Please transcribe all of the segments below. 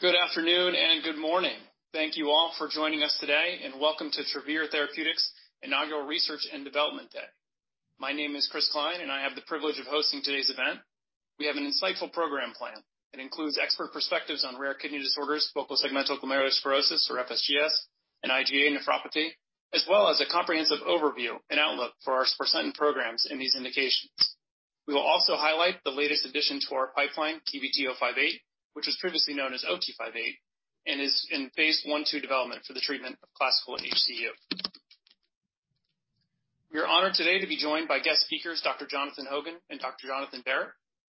Good afternoon and good morning. Thank you all for joining us today and welcome to Travere Therapeutics Inaugural Research and Development Day. My name is Chris Klein. I have the privilege of hosting today's event. We have an insightful program plan. It includes expert perspectives on rare kidney disorders, focal segmental glomerulosclerosis, or FSGS, IgA nephropathy, as well as a comprehensive overview and outlook for our sparsentan program in these indications. We will also highlight the latest addition to our pipeline, TVT-058, which was previously known as OT-58 and is in phase I/II development for the treatment of classical HCU. We are honored today to be joined by guest speakers Dr. Jonathan Hogan and Dr. Jonathan Barratt.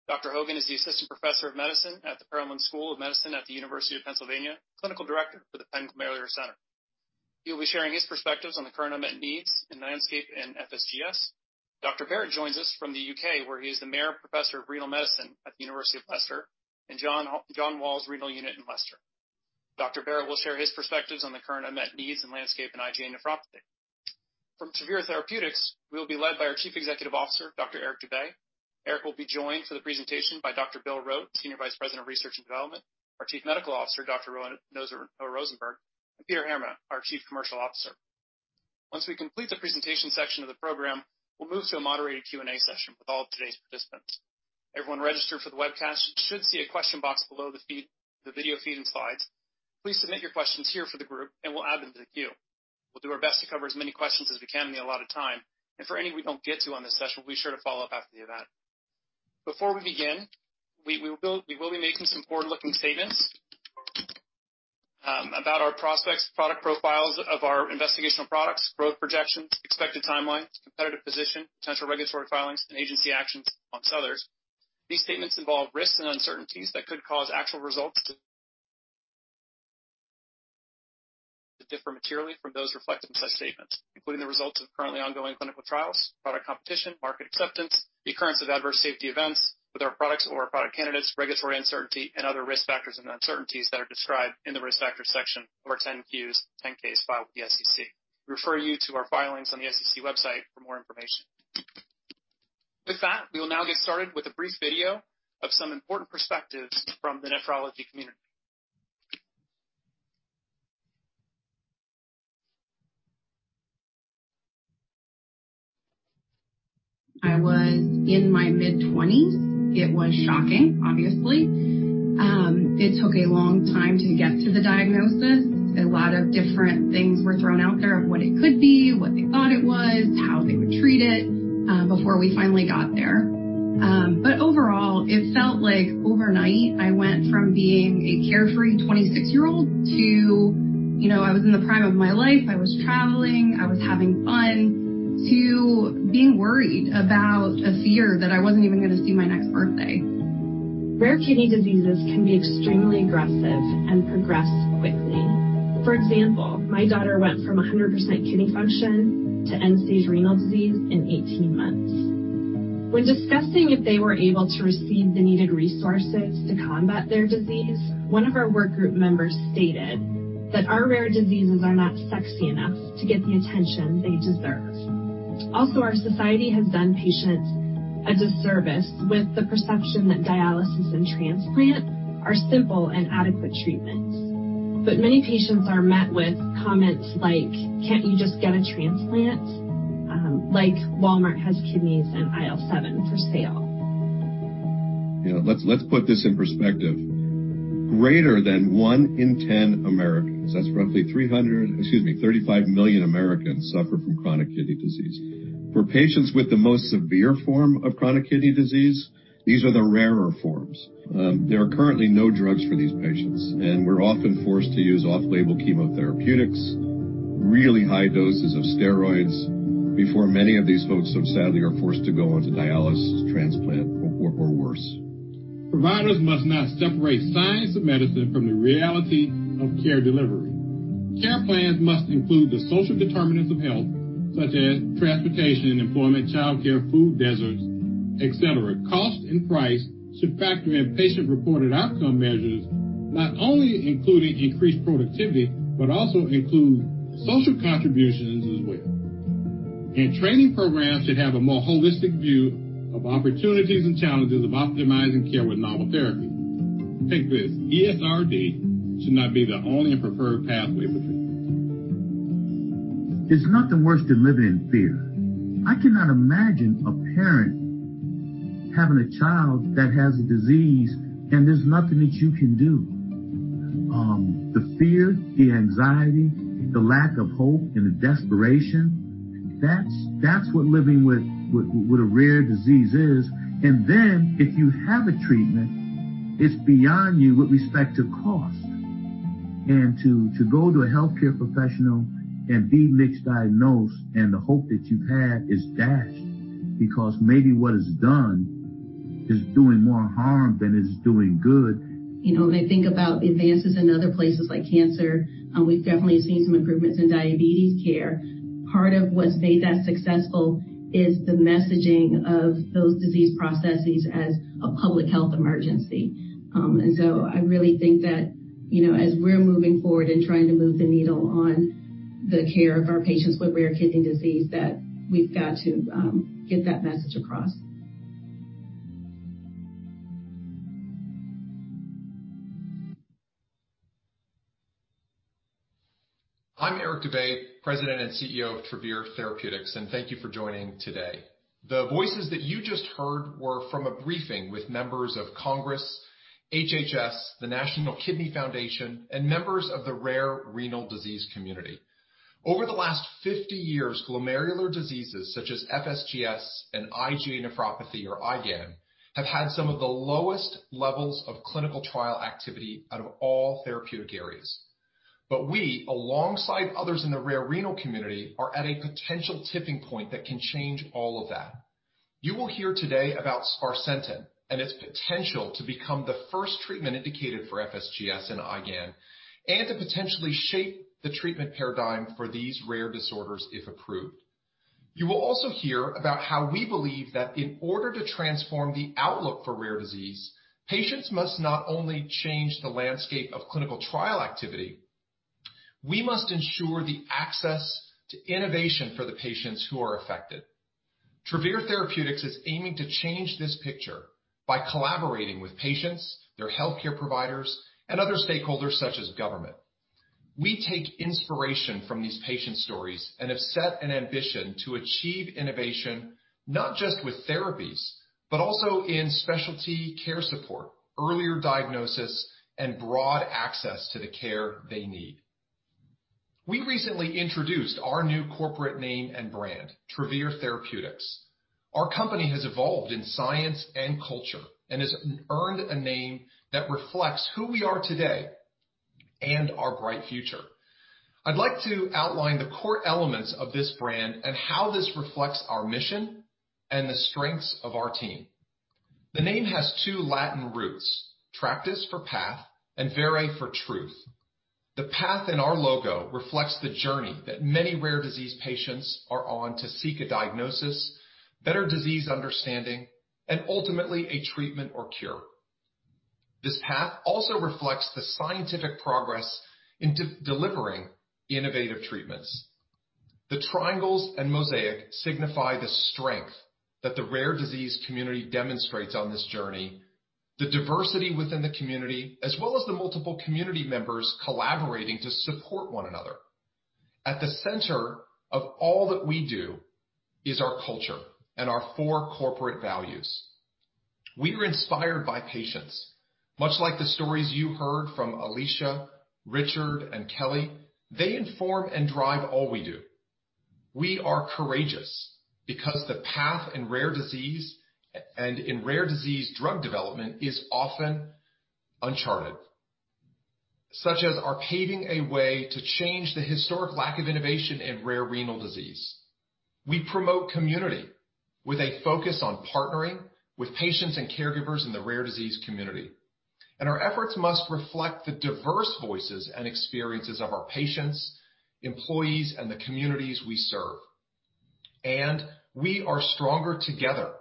Dr. Hogan is the Assistant Professor of Medicine at the Perelman School of Medicine at the University of Pennsylvania, Clinical Director for the Penn Glomerular Center. He'll be sharing his perspectives on the current unmet needs and landscape in FSGS. Dr. Barratt joins us from the U.K. where he is the Mayer Professor of Renal Medicine at the University of Leicester in John Walls Renal Unit in Leicester. Dr. Barratt will share his perspectives on the current unmet needs and landscape in IgA nephropathy. From Travere Therapeutics, we will be led by our Chief Executive Officer, Dr. Eric Dube. Eric will be joined for the presentation by Dr. Bill Rote, Senior Vice President of Research and Development, our Chief Medical Officer, Dr. Noah Rosenberg, and Peter Heerma, our Chief Commercial Officer. Once we complete the presentation section of the program, we'll move to a moderated Q&A session with all of today's participants. Everyone registered for the webcast should see a question box below the video feed and slides. Please submit your questions here for the group and we'll add them to the queue. We'll do our best to cover as many questions as we can in the allotted time, and for any we don't get to on this session, we'll be sure to follow up after the event. Before we begin, we will be making some forward-looking statements about our prospects, product profiles of our investigational products, growth projections, expected timelines, competitive position, potential regulatory filings, and agency actions, amongst others. These statements involve risks and uncertainties that could cause actual results to differ materially from those reflected in such statements, including the results of currently ongoing clinical trials, product competition, market acceptance, recurrence of adverse safety events with our products or product candidates, regulatory uncertainty, and other risk factors and uncertainties that are described in the Risk Factors section of our 10Qs, 10Ks filed with the SEC. We refer you to our filings on the SEC website for more information. With that, we will now get started with a brief video of some important perspectives from the nephrology community. I was in my mid-20s. It was shocking, obviously. It took a long time to get to the diagnosis. A lot of different things were thrown out there of what it could be, what they thought it was, how they would treat it, before we finally got there. Overall, it felt like overnight I went from being a carefree 26-year-old to, I was in the prime of my life, I was traveling, I was having fun, to being worried about a fear that I wasn't even going to see my next birthday. Rare kidney diseases can be extremely aggressive and progress quickly. For example, my daughter went from 100% kidney function to end-stage renal disease in 18 months. When discussing if they were able to receive the needed resources to combat their disease, one of our work group members stated that our rare diseases are not sexy enough to get the attention they deserve. Our society has done patients a disservice with the perception that dialysis and transplant are simple and adequate treatments. Many patients are met with comments like, "Can't you just get a transplant?" Like Walmart has kidneys in aisle seven for sale. Let's put this in perspective. Greater than one in 10 Americans, that's roughly 35 million Americans suffer from chronic kidney disease. For patients with the most severe form of chronic kidney disease, these are the rarer forms. There are currently no drugs for these patients, and we're often forced to use off-label chemotherapeutics, really high doses of steroids before many of these folks sadly are forced to go onto dialysis, transplant, or worse. Providers must not separate science and medicine from the reality of care delivery. Care plans must include the social determinants of health such as transportation, employment, childcare, food deserts, et cetera. Cost and price should factor in patient-reported outcome measures, not only including increased productivity, but also include social contributions as well. Training program should have a more holistic view of opportunities and challenges of optimizing care with novel therapies. Take this. ESRD should not be the only and preferred pathway for treatment. There's nothing worse than living in fear. I cannot imagine a parent having a child that has a disease, and there's nothing that you can do. The fear, the anxiety, the lack of hope, and the desperation, that's what living with a rare disease is. If you have a treatment, it's beyond you with respect to cost. To go to a healthcare professional and be misdiagnosed and the hope that you've had is dashed because maybe what is done is doing more harm than it's doing good. When I think about advances in other places like cancer, we've definitely seen some improvements in diabetes care. Part of what's made that successful is the messaging of those disease processes as a public health emergency. I really think that as we're moving forward and trying to move the needle on the care of our patients with rare kidney disease, that we've got to get that message across. I'm Eric Dube, President and CEO of Travere Therapeutics. Thank you for joining today. The voices that you just heard were from a briefing with members of Congress, HHS, the National Kidney Foundation, and members of the rare renal disease community. Over the last 50 years, glomerular diseases such as FSGS and IgA nephropathy or IgAN, have had some of the lowest levels of clinical trial activity out of all therapeutic areas. We, alongside others in the rare renal community, are at a potential tipping point that can change all of that. You will hear today about sparsentan and its potential to become the first treatment indicated for FSGS and IgAN, to potentially shape the treatment paradigm for these rare disorders if approved. You will also hear about how we believe that in order to transform the outlook for rare disease, patients must not only change the landscape of clinical trial activity, we must ensure the access to innovation for the patients who are affected. Travere Therapeutics is aiming to change this picture by collaborating with patients, their healthcare providers, and other stakeholders such as government. We take inspiration from these patient stories and have set an ambition to achieve innovation not just with therapies, but also in specialty care support, earlier diagnosis, and broad access to the care they need. We recently introduced our new corporate name and brand, Travere Therapeutics. Our company has evolved in science and culture and has earned a name that reflects who we are today and our bright future. I'd like to outline the core elements of this brand and how this reflects our mission and the strengths of our team. The name has two Latin roots, tractus for path and vere for truth. The path in our logo reflects the journey that many rare disease patients are on to seek a diagnosis, better disease understanding, and ultimately a treatment or cure. This path also reflects the scientific progress in delivering innovative treatments. The triangles and mosaic signify the strength that the rare disease community demonstrates on this journey, the diversity within the community, as well as the multiple community members collaborating to support one another. At the center of all that we do is our culture and our four corporate values. We are inspired by patients. Much like the stories you heard from Alicia, Richard, and Kelly, they inform and drive all we do. We are courageous because the path in rare disease and in rare disease drug development is often uncharted, such as our paving a way to change the historic lack of innovation in rare renal disease. We promote community with a focus on partnering with patients and caregivers in the rare disease community. Our efforts must reflect the diverse voices and experiences of our patients, employees, and the communities we serve. We are stronger together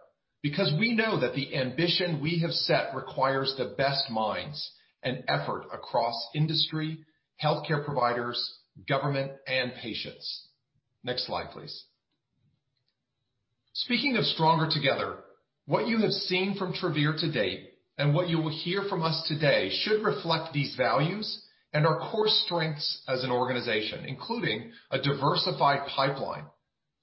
because we know that the ambition we have set requires the best minds and effort across industry, healthcare providers, government, and patients. Next slide, please. Speaking of stronger together, what you have seen from Travere to date and what you will hear from us today should reflect these values and our core strengths as an organization, including a diversified pipeline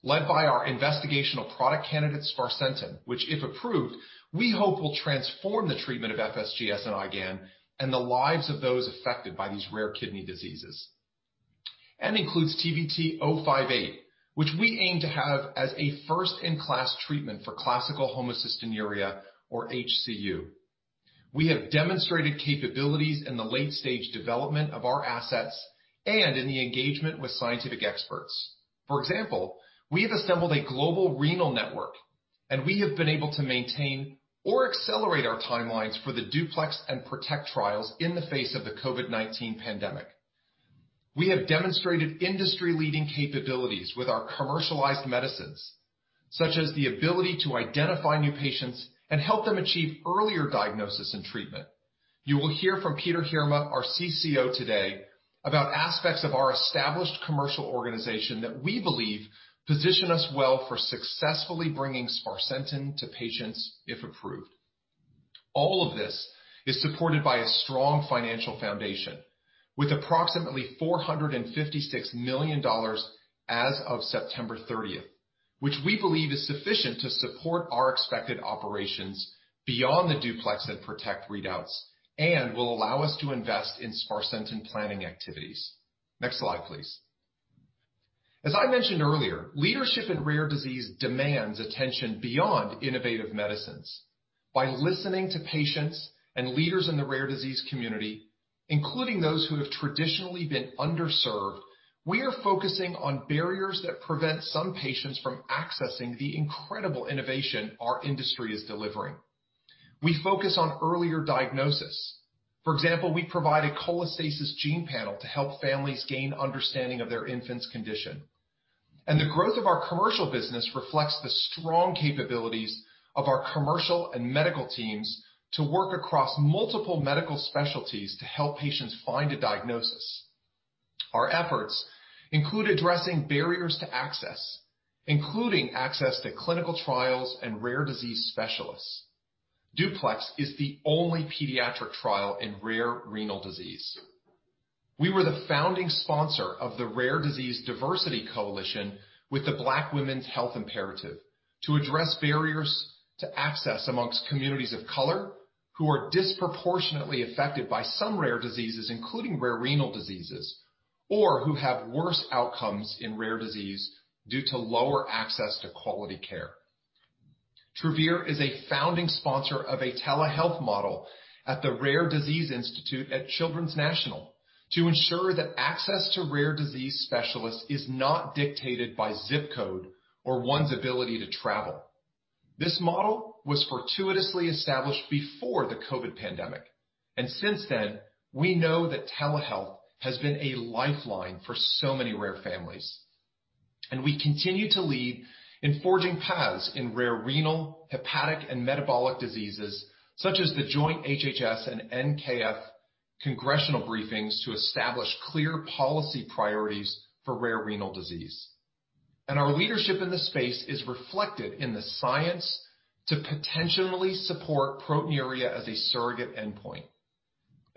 led by our investigational product candidate, sparsentan, which if approved, we hope will transform the treatment of FSGS and IgAN and the lives of those affected by these rare kidney diseases. Includes TVT-058, which we aim to have as a first-in-class treatment for classical homocystinuria or HCU. We have demonstrated capabilities in the late-stage development of our assets and in the engagement with scientific experts. For example, we have assembled a global renal network, and we have been able to maintain or accelerate our timelines for the DUPLEX and PROTECT trials in the face of the COVID-19 pandemic. We have demonstrated industry-leading capabilities with our commercialized medicines, such as the ability to identify new patients and help them achieve earlier diagnosis and treatment. You will hear from Peter Heerma, our CCO today, about aspects of our established commercial organization that we believe position us well for successfully bringing sparsentan to patients if approved. All of this is supported by a strong financial foundation with approximately $456 million as of September 30th, which we believe is sufficient to support our expected operations beyond the DUPLEX and PROTECT readouts and will allow us to invest in sparsentan planning activities. Next slide, please. As I mentioned earlier, leadership in rare disease demands attention beyond innovative medicines. By listening to patients and leaders in the rare disease community, including those who have traditionally been underserved, we are focusing on barriers that prevent some patients from accessing the incredible innovation our industry is delivering. We focus on earlier diagnosis. For example, we provide a cholestasis gene panel to help families gain understanding of their infant's condition. The growth of our commercial business reflects the strong capabilities of our commercial and medical teams to work across multiple medical specialties to help patients find a diagnosis. Our efforts include addressing barriers to access, including access to clinical trials and rare disease specialists. DUPLEX is the only pediatric trial in rare renal disease. We were the founding sponsor of the Rare Disease Diversity Coalition with the Black Women's Health Imperative to address barriers to access amongst communities of color who are disproportionately affected by some rare diseases, including rare renal diseases, or who have worse outcomes in rare disease due to lower access to quality care. Travere is a founding sponsor of a telehealth model at the Rare Disease Institute at Children's National to ensure that access to rare disease specialists is not dictated by zip code or one's ability to travel. This model was fortuitously established before the COVID pandemic, since then, we know that telehealth has been a lifeline for so many rare families. We continue to lead in forging paths in rare renal, hepatic, and metabolic diseases such as the joint HHS and NKF congressional briefings to establish clear policy priorities for rare renal disease. Our leadership in the space is reflected in the science to potentially support proteinuria as a surrogate endpoint.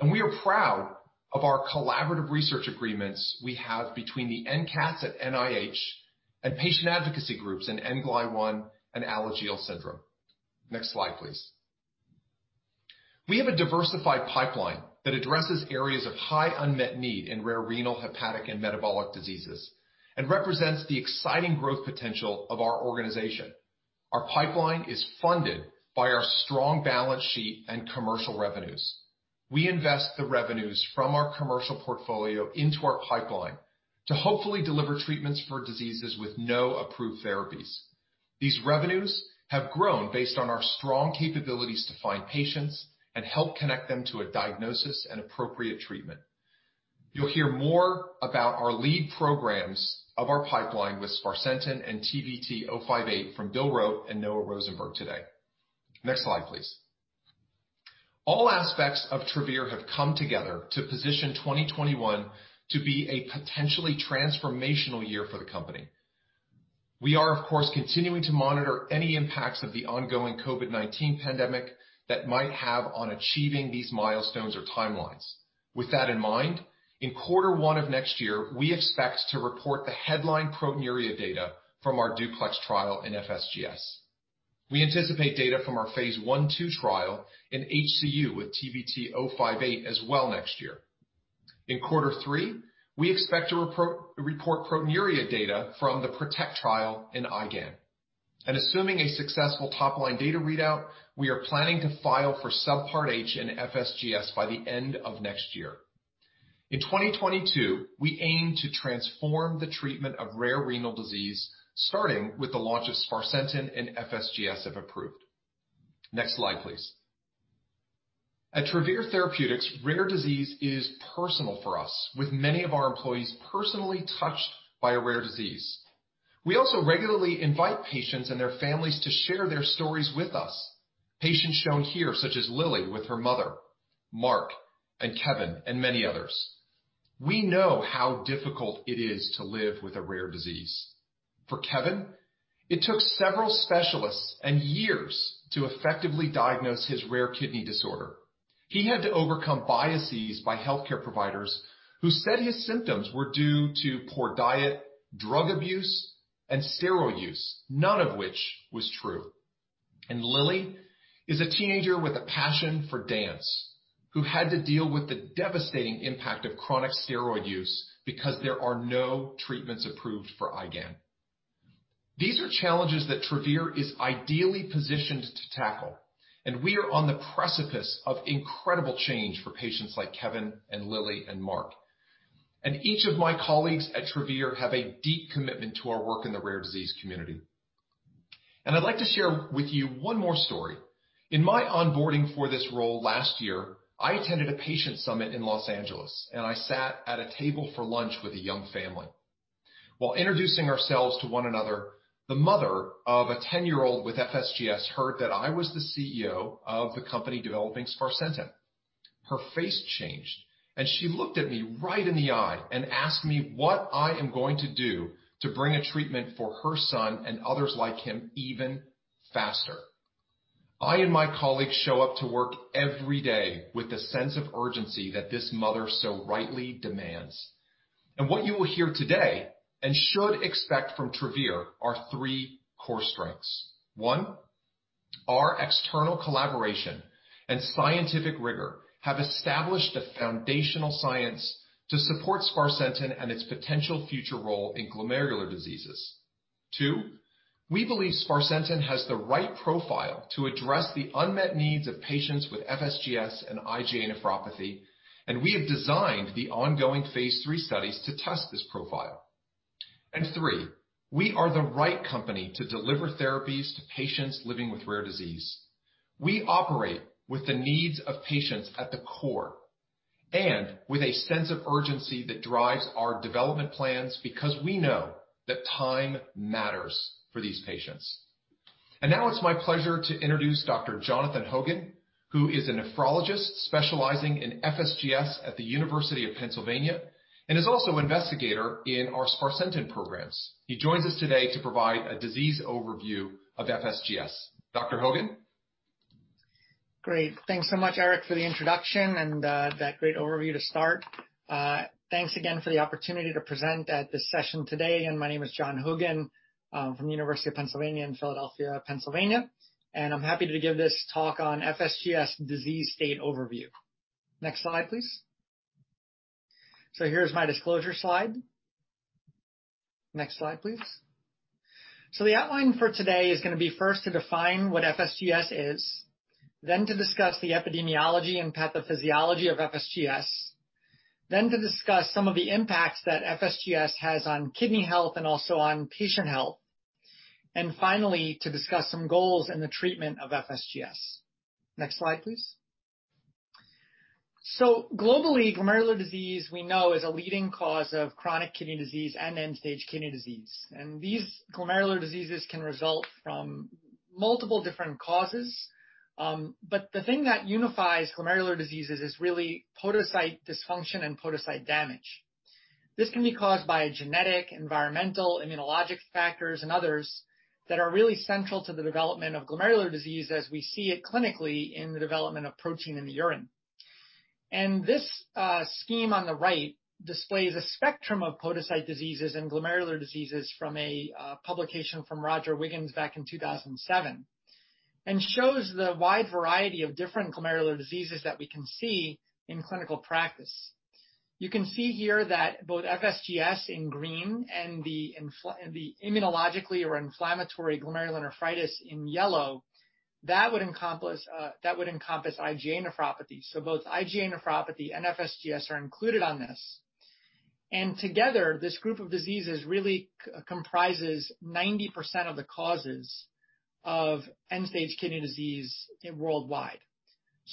We are proud of our collaborative research agreements we have between the NCATS at NIH and patient advocacy groups in NGLY1 and Alagille syndrome. Next slide, please. We have a diversified pipeline that addresses areas of high unmet need in rare renal, hepatic, and metabolic diseases and represents the exciting growth potential of our organization. Our pipeline is funded by our strong balance sheet and commercial revenues. We invest the revenues from our commercial portfolio into our pipeline to hopefully deliver treatments for diseases with no approved therapies. These revenues have grown based on our strong capabilities to find patients and help connect them to a diagnosis and appropriate treatment. You'll hear more about our lead program of our pipeline with sparsentan and TVT-058 from Bill Rote and Noah Rosenberg today. Next slide, please. All aspects of Travere have come together to position 2021 to be a potentially transformational year for the company. We are, of course, continuing to monitor any impacts of the ongoing COVID-19 pandemic that might have on achieving these milestones or timelines. With that in mind, in quarter one of next year, we expect to report the headline proteinuria data from our DUPLEX trial in FSGS. We anticipate data from our phase I-II trial in HCU with TVT-058 as well next year. In quarter three, we expect to report proteinuria data from the PROTECT trial in IgAN. Assuming a successful top-line data readout, we are planning to file for Subpart H in FSGS by the end of next year. In 2022, we aim to transform the treatment of rare renal disease, starting with the launch of sparsentan and FSGS, if approved. Next slide, please. At Travere Therapeutics, rare disease is personal for us, with many of our employees personally touched by a rare disease. We also regularly invite patients and their families to share their stories with us. Patients shown here, such as Lily with her mother, Mark, and Kevin, and many others. We know how difficult it is to live with a rare disease. For Kevin, it took several specialists and years to effectively diagnose his rare kidney disorder. He had to overcome biases by healthcare providers who said his symptoms were due to poor diet, drug abuse, and steroid use, none of which was true. Lily is a teenager with a passion for dance who had to deal with the devastating impact of chronic steroid use because there are no treatments approved for IgAN. These are challenges that Travere is ideally positioned to tackle, and we are on the precipice of incredible change for patients like Kevin and Lily and Mark. Each of my colleagues at Travere have a deep commitment to our work in the rare disease community. I'd like to share with you one more story. In my onboarding for this role last year, I attended a patient summit in L.A., and I sat at a table for lunch with a young family. While introducing ourselves to one another, the mother of a 10-year-old with FSGS heard that I was the CEO of the company developing sparsentan. Her face changed, and she looked at me right in the eye and asked me what I am going to do to bring a treatment for her son and others like him even faster. I and my colleagues show up to work every day with the sense of urgency that this mother so rightly demands. What you will hear today, and should expect from Travere, are three core strengths. One, our external collaboration and scientific rigor have established the foundational science to support sparsentan and its potential future role in glomerular diseases. Two, we believe sparsentan has the right profile to address the unmet needs of patients with FSGS and IgA nephropathy, and we have designed the ongoing phase III studies to test this profile. Three, we are the right company to deliver therapies to patients living with rare disease. We operate with the needs of patients at the core and with a sense of urgency that drives our development plans because we know that time matters for these patients. Now it's my pleasure to introduce Dr. Jonathan Hogan, who is a nephrologist specializing in FSGS at the University of Pennsylvania and is also investigator in our sparsentan program. He joins us today to provide a disease overview of FSGS. Dr. Hogan? Great. Thanks so much, Eric, for the introduction and that great overview to start. Thanks again for the opportunity to present at this session today. My name is Jonathan Hogan. I'm from the University of Pennsylvania in Philadelphia, Pennsylvania, and I'm happy to give this talk on FSGS disease state overview. Next slide, please. Here is my disclosure slide. Next slide, please. The outline for today is going to be first to define what FSGS is, then to discuss the epidemiology and pathophysiology of FSGS, then to discuss some of the impacts that FSGS has on kidney health and also on patient health, and finally to discuss some goals in the treatment of FSGS. Next slide, please. Globally, glomerular disease, we know, is a leading cause of chronic kidney disease and end-stage kidney disease. These glomerular diseases can result from multiple different causes. The thing that unifies glomerular diseases is really podocyte dysfunction and podocyte damage. This can be caused by genetic, environmental, immunologic factors, and others that are really central to the development of glomerular disease as we see it clinically in the development of protein in the urine. This scheme on the right displays a spectrum of podocyte diseases and glomerular diseases from a publication from Roger Wiggins back in 2007 and shows the wide variety of different glomerular diseases that we can see in clinical practice. You can see here that both FSGS in green and the immunologically or inflammatory glomerulonephritis in yellow, that would encompass IgA nephropathy. Both IgA nephropathy and FSGS are included on this. Together, this group of diseases really comprises 90% of the causes of end-stage kidney disease worldwide.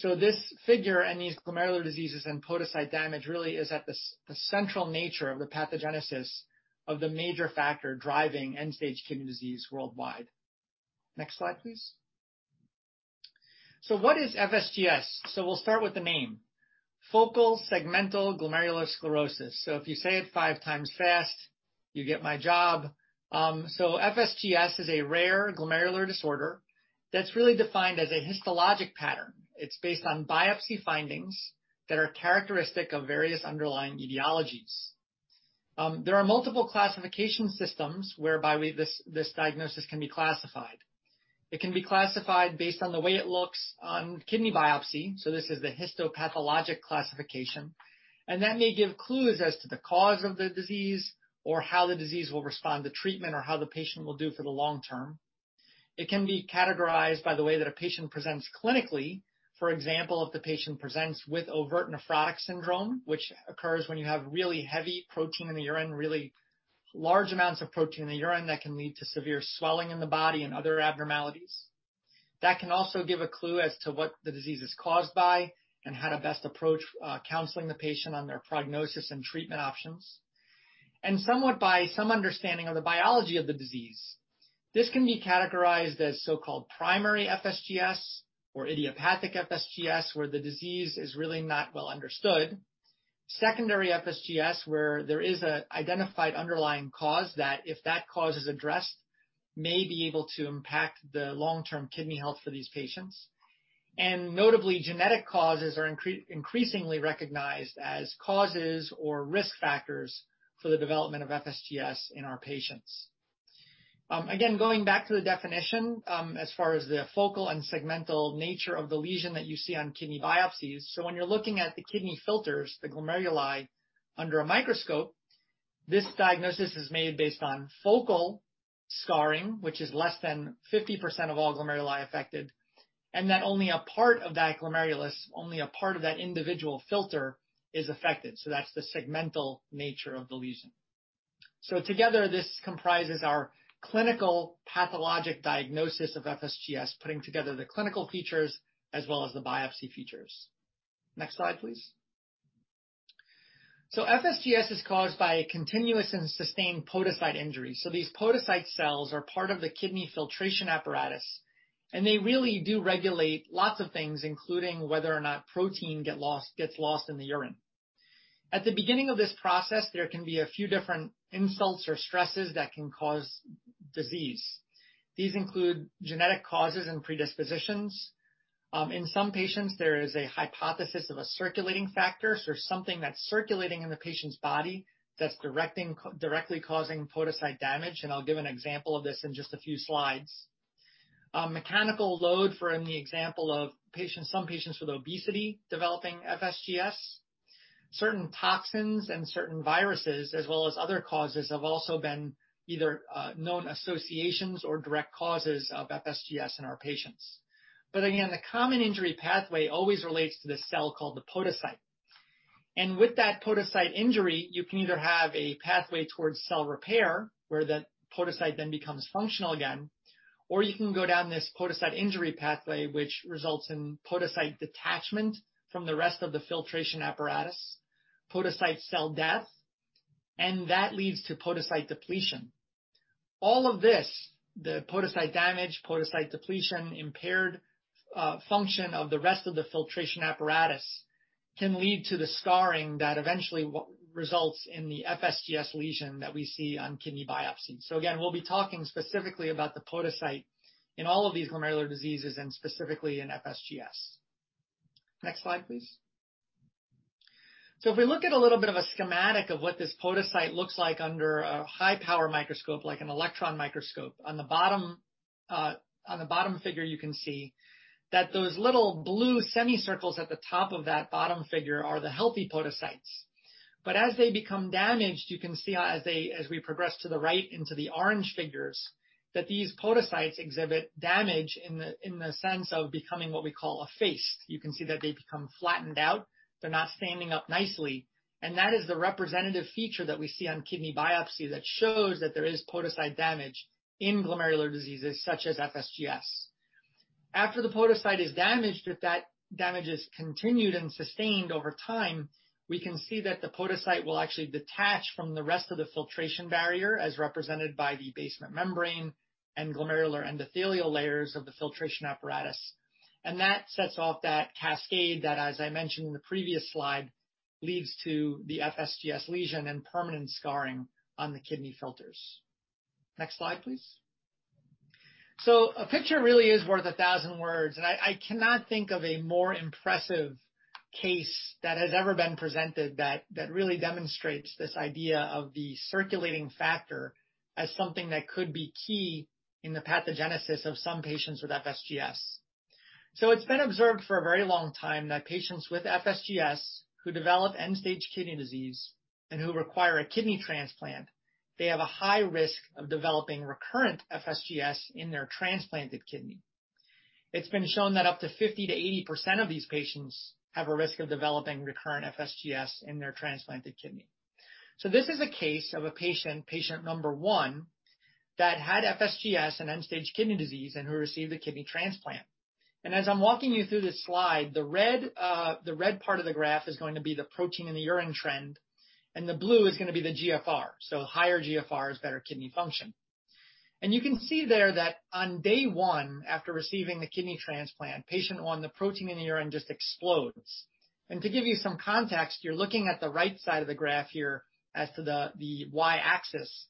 This figure and these glomerular diseases and podocyte damage really is at the central nature of the pathogenesis of the major factor driving end-stage kidney disease worldwide. Next slide, please. What is FSGS? We'll start with the name. Focal Segmental Glomerulosclerosis. If you say it five times fast, you get my job. FSGS is a rare glomerular disorder that's really defined as a histologic pattern. It's based on biopsy findings that are characteristic of various underlying etiologies. There are multiple classification systems whereby this diagnosis can be classified. It can be classified based on the way it looks on kidney biopsy, so this is the histopathologic classification, and that may give clues as to the cause of the disease or how the disease will respond to treatment or how the patient will do for the long term. It can be categorized by the way that a patient presents clinically. For example, if the patient presents with overt nephrotic syndrome, which occurs when you have really heavy protein in the urine, really large amounts of protein in the urine that can lead to severe swelling in the body and other abnormalities. That can also give a clue as to what the disease is caused by and how to best approach counseling the patient on their prognosis and treatment options. Somewhat by some understanding of the biology of the disease. This can be categorized as so-called primary FSGS or idiopathic FSGS, where the disease is really not well understood. Secondary FSGS, where there is an identified underlying cause that if that cause is addressed, may be able to impact the long-term kidney health for these patients. Notably, genetic causes are increasingly recognized as causes or risk factors for the development of FSGS in our patients. Again, going back to the definition as far as the focal and segmental nature of the lesion that you see on kidney biopsies. When you're looking at the kidney filters, the glomeruli, under a microscope, this diagnosis is made based on focal scarring, which is less than 50% of all glomeruli affected, and that only a part of that glomerulus, only a part of that individual filter is affected. That's the segmental nature of the lesion. Together, this comprises our clinical pathologic diagnosis of FSGS, putting together the clinical features as well as the biopsy features. Next slide, please. FSGS is caused by a continuous and sustained podocyte injury. These podocyte cells are part of the kidney filtration apparatus, and they really do regulate lots of things, including whether or not protein gets lost in the urine. At the beginning of this process, there can be a few different insults or stresses that can cause disease. These include genetic causes and predispositions. In some patients, there is a hypothesis of a circulating factor. Something that's circulating in the patient's body that's directly causing podocyte damage, and I'll give an example of this in just a few slides. Mechanical load for in the example of some patients with obesity developing FSGS. Certain toxins and certain viruses, as well as other causes, have also been either known associations or direct causes of FSGS in our patients. Again, the common injury pathway always relates to this cell called the podocyte. With that podocyte injury, you can either have a pathway towards cell repair where the podocyte then becomes functional again, or you can go down this podocyte injury pathway which results in podocyte detachment from the rest of the filtration apparatus, podocyte cell death. That leads to podocyte depletion. All of this, the podocyte damage, podocyte depletion, impaired function of the rest of the filtration apparatus, can lead to the scarring that eventually results in the FSGS lesion that we see on kidney biopsy. Again, we'll be talking specifically about the podocyte in all of these glomerular diseases and specifically in FSGS. Next slide, please. If we look at a little bit of a schematic of what this podocyte looks like under a high-power microscope, like an electron microscope. On the bottom figure you can see that those little blue semicircles at the top of that bottom figure are the healthy podocytes. As they become damaged, you can see as we progress to the right into the orange figures, that these podocytes exhibit damage in the sense of becoming what we call effaced. You can see that they become flattened out. They're not standing up nicely. That is the representative feature that we see on kidney biopsy that shows that there is podocyte damage in glomerular diseases such as FSGS. After the podocyte is damaged, if that damage is continued and sustained over time, we can see that the podocyte will actually detach from the rest of the filtration barrier as represented by the basement membrane and glomerular endothelial layers of the filtration apparatus. That sets off that cascade that, as I mentioned in the previous slide, leads to the FSGS lesion and permanent scarring on the kidney filters. Next slide, please. A picture really is worth 1,000 words, and I cannot think of a more impressive case that has ever been presented that really demonstrates this idea of the circulating factor as something that could be key in the pathogenesis of some patients with FSGS. It's been observed for a very long time that patients with FSGS who develop end-stage kidney disease and who require a kidney transplant, they have a high risk of developing recurrent FSGS in their transplanted kidney. It's been shown that up to 50%-80% of these patients have a risk of developing recurrent FSGS in their transplanted kidney. This is a case of a patient number 1, that had FSGS and end-stage kidney disease and who received a kidney transplant. As I'm walking you through this slide, the red part of the graph is going to be the protein in the urine trend, and the blue is going to be the GFR. Higher GFR is better kidney function. You can see there that on day one after receiving the kidney transplant, patient one, the protein in the urine just explodes. To give you some context, you're looking at the right side of the graph here as to the Y-axis.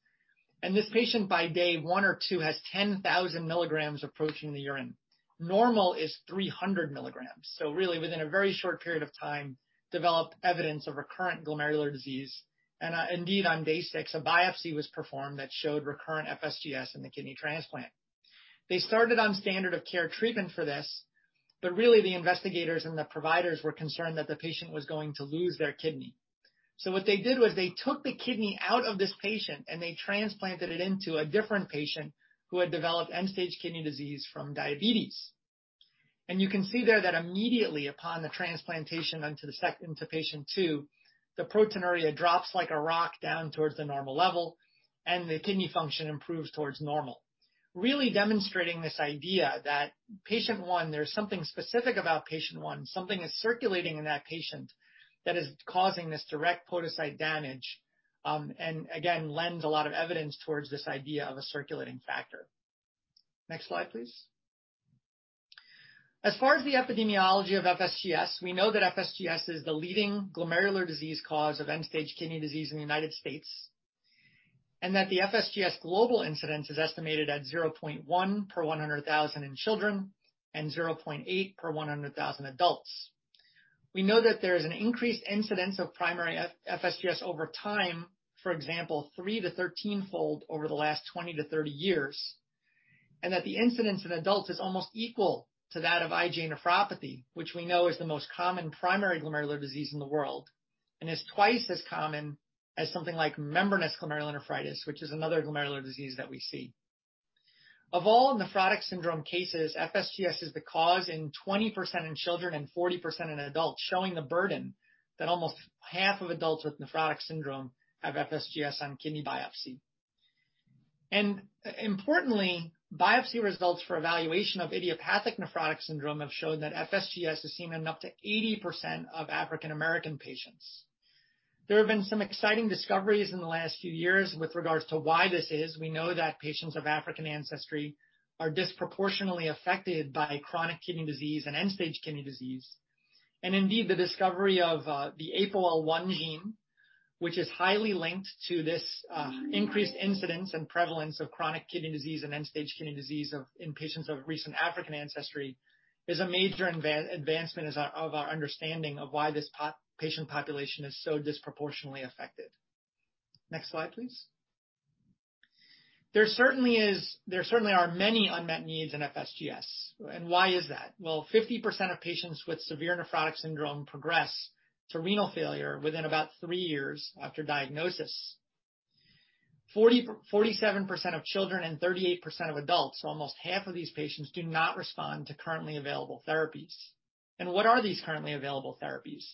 This patient by day one or two has 10,000 mg of protein in the urine. Normal is 300 mg. Really within a very short period of time, developed evidence of recurrent glomerular disease. Indeed, on day six, a biopsy was performed that showed recurrent FSGS in the kidney transplant. They started on standard of care treatment for this, really the investigators and the providers were concerned that the patient was going to lose their kidney. What they did was they took the kidney out of this patient, and they transplanted it into a different patient who had developed end-stage kidney disease from diabetes. You can see there that immediately upon the transplantation into patient two, the proteinuria drops like a rock down towards the normal level, and the kidney function improves towards normal, really demonstrating this idea that patient one, there's something specific about patient one, something is circulating in that patient that is causing this direct podocyte damage, again, lends a lot of evidence towards this idea of a circulating factor. Next slide, please. As far as the epidemiology of FSGS, we know that FSGS is the leading glomerular disease cause of end-stage kidney disease in the United States, and that the FSGS global incidence is estimated at 0.1 per 100,000 in children and 0.8 per 100,000 adults. We know that there is an increased incidence of primary FSGS over time, for example, 3 to 13-fold over the last 20 to 30 years, and that the incidence in adults is almost equal to that of IgA nephropathy, which we know is the most common primary glomerular disease in the world, and is twice as common as something like membranous glomerulonephritis, which is another glomerular disease that we see. Of all nephrotic syndrome cases, FSGS is the cause in 20% in children and 40% in adults, showing the burden that almost half of adults with nephrotic syndrome have FSGS on kidney biopsy. Importantly, biopsy results for evaluation of idiopathic nephrotic syndrome have shown that FSGS is seen in up to 80% of African American patients. There have been some exciting discoveries in the last few years with regards to why this is. We know that patients of African ancestry are disproportionately affected by chronic kidney disease and end-stage kidney disease. Indeed, the discovery of the APOL1 gene, which is highly linked to this increased incidence and prevalence of chronic kidney disease and end-stage kidney disease in patients of recent African ancestry, is a major advancement of our understanding of why this patient population is so disproportionately affected. Next slide, please. There certainly are many unmet needs in FSGS. Why is that? Well, 50% of patients with severe nephrotic syndrome progress to renal failure within about three years after diagnosis. 47% of children and 38% of adults, almost half of these patients, do not respond to currently available therapies. What are these currently available therapies?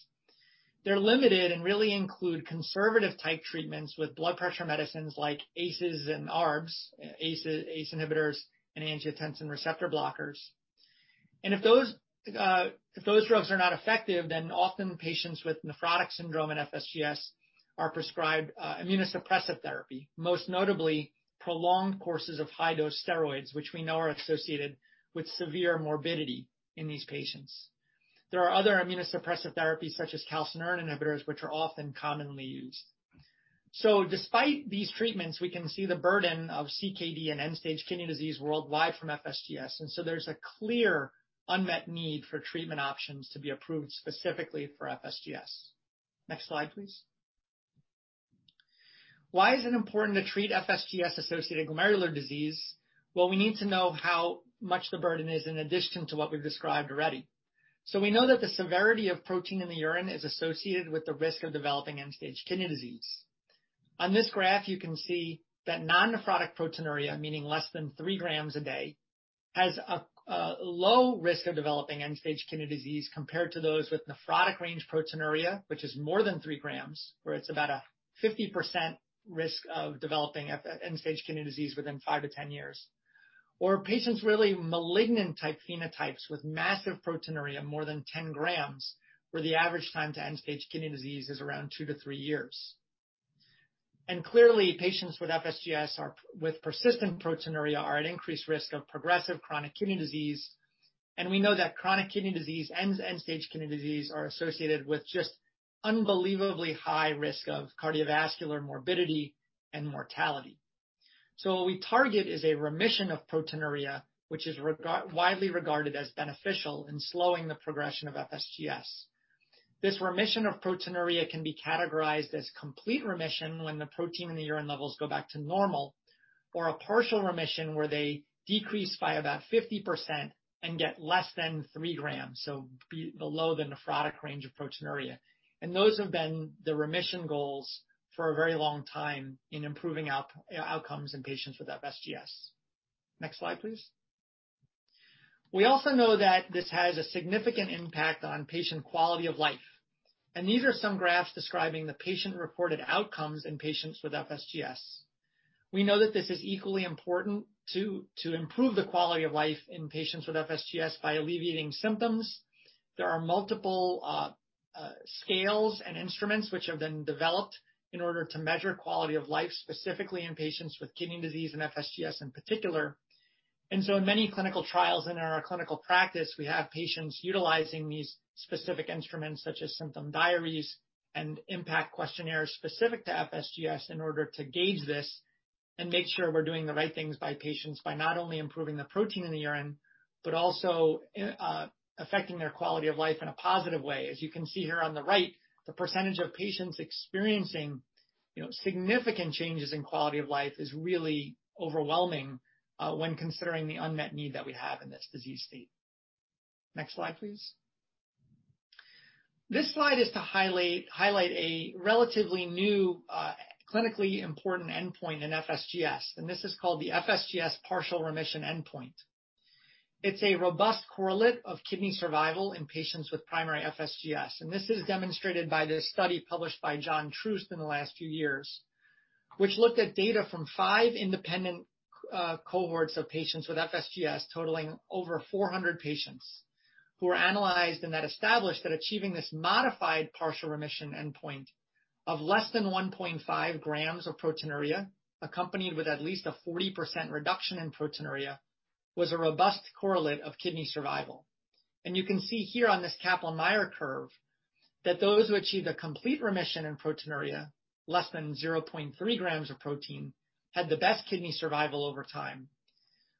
They're limited and really include conservative type treatments with blood pressure medicines like ACEs and ARBs, ACE inhibitors and angiotensin receptor blockers. If those drugs are not effective, then often patients with nephrotic syndrome and FSGS are prescribed immunosuppressive therapy, most notably prolonged courses of high-dose steroids, which we know are associated with severe morbidity in these patients. There are other immunosuppressive therapies such as calcineurin inhibitors, which are often commonly used. Despite these treatments, we can see the burden of CKD and end-stage kidney disease worldwide from FSGS. There's a clear unmet need for treatment options to be approved specifically for FSGS. Next slide, please. Why is it important to treat FSGS-associated glomerular disease? Well, we need to know how much the burden is in addition to what we've described already. We know that the severity of protein in the urine is associated with the risk of developing end-stage kidney disease. On this graph, you can see that non-nephrotic proteinuria, meaning less than 3 g a day, has a low risk of developing end-stage kidney disease compared to those with nephrotic range proteinuria, which is more than 3 g, where it's about a 50% risk of developing end-stage kidney disease within five to 10 years. Patients really malignant type phenotypes with massive proteinuria more than 10 g, where the average time to end-stage kidney disease is around two to three years. Clearly, patients with FSGS with persistent proteinuria are at increased risk of progressive chronic kidney disease, and we know that chronic kidney disease and end-stage kidney disease are associated with just unbelievably high risk of cardiovascular morbidity and mortality. What we target is a remission of proteinuria, which is widely regarded as beneficial in slowing the progression of FSGS. This remission of proteinuria can be categorized as complete remission when the protein in the urine levels go back to normal, or a partial remission where they decrease by about 50% and get less than three g, so below the nephrotic range of proteinuria. Those have been the remission goals for a very long time in improving outcomes in patients with FSGS. Next slide, please. We also know that this has a significant impact on patient quality of life, and these are some graphs describing the patient-reported outcomes in patients with FSGS. We know that this is equally important to improve the quality of life in patients with FSGS by alleviating symptoms. There are multiple scales and instruments which have been developed in order to measure quality of life, specifically in patients with kidney disease and FSGS in particular. In many clinical trials in our clinical practice, we have patients utilizing these specific instruments such as symptom diaries and impact questionnaires specific to FSGS in order to gauge this and make sure we're doing the right things by patients by not only improving the protein in the urine, but also affecting their quality of life in a positive way. As you can see here on the right, the percentage of patients experiencing significant changes in quality of life is really overwhelming when considering the unmet need that we have in this disease state. Next slide, please. This slide is to highlight a relatively new clinically important endpoint in FSGS, and this is called the FSGS partial remission endpoint. It's a robust correlate of kidney survival in patients with primary FSGS, and this is demonstrated by this study published by Jonathan Troost in the last few years, which looked at data from five independent cohorts of patients with FSGS totaling over 400 patients who were analyzed and that established that achieving this modified partial remission endpoint of less than 1.5 g of proteinuria accompanied with at least a 40% reduction in proteinuria was a robust correlate of kidney survival. You can see here on this Kaplan-Meier curve that those who achieved a complete remission in proteinuria, less than 0.3 g of protein, had the best kidney survival over time.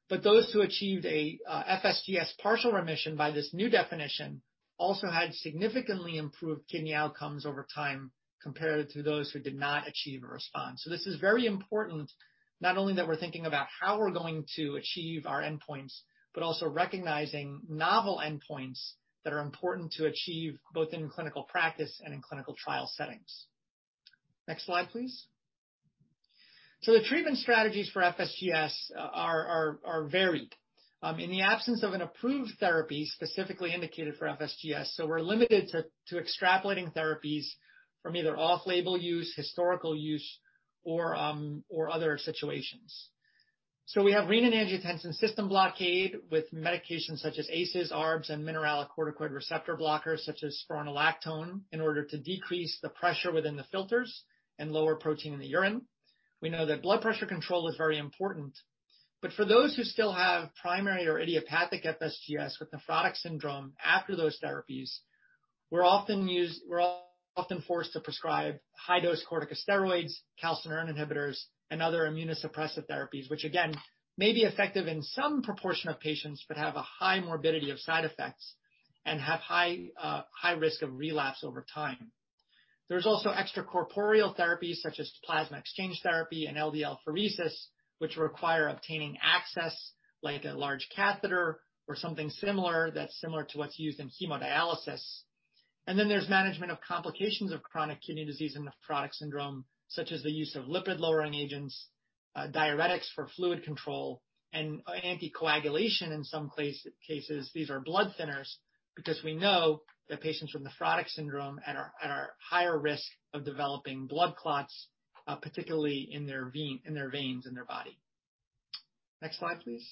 Those who achieved a FSGS partial remission by this new definition also had significantly improved kidney outcomes over time compared to those who did not achieve a response. This is very important, not only that we're thinking about how we're going to achieve our endpoints, but also recognizing novel endpoints that are important to achieve both in clinical practice and in clinical trial settings. Next slide, please. The treatment strategies for FSGS are varied. In the absence of an approved therapy specifically indicated for FSGS, so we're limited to extrapolating therapies from either off-label use, historical use, or other situations. We have renin-angiotensin system blockade with medications such as ACEs, ARBs, and mineralocorticoid receptor blockers such as spironolactone in order to decrease the pressure within the filters and lower protein in the urine. We know that blood pressure control is very important, but for those who still have primary or idiopathic FSGS with nephrotic syndrome after those therapies, we're often forced to prescribe high-dose corticosteroids, calcineurin inhibitors, and other immunosuppressive therapies, which again, may be effective in some proportion of patients but have a high morbidity of side effects and have high risk of relapse over time. There's also extracorporeal therapies such as plasma exchange therapy and LDL apheresis, which require obtaining access like a large catheter or something similar that's similar to what's used in hemodialysis. There's management of complications of chronic kidney disease and nephrotic syndrome, such as the use of lipid-lowering agents, diuretics for fluid control, and anticoagulation in some cases. These are blood thinners because we know that patients with nephrotic syndrome are at higher risk of developing blood clots, particularly in their veins in their body. Next slide, please.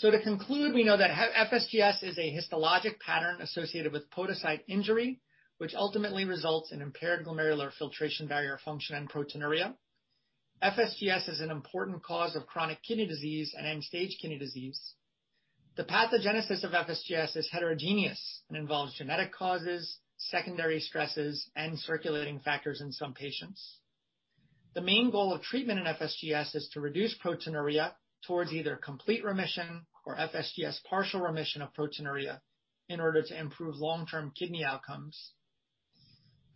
To conclude, we know that FSGS is a histologic pattern associated with podocyte injury, which ultimately results in impaired glomerular filtration barrier function and proteinuria. FSGS is an important cause of chronic kidney disease and end-stage kidney disease. The pathogenesis of FSGS is heterogeneous and involves genetic causes, secondary stresses, and circulating factors in some patients. The main goal of treatment in FSGS is to reduce proteinuria towards either complete remission or FSGS partial remission of proteinuria in order to improve long-term kidney outcomes.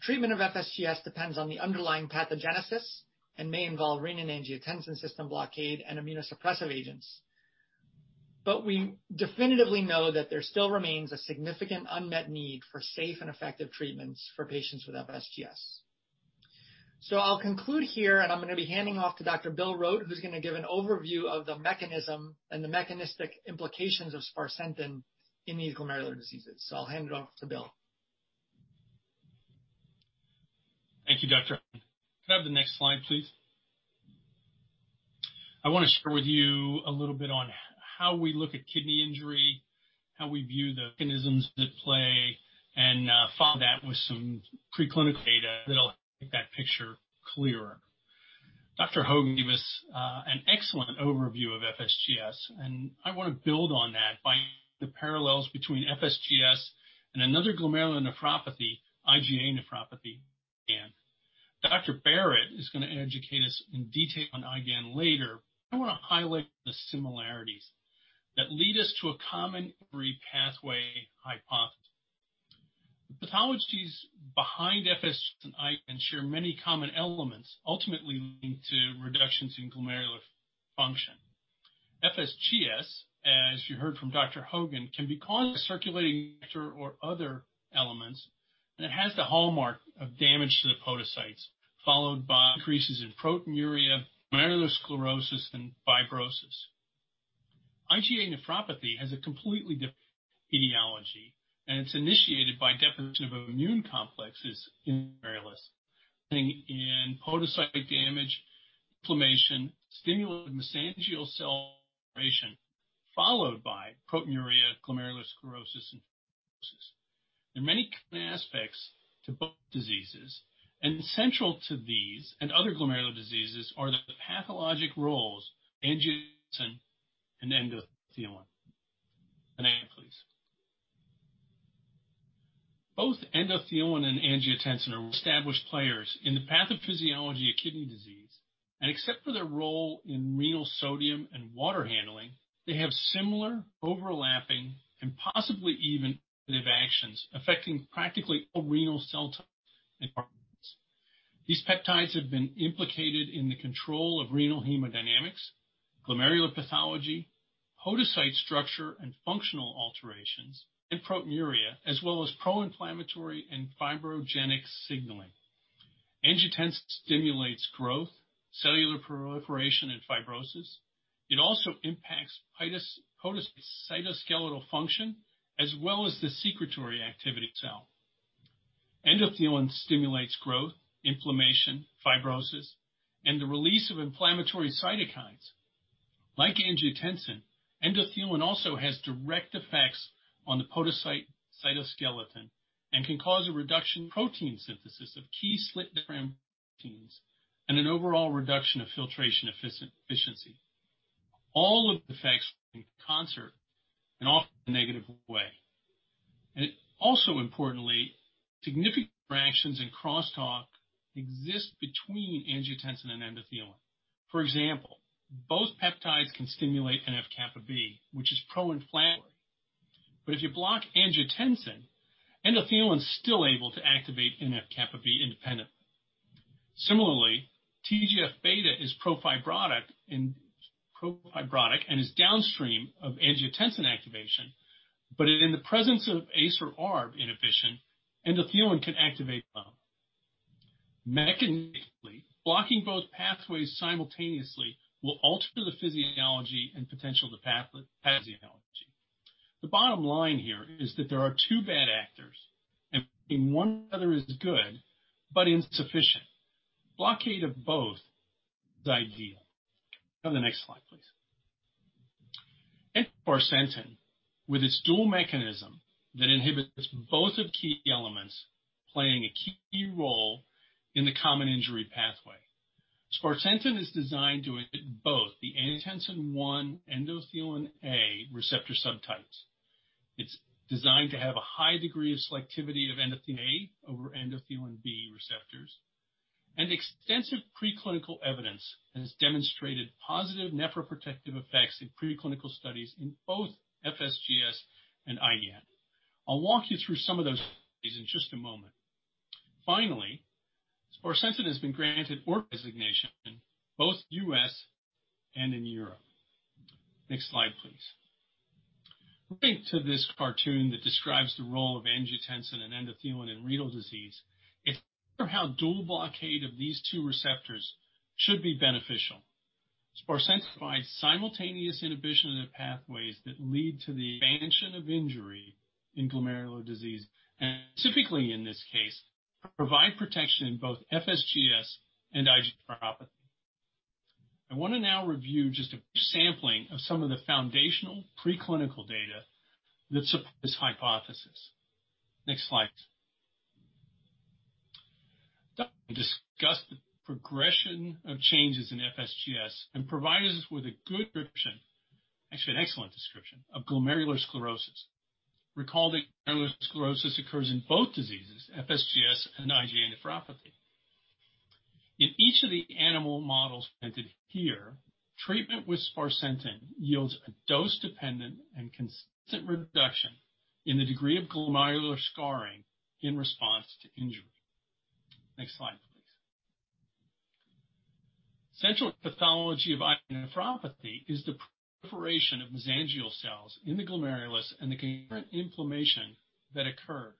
Treatment of FSGS depends on the underlying pathogenesis and may involve renin-angiotensin system blockade and immunosuppressive agents. We definitively know that there still remains a significant unmet need for safe and effective treatments for patients with FSGS. I'll conclude here, and I'm going to be handing off to Dr. Bill Rote, who's going to give an overview of the mechanism and the mechanistic implications of sparsentan in these glomerular diseases. I'll hand it off to Bill. Thank you, doctor. Could I have the next slide, please? I want to share with you a little bit on how we look at kidney injury, how we view the mechanisms at play, and follow that with some preclinical data that'll make that picture clearer. Dr. Jonathan Hogan gave us an excellent overview of FSGS, and I want to build on that by the parallels between FSGS and another glomerular nephropathy, IgA nephropathy. Dr. Jonathan Barratt is going to educate us in detail on IgA later. I want to highlight the similarities that lead us to a common three-pathway hypothesis. The pathologies behind FS and IgA share many common elements, ultimately leading to reductions in glomerular function. FSGS, as you heard from Dr. Jonathan Hogan, can be caused by circulating or other elements, and it has the hallmark of damage to the podocytes, followed by increases in proteinuria, glomerulosclerosis, and fibrosis. IgA nephropathy has a completely different etiology. It's initiated by deposition of immune complexes in glomerulus, ending in podocyte damage, inflammation, [stimulant mesangial cell operation], followed by proteinuria, glomerulosclerosis, and fibrosis. There are many common aspects to both diseases. Central to these and other glomerular diseases are the pathologic roles angiotensin and endothelin. The next please. Both endothelin and angiotensin are established players in the pathophysiology of kidney disease. Except for their role in renal sodium and water handling, they have similar overlapping and possibly even negative actions affecting practically all renal cell types and parts. These peptides have been implicated in the control of renal hemodynamics, glomerular pathology, podocyte structure and functional alterations, and proteinuria, as well as proinflammatory and fibrogenic signaling. Angiotensin stimulates growth, cellular proliferation, and fibrosis. It also impacts podocyte cytoskeletal function as well as the secretory activity cell. Endothelin stimulates growth, inflammation, fibrosis, and the release of inflammatory cytokines. Like angiotensin, endothelin also has direct effects on the podocyte cytoskeleton and can cause a reduction protein synthesis of key slit diaphragm proteins and an overall reduction of filtration efficiency, all of the effects in concert in an often negative way. Importantly, significant interactions and crosstalk exist between angiotensin and endothelin. For example, both peptides can stimulate NF-κB, which is pro-inflammatory. If you block angiotensin, endothelin is still able to activate NF-κB independently. Similarly, TGF-β is pro-fibrotic and is downstream of angiotensin activation, but in the presence of ACE or ARB inhibition, endothelin can activate them. Mechanistically, blocking both pathways simultaneously will alter the physiology and potential pathophysiology. The bottom line here is that there are two bad actors, and one or other is good but insufficient. Blockade of both is ideal. Go to the next slide, please. Sparsentan, with its dual mechanism that inhibits both of key elements playing a key role in the common injury pathway. Sparsentan is designed to inhibit both the angiotensin one endothelin A receptor subtypes. It's designed to have a high degree of selectivity of endothelin A over endothelin B receptors. Extensive preclinical evidence has demonstrated positive nephroprotective effects in preclinical studies in both FSGS and IgA. I'll walk you through some of those studies in just a moment. Finally, sparsentan has been granted orphan designation, both U.S. and in Europe. Next slide, please. Looking to this cartoon that describes the role of angiotensin and endothelin in renal disease, it's how dual blockade of these two receptors should be beneficial. Sparsentan provides simultaneous inhibition of the pathways that lead to the expansion of injury in glomerular disease, and specifically in this case, provide protection in both FSGS and IgA nephropathy. I want to now review just a sampling of some of the foundational preclinical data that support this hypothesis. Next slide. Discuss the progression of changes in FSGS and provide us with a good description, actually, an excellent description, of glomerular sclerosis. Recall that glomerular sclerosis occurs in both diseases, FSGS and IgA nephropathy. In each of the animal models presented here, treatment with sparsentan yields a dose-dependent and consistent reduction in the degree of glomerular scarring in response to injury. Next slide, please. Central pathology of IgA nephropathy is the proliferation of mesangial cells in the glomerulus and the concurrent inflammation that occurs.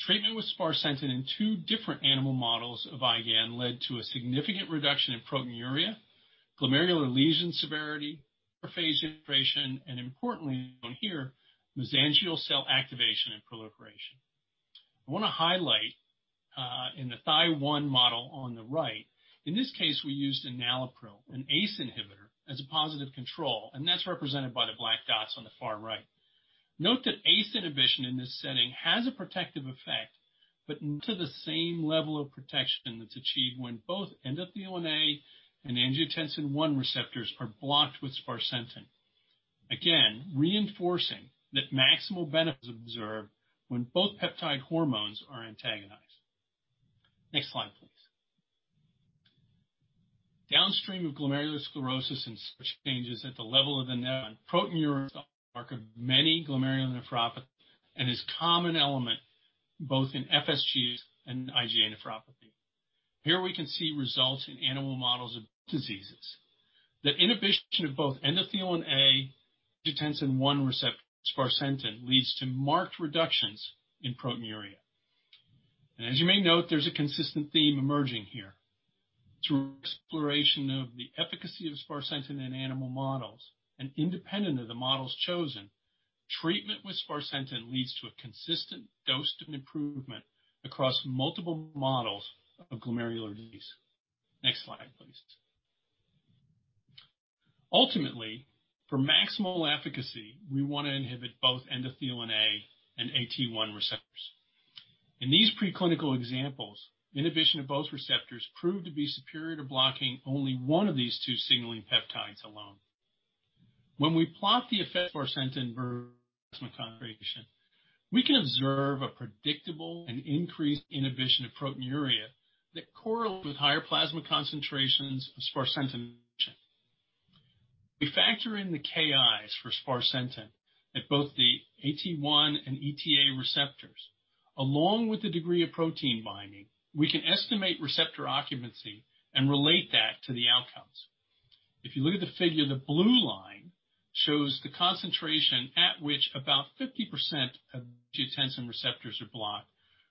Treatment with sparsentan in two different animal models of IgA led to a significant reduction in proteinuria, glomerular lesion severity, [prophase integration], and importantly shown here, mesangial cell activation and proliferation. I want to highlight in the Thy-1 model on the right. In this case, we used enalapril, an ACE inhibitor, as a positive control, that's represented by the black dots on the far right. Note that ACE inhibition in this setting has a protective effect, not to the same level of protection that's achieved when both endothelin A and angiotensin one receptors are blocked with sparsentan. Reinforcing that maximal benefits observed when both peptide hormones are antagonized. Next slide, please. Downstream of glomerulosclerosis and such changes at the level of the nephron, proteinuria is a mark of many glomerular nephropathies and is common element both in FSGS and IgA nephropathy. Here we can see results in animal models of diseases. The inhibition of both endothelin A, angiotensin one receptor sparsentan leads to marked reductions in proteinuria. As you may note, there's a consistent theme emerging here. Through exploration of the efficacy of sparsentan in animal models and independent of the models chosen, treatment with sparsentan leads to a consistent dose and improvement across multiple models of glomerular disease. Next slide, please. Ultimately, for maximal efficacy, we want to inhibit both endothelin A and AT1 receptors. In these preclinical examples, inhibition of both receptors proved to be superior to blocking only one of these two signaling peptides alone. When we plot the effect of sparsentan versus concentration, we can observe a predictable and increased inhibition of proteinuria that correlates with higher plasma concentrations of sparsentan. We factor in the [KIs] for sparsentan at both the AT1 and ETA receptors. Along with the degree of protein binding, we can estimate receptor occupancy and relate that to the outcomes. If you look at the figure, the blue line shows the concentration at which about 50% of angiotensin receptors are blocked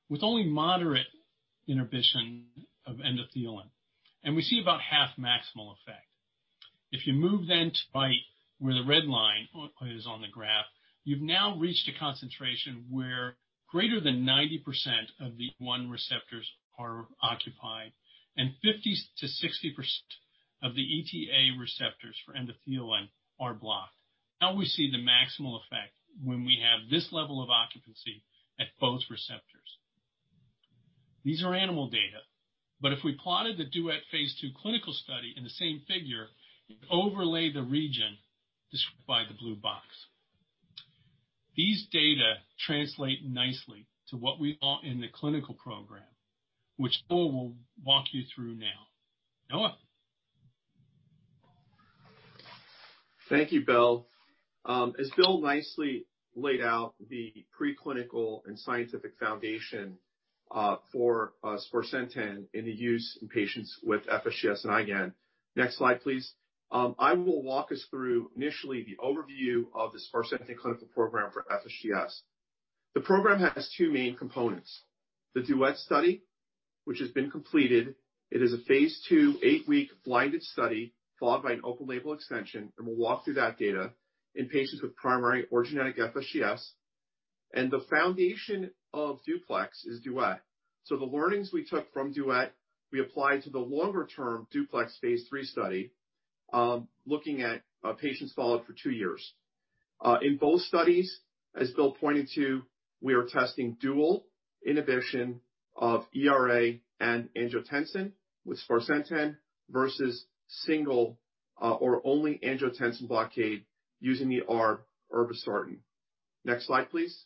with only moderate inhibition of endothelin. We see about half maximal effect. If you move then to right where the red line is on the graph, you've now reached a concentration where greater than 90% of the one receptors are occupied and 50%-60% of the ETA receptors for endothelin are blocked. We see the maximal effect when we have this level of occupancy at both receptors. These are animal data, but if we plotted the DUET phase II clinical study in the same figure, overlay the region described by the blue box. These data translate nicely to what we want in the clinical program, which Noah will walk you through now. Noah. Thank you, Bill. As Bill nicely laid out the preclinical and scientific foundation for sparsentan in the use in patients with FSGS and IgA. Next slide, please. I will walk us through initially the overview of the sparsentan clinical program for FSGS. The program has two main components, the DUET study, which has been completed. It is a phase II eight-week blinded study followed by an open-label extension, and we'll walk through that data in patients with primary or genetic FSGS, and the foundation of DUPLEX is DUET. The learnings we took from DUET, we applied to the longer-term DUPLEX phase III study, looking at patients followed for two years. In both studies, as Bill pointed to, we are testing dual inhibition of ERA and angiotensin with sparsentan versus single or only angiotensin blockade using the ARB irbesartan. Next slide, please.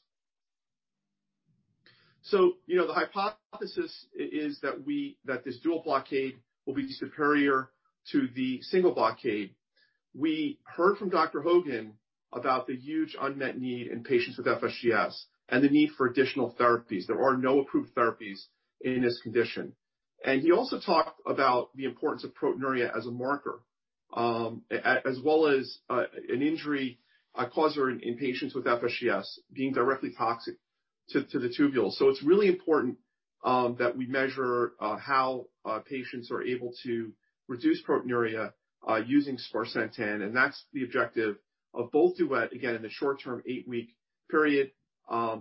The hypothesis is that this dual blockade will be superior to the single blockade. We heard from Dr. Hogan about the huge unmet need in patients with FSGS and the need for additional therapies. There are no approved therapies in this condition. He also talked about the importance of proteinuria as a marker, as well as an injury causer in patients with FSGS being directly toxic to the tubules. It's really important that we measure how patients are able to reduce proteinuria using sparsentan, and that's the objective of both DUET, again, in the short-term eight week period,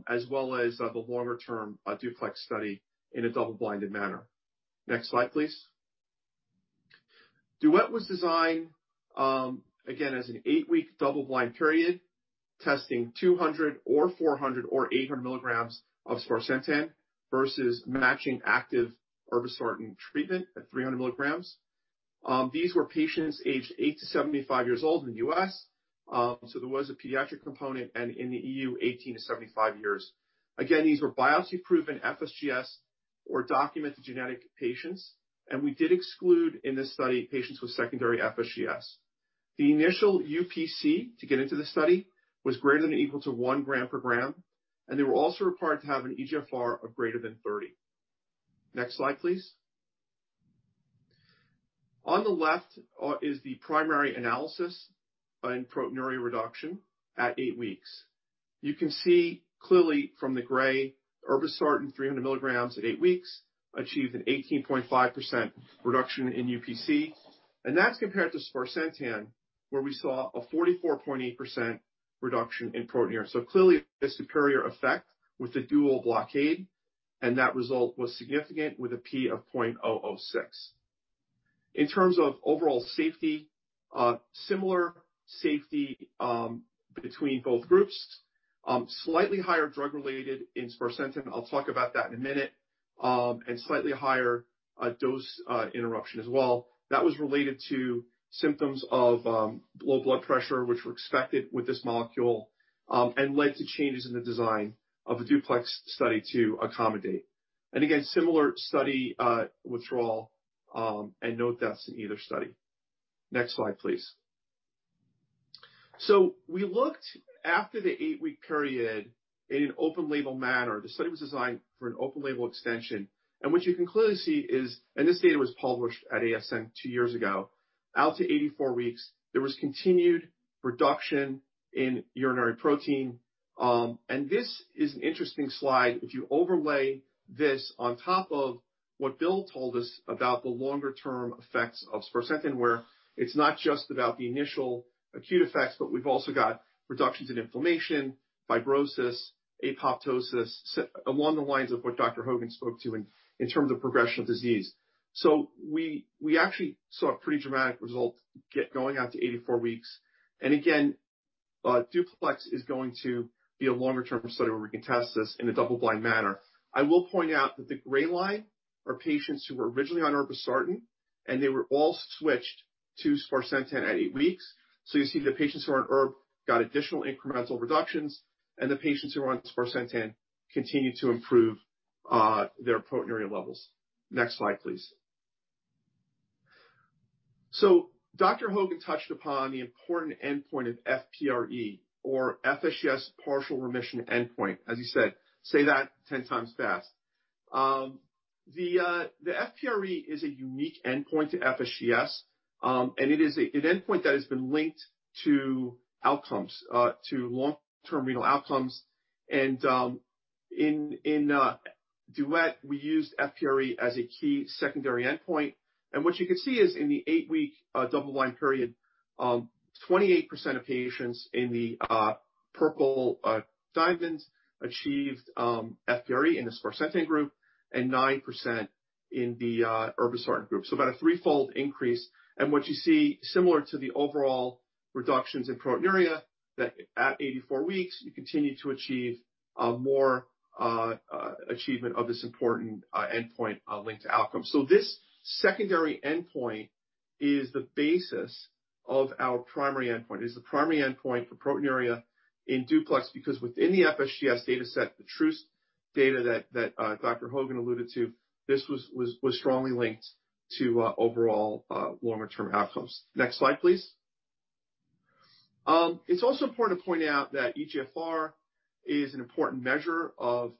as well as the longer-term DUPLEX study in a double-blinded manner. Next slide, please. DUET was designed, again, as an 8-week double-blind period, testing 200 or 400 or 800 mg of sparsentan versus matching active irbesartan treatment at 300 mg. These were patients aged eight to 75 years old in the U.S., so there was a pediatric component, and in the EU, 18 to 75 years. Again, these were biopsy-proven FSGS or documented genetic patients. We did exclude in this study patients with secondary FSGS. The initial UPC to get into the study was greater than or equal to 1 g/g. They were also required to have an eGFR of greater than 30. Next slide, please. On the left is the primary analysis in proteinuria reduction at eight weeks. You can see clearly from the gray irbesartan 300 mg at eight weeks achieved an 18.5% reduction in UPC. That's compared to sparsentan, where we saw a 44.8% reduction in proteinuria. Clearly a superior effect with the dual blockade. That result was significant with a p of 0.006. In terms of overall safety, similar safety between both groups. Slightly higher drug-related in sparsentan, I'll talk about that in a minute, and slightly higher dose interruption as well. That was related to symptoms of low blood pressure, which were expected with this molecule, and led to changes in the design of the DUPLEX study to accommodate. Again, similar study withdrawal, and no deaths in either study. Next slide, please. We looked after the eight-week period in an open-label manner. The study was designed for an open-label extension. What you can clearly see is, this data was published at ASN two years ago, out to 84 weeks, there was continued reduction in urinary protein. This is an interesting slide. If you overlay this on top of what Bill told us about the longer-term effects of sparsentan, where it's not just about the initial acute effects, but we've also got reductions in inflammation, fibrosis, apoptosis, along the lines of what Dr. Hogan spoke to in terms of progression of disease. We actually saw a pretty dramatic result going out to 84 weeks. Again, DUPLEX is going to be a longer-term study where we can test this in a double-blind manner. I will point out that the gray line are patients who were originally on irbesartan, and they were all switched to sparsentan at eight weeks. You see the patients who are on irbe got additional incremental reductions, and the patients who are on sparsentan continued to improve their proteinuria levels. Next slide, please. Dr. Hogan touched upon the important endpoint of FPRE, or FSGS partial remission endpoint. As you said, say that 10 times fast. The FPRE is a unique endpoint to FSGS, and it is an endpoint that has been linked to long-term renal outcomes. In DUET, we used FPRE as a key secondary endpoint. What you can see is in the eight-week double-blind period, 28% of patients in the purple diamonds achieved FPRE in the sparsentan group and 9% in the irbesartan group. About a threefold increase. What you see similar to the overall reductions in proteinuria, that at 84 weeks, you continue to achieve more achievement of this important endpoint linked outcome. This secondary endpoint is the basis of our primary endpoint, is the primary endpoint for proteinuria in DUPLEX because within the FSGS data set, the truth data that Dr. Hogan alluded to, this was strongly linked to overall longer-term outcomes. Next slide, please. It's also important to point out that eGFR is an important measure of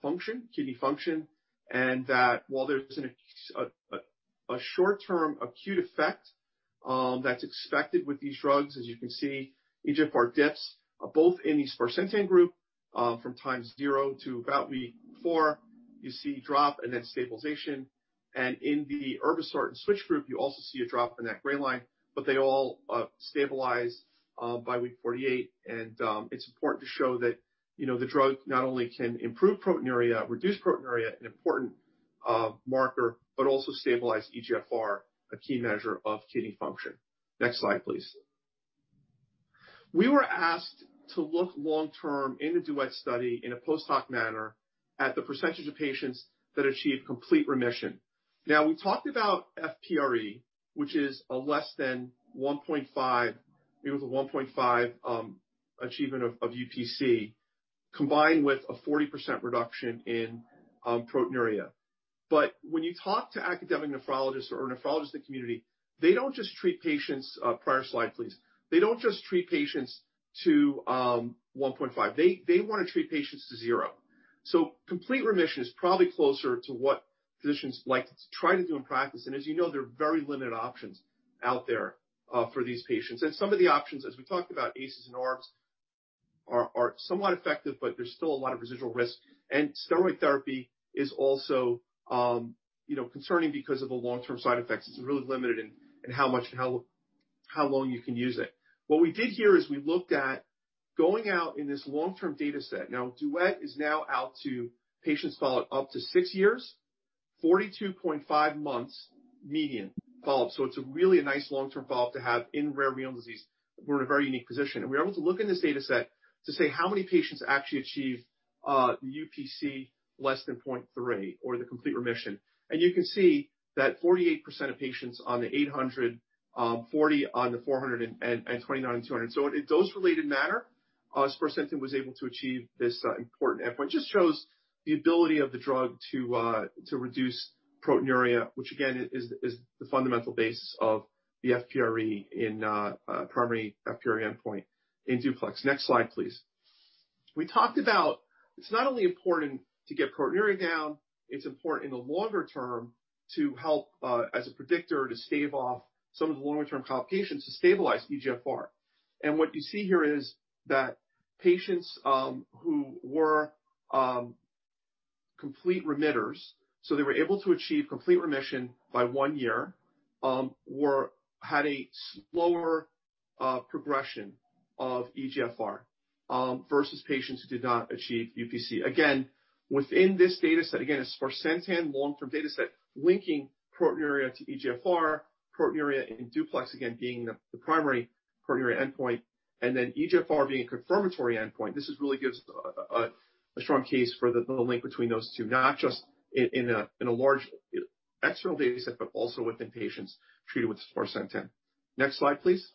kidney function, and that while there's a short-term acute effect that's expected with these drugs, as you can see, eGFR dips both in the sparsentan group from times zero to about week four, you see drop and then stabilization, and in the irbesartan switch group, you also see a drop in that gray line, but they all stabilize by week 48, and it's important to show that the drug not only can improve proteinuria, reduce proteinuria, an important marker, but also stabilize eGFR, a key measure of kidney function. Next slide, please. We were asked to look long-term in the DUET study in a post hoc manner at the % of patients that achieved complete remission. We talked about FPRE, which is a less than 1.5. It was a 1.5 achievement of UPC combined with a 40% reduction in proteinuria. When you talk to academic nephrologists or nephrologists in the community, they don't just treat patients to 1.5. They want to treat patients to zero. Complete remission is probably closer to what physicians like to try to do in practice. As you know, there are very limited options out there for these patients. Some of the options, as we talked about ACEs and ARBs are somewhat effective, there's still a lot of residual risk. Steroid therapy is also concerning because of the long-term side effects. It's really limited in how much and how long you can use it. What we did here is we looked at going out in this long-term data set. DUET is now out to patients followed up to six years, 42.5 months median follow-up. It's a really nice long-term follow-up to have in rare renal disease. We're in a very unique position, and we're able to look in this data set to say how many patients actually achieve the UPC less than 0.3 or the complete remission. You can see that 48% of patients on the 800, 40 on the 400, and 29 on 200. In dose-related manner, sparsentan was able to achieve this important endpoint. Just shows the ability of the drug to reduce proteinuria, which again is the fundamental basis of the FPRE in primary FPR endpoint in DUPLEX. Next slide, please. We talked about it's not only important to get proteinuria down, it's important in the longer term to help as a predictor to stave off some of the longer-term complications to stabilize eGFR. What you see here is that patients who were complete remitters, so they were able to achieve complete remission by one year, had a slower progression of eGFR versus patients who did not achieve UPC. Again, within this data set, sparsentan long-term data set linking proteinuria to eGFR, proteinuria in DUPLEX again being the primary proteinuria endpoint, and then eGFR being a confirmatory endpoint. This really gives a strong case for the link between those two, not just in a large external data set, but also within patients treated with sparsentan. Next slide, please.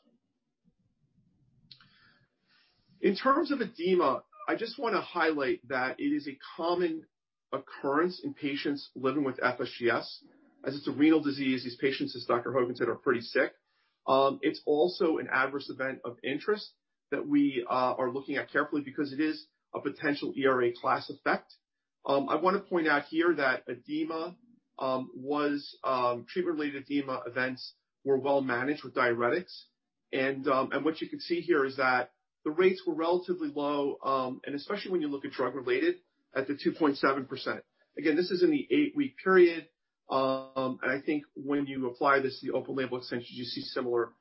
In terms of edema, I just want to highlight that it is a common occurrence in patients living with FSGS. As it's a renal disease, these patients, as Dr. Hogan said, are pretty sick. It's also an adverse event of interest that we are looking at carefully because it is a potential ERA class effect. I want to point out here that treatment-related edema events were well managed with diuretics. What you can see here is that the rates were relatively low, especially when you look at drug-related at the 2.7%. Again, this is in the eight-week period. I think when you apply this to the open label extension, you see similar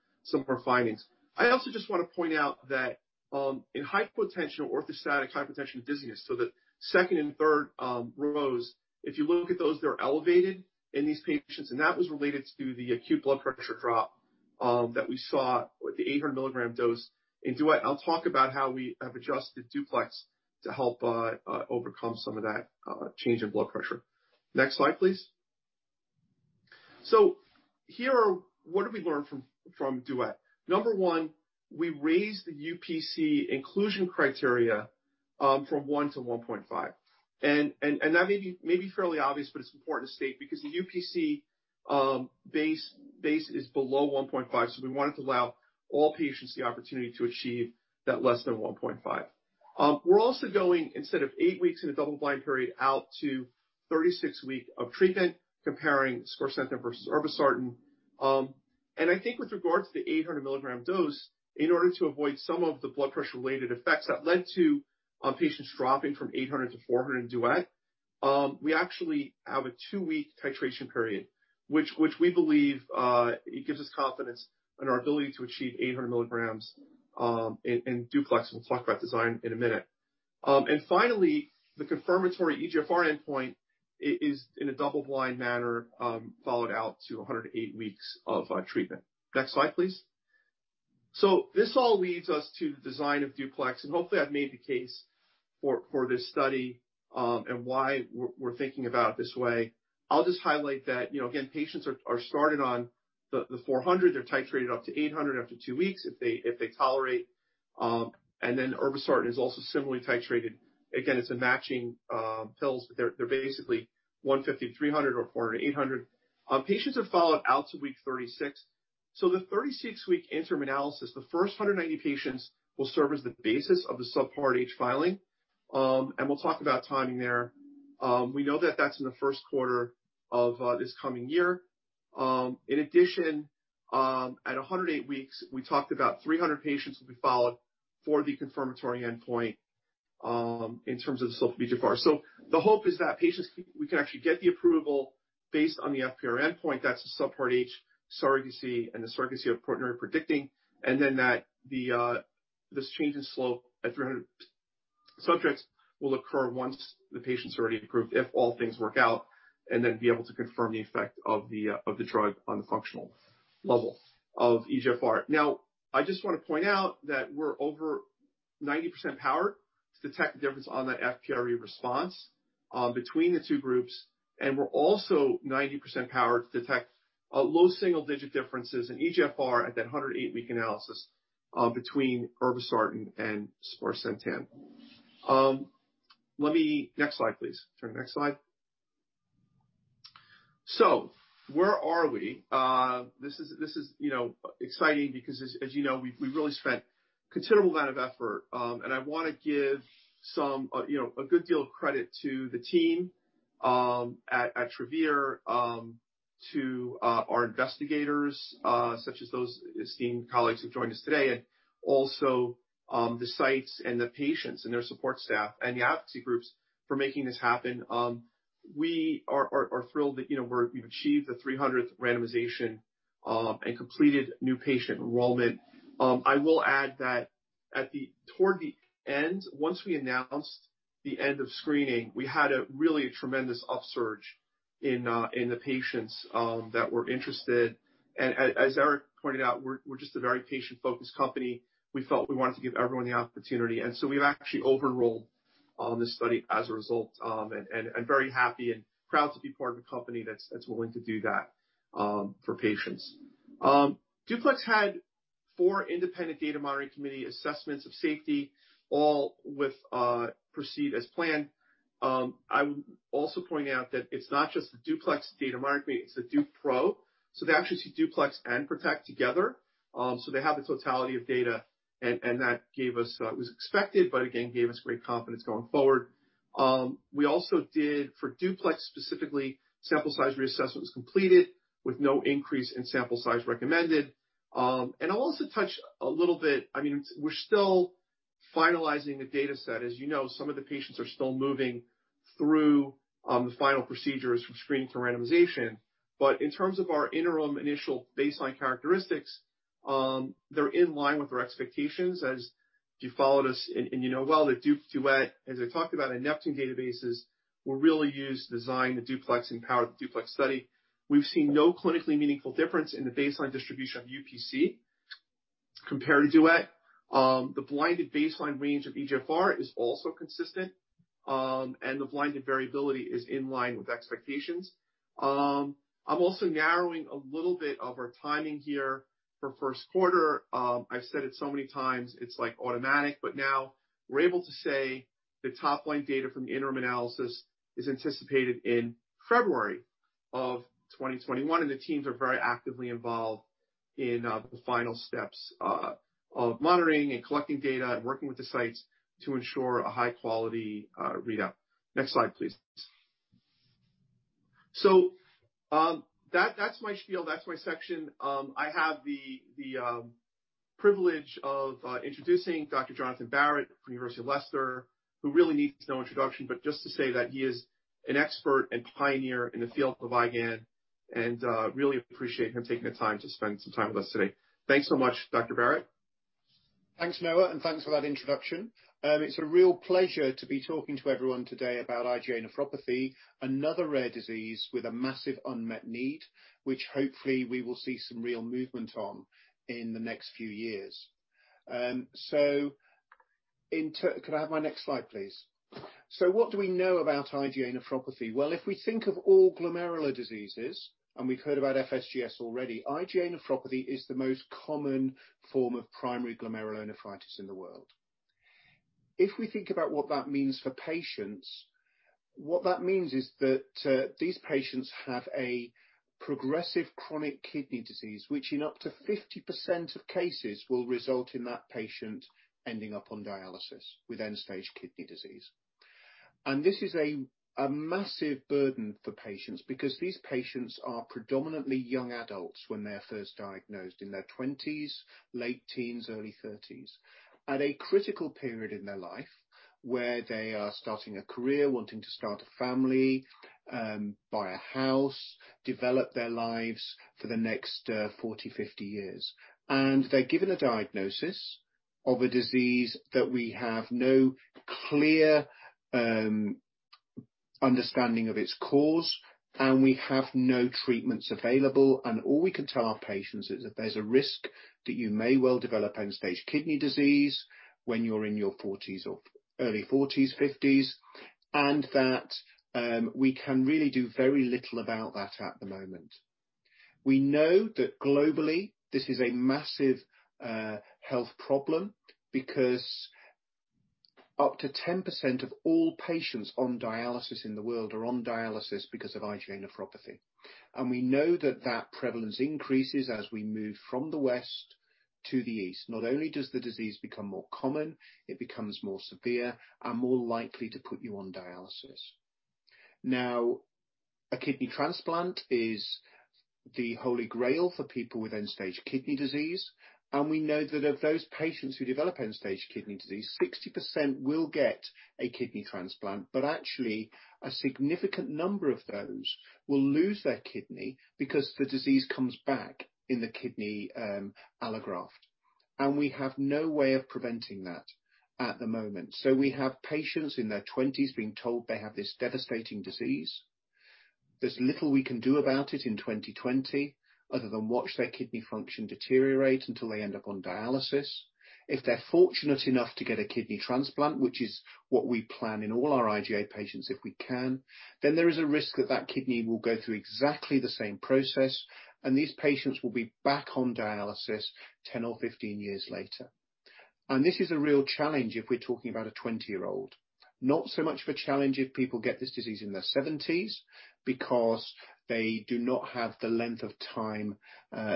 findings. I also just want to point out that in orthostatic hypotension and dizziness, so the second and third rows, if you look at those, they're elevated in these patients, and that was related to the acute blood pressure drop that we saw with the 800 mg dose in DUET. I'll talk about how we have adjusted DUPLEX to help overcome some of that change in blood pressure. Next slide, please. Here, what did we learn from DUET? Number one, we raised the UPC inclusion criteria from one to one point five, and that may be fairly obvious, but it's important to state because the UPC base is below one point five. We wanted to allow all patients the opportunity to achieve that less than one point five. We're also going, instead of eight weeks in a double-blind period, out to 36 week of treatment comparing sparsentan versus irbesartan. I think with regard to the 800 mg dose, in order to avoid some of the blood pressure related effects that led to patients dropping from 800 to 400 in DUET, we actually have a two-week titration period, which we believe gives us confidence in our ability to achieve 800 mg in DUPLEX. We'll talk about design in a minute. Finally, the confirmatory eGFR endpoint is in a double-blind manner, followed out to 108 weeks of treatment. Next slide, please. This all leads us to the design of DUPLEX, and hopefully I've made the case for this study and why we're thinking about it this way. I'll just highlight that again, patients are started on the 400. They're titrated up to 800 after two weeks if they tolerate, and then irbesartan is also similarly titrated. Again, it's matching pills. They're basically 150, 300 or 400, 800. Patients are followed out to week 36. The 36-week interim analysis, the first 190 patients will serve as the basis of the Subpart H filing. We'll talk about timing there. We know that that's in the first quarter of this coming year. At 108 weeks, we talked about 300 patients will be followed for the confirmatory endpoint in terms of the slope eGFR. The hope is that we can actually get the approval based on the FPR endpoint. That's the Subpart H surrogacy and the surrogacy of proteinuria predicting, and then that this change in slope at 300 subjects will occur once the patient's already approved, if all things work out, and then be able to confirm the effect of the drug on the functional level of eGFR. Now, I just want to point out that we're over 90% powered to detect the difference on that FPRE response between the two groups, and we're also 90% powered to detect low single-digit differences in eGFR at that 108-week analysis between irbesartan and sparsentan. Next slide, please. Sorry, next slide. Where are we? This is exciting because as you know, we've really spent considerable amount of effort. I want to give a good deal of credit to the team at Travere, to our investigators, such as those esteemed colleagues who've joined us today, and also the sites and the patients and their support staff and the advocacy groups for making this happen. We are thrilled that we've achieved the 300th randomization and completed new patient enrollment. I will add that toward the end, once we announced the end of screening, we had a really tremendous upsurge in the patients that were interested. As Eric pointed out, we're just a very patient-focused company. We felt we wanted to give everyone the opportunity, we've actually over-enrolled on this study as a result. Very happy and proud to be part of a company that's willing to do that for patients. DUPLEX had four independent data monitoring committee assessments of safety, all with proceed as planned. I would also point out that it's not just the DUPLEX data monitoring, it's the [Dupro]. They actually see DUPLEX and PROTECT together. They have the totality of data, and that gave us what was expected, but again, gave us great confidence going forward. We also did, for DUPLEX specifically, sample size reassessment was completed with no increase in sample size recommended. I'll also touch a little bit, we're still finalizing the data set. As you know, some of the patients are still moving through the final procedures from screening to randomization. In terms of our interim initial baseline characteristics, they're in line with our expectations. As you followed us and you know well, the DUET, as I talked about, and NEPTUNE databases were really used to design the DUPLEX and power the DUPLEX study. We've seen no clinically meaningful difference in the baseline distribution of UPC compared to DUET. The blinded baseline range of eGFR is also consistent, and the blinded variability is in line with expectations. I'm also narrowing a little bit of our timing here for first quarter. I've said it so many times, it's like automatic, but now we're able to say the top-line data from the interim analysis is anticipated in February of 2021, and the teams are very actively involved in the final steps of monitoring and collecting data and working with the sites to ensure a high-quality readout. Next slide, please. That's my spiel, that's my section. I have the privilege of introducing Dr. Jonathan Barratt from the University of Leicester, who really needs no introduction, but just to say that he is an expert and pioneer in the field of IgAN, and really appreciate him taking the time to spend some time with us today. Thanks so much, Dr. Barratt. Thanks, Noah, and thanks for that introduction. It's a real pleasure to be talking to everyone today about IgA nephropathy, another rare disease with a massive unmet need, which hopefully we will see some real movement on in the next few years. Could I have my next slide, please? What do we know about IgA nephropathy? Well, if we think of all glomerular diseases, and we've heard about FSGS already, IgA nephropathy is the most common form of primary glomerulonephritis in the world. If we think about what that means for patients, what that means is that these patients have a progressive chronic kidney disease, which in up to 50% of cases, will result in that patient ending up on dialysis with end-stage kidney disease. This is a massive burden for patients because these patients are predominantly young adults when they're first diagnosed in their 20s, late teens, early 30s, at a critical period in their life where they are starting a career, wanting to start a family, buy a house, develop their lives for the next 40, 50 years. They're given a diagnosis of a disease that we have no clear understanding of its cause, and we have no treatments available and all we can tell our patients is that there's a risk that you may well develop end-stage kidney disease when you're in your 40s or early 40s, 50s, and that we can really do very little about that at the moment. We know that globally, this is a massive health problem because up to 10% of all patients on dialysis in the world are on dialysis because of IgA nephropathy. We know that that prevalence increases as we move from the West to the East. Not only does the disease become more common, it becomes more severe and more likely to put you on dialysis. A kidney transplant is the holy grail for people with end-stage kidney disease, and we know that of those patients who develop end-stage kidney disease, 60% will get a kidney transplant. Actually, a significant number of those will lose their kidney because the disease comes back in the kidney allograft. We have no way of preventing that at the moment. We have patients in their 20s being told they have this devastating disease. There's little we can do about it in 2020 other than watch their kidney function deteriorate until they end up on dialysis. If they're fortunate enough to get a kidney transplant, which is what we plan in all our IgA patients if we can, there is a risk that that kidney will go through exactly the same process, and these patients will be back on dialysis 10 or 15 years later. This is a real challenge if we're talking about a 20-year-old. Not so much of a challenge if people get this disease in their 70s, because they do not have the length of time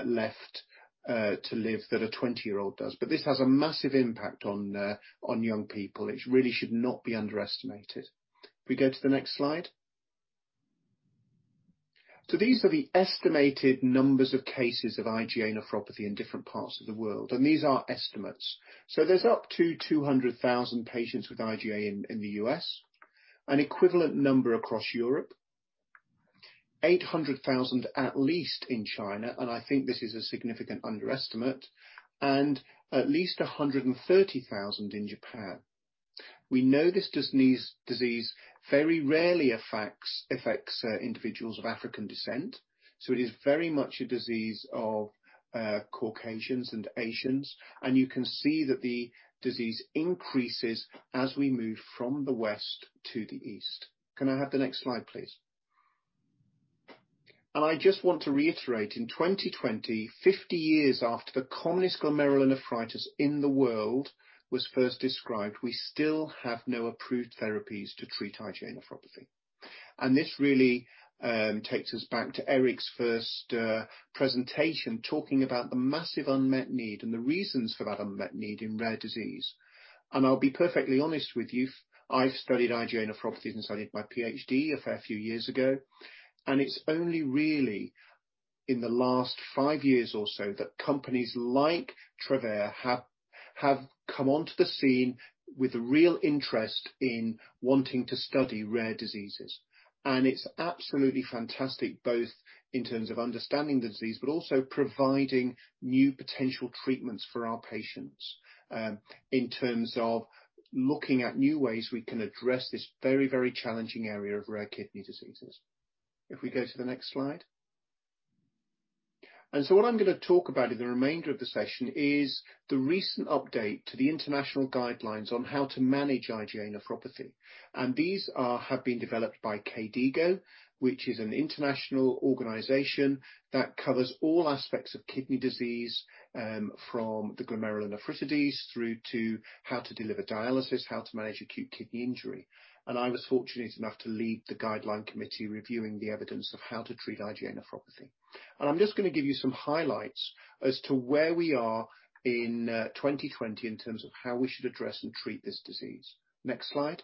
left to live that a 20-year-old does. This has a massive impact on young people. It really should not be underestimated. Can we go to the next slide? These are the estimated numbers of cases of IgA nephropathy in different parts of the world, and these are estimates. There's up to 200,000 patients with IgA in the U.S., an equivalent number across Europe, 800,000 at least in China, and I think this is a significant underestimate, and at least 130,000 in Japan. We know this disease very rarely affects individuals of African descent, so it is very much a disease of Caucasians and Asians, and you can see that the disease increases as we move from the West to the East. Can I have the next slide, please? I just want to reiterate, in 2020, 50 years after the commonest glomerulonephritis in the world was first described, we still have no approved therapies to treat IgA nephropathy. This really takes us back to Eric's first presentation, talking about the massive unmet need and the reasons for that unmet need in rare disease. I'll be perfectly honest with you, I've studied IgA nephropathy since I did my PhD a fair few years ago, and it's only really in the last five years or so that companies like Travere have come onto the scene with a real interest in wanting to study rare diseases. It's absolutely fantastic, both in terms of understanding the disease, but also providing new potential treatments for our patients, in terms of looking at new ways we can address this very challenging area of rare kidney diseases. If we go to the next slide. What I'm going to talk about in the remainder of the session is the recent update to the international guidelines on how to manage IgA nephropathy. These have been developed by KDIGO, which is an international organization that covers all aspects of kidney disease, from the glomerulonephritides through to how to deliver dialysis, how to manage acute kidney injury. I was fortunate enough to lead the guideline committee reviewing the evidence of how to treat IgA nephropathy. I'm just going to give you some highlights as to where we are in 2020 in terms of how we should address and treat this disease. Next slide.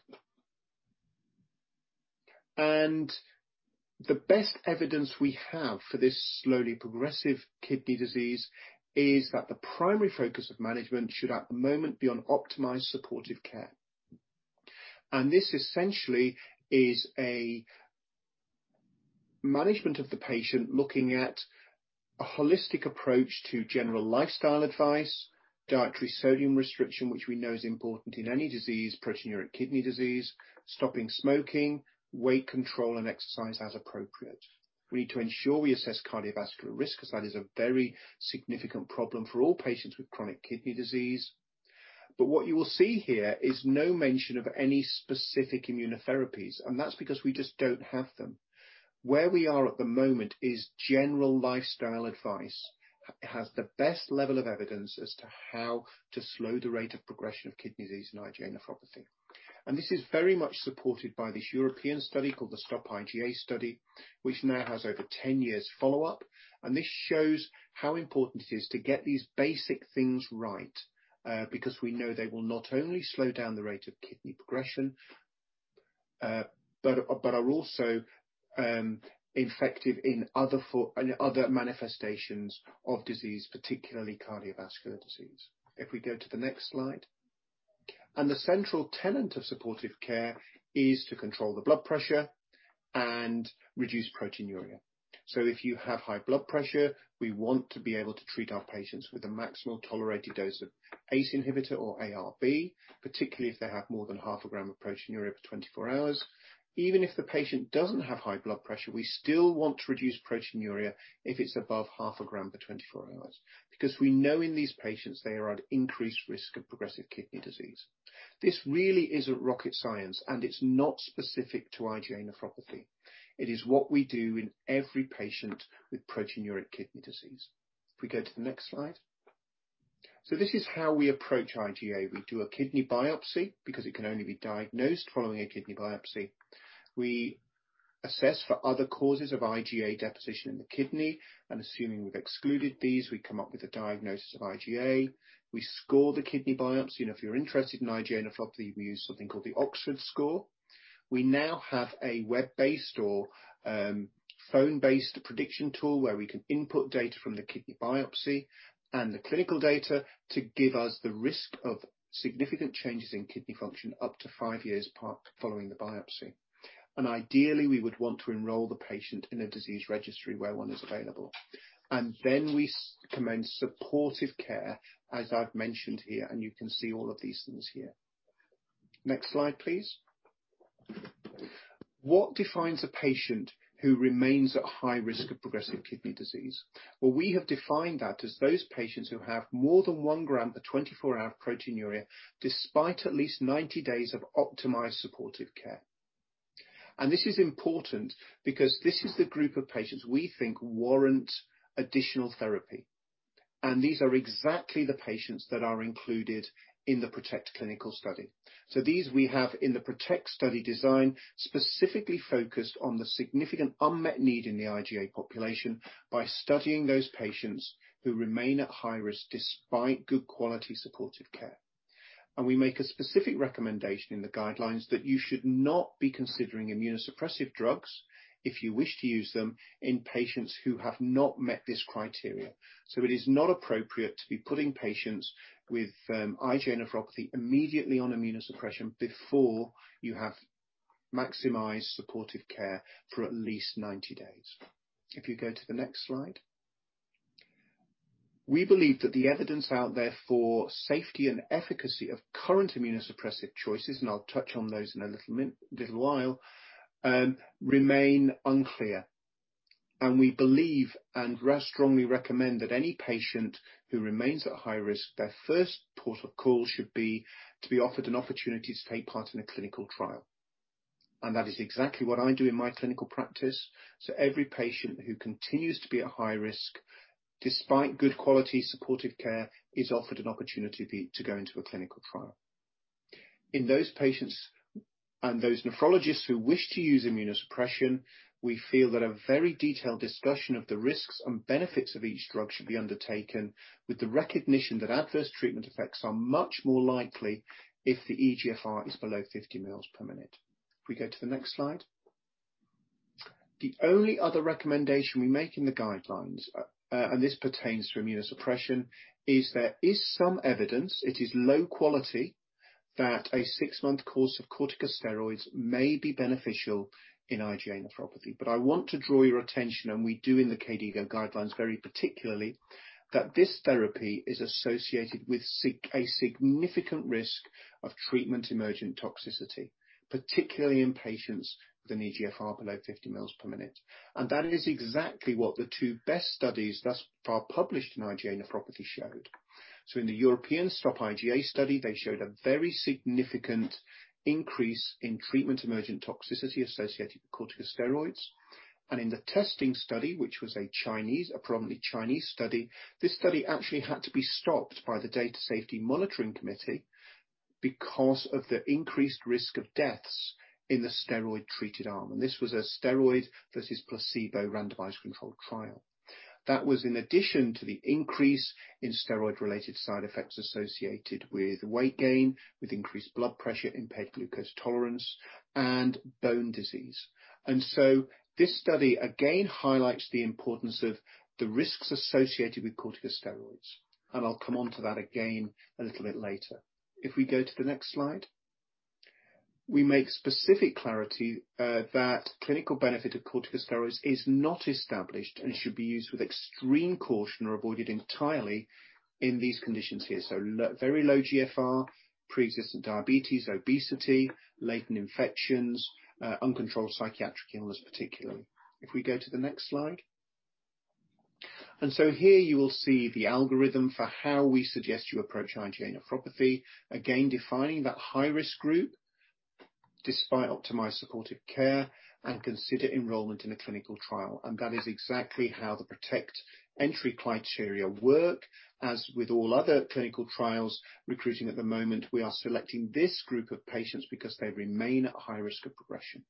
The best evidence we have for this slowly progressive kidney disease is that the primary focus of management should, at the moment, be on optimized supportive care. This essentially is a management of the patient looking at a holistic approach to general lifestyle advice, dietary sodium restriction, which we know is important in any disease, proteinuria kidney disease, stopping smoking, weight control, and exercise as appropriate. We need to ensure we assess cardiovascular risk as that is a very significant problem for all patients with chronic kidney disease. What you will see here is no mention of any specific immunotherapies, and that's because we just don't have them. Where we are at the moment is general lifestyle advice. It has the best level of evidence as to how to slow the rate of progression of kidney disease and IgA nephropathy. This is very much supported by this European study called the STOP-IgAN study, which now has over 10 years follow-up. This shows how important it is to get these basic things right, because we know they will not only slow down the rate of kidney progression, but are also effective in other manifestations of disease, particularly cardiovascular disease. If we go to the next slide. The central tenet of supportive care is to control the blood pressure and reduce proteinuria. If you have high blood pressure, we want to be able to treat our patients with a maximal tolerated dose of ACE inhibitor or ARB, particularly if they have more than 0.5 g of proteinuria for 24 hours. Even if the patient doesn't have high blood pressure, we still want to reduce proteinuria if it's above 0.5 g per 24 hours, because we know in these patients, they are at increased risk of progressive kidney disease. This really isn't rocket science, and it's not specific to IgA nephropathy. It is what we do in every patient with proteinuria kidney disease. If we go to the next slide. This is how we approach IgA. We do a kidney biopsy because it can only be diagnosed following a kidney biopsy. We assess for other causes of IgA deposition in the kidney, and assuming we've excluded these, we come up with a diagnosis of IgA. We score the kidney biopsy. If you're interested in IgA nephropathy, we use something called the Oxford score. We now have a web-based or phone-based prediction tool where we can input data from the kidney biopsy and the clinical data to give us the risk of significant changes in kidney function up to five years following the biopsy. Ideally, we would want to enroll the patient in a disease registry where one is available. Then we commence supportive care, as I've mentioned here, and you can see all of these things here. Next slide, please. What defines a patient who remains at high risk of progressive kidney disease? Well, we have defined that as those patients who have more than one gram a 24-hour proteinuria despite at least 90 days of optimized supportive care. This is important because this is the group of patients we think warrant additional therapy. These are exactly the patients that are included in the PROTECT clinical study. These we have in the PROTECT study design, specifically focused on the significant unmet need in the IgA population by studying those patients who remain at high risk despite good quality supportive care. We make a specific recommendation in the guidelines that you should not be considering immunosuppressive drugs if you wish to use them in patients who have not met this criteria. It is not appropriate to be putting patients with IgA nephropathy immediately on immunosuppression before you have maximized supportive care for at least 90 days. If you go to the next slide. We believe that the evidence out there for safety and efficacy of current immunosuppressive choices, and I'll touch on those in a little while, remain unclear. We believe and strongly recommend that any patient who remains at high risk, their first port of call should be to be offered an opportunity to take part in a clinical trial. That is exactly what I do in my clinical practice. Every patient who continues to be at high risk despite good quality supportive care is offered an opportunity to go into a clinical trial. In those patients and those nephrologists who wish to use immunosuppression, we feel that a very detailed discussion of the risks and benefits of each drug should be undertaken with the recognition that adverse treatment effects are much more likely if the eGFR is below 50 mLs per minute. If we go to the next slide. The only other recommendation we make in the guidelines, and this pertains to immunosuppression, is there is some evidence, it is low quality, that a six month course of corticosteroids may be beneficial in IgA nephropathy. I want to draw your attention, and we do in the KDIGO guidelines, very particularly, that this therapy is associated with a significant risk of treatment emergent toxicity, particularly in patients with an eGFR below 50 mLs per minute. That is exactly what the two best studies thus far published in IgA nephropathy showed. In the European STOP-IgAN study, they showed a very significant increase in treatment emergent toxicity associated with corticosteroids. In the TESTING study, which was a predominantly Chinese study, this study actually had to be stopped by the Data Safety Monitoring Committee because of the increased risk of deaths in the steroid-treated arm, and this was a steroid versus placebo randomized controlled trial. That was in addition to the increase in steroid-related side effects associated with weight gain, with increased blood pressure, impaired glucose tolerance, and bone disease. This study again highlights the importance of the risks associated with corticosteroids, and I'll come onto that again a little bit later. If we go to the next slide. We make specific clarity that clinical benefit of corticosteroids is not established and should be used with extreme caution or avoided entirely in these conditions here. Very low GFR, pre-existent diabetes, obesity, latent infections, uncontrolled psychiatric illness, particularly. If we go to the next slide. Here you will see the algorithm for how we suggest you approach IgA nephropathy, again, defining that high-risk group despite optimized supportive care and consider enrollment in a clinical trial. That is exactly how the PROTECT entry criteria work. As with all other clinical trials recruiting at the moment, we are selecting this group of patients because they remain at high risk of progression.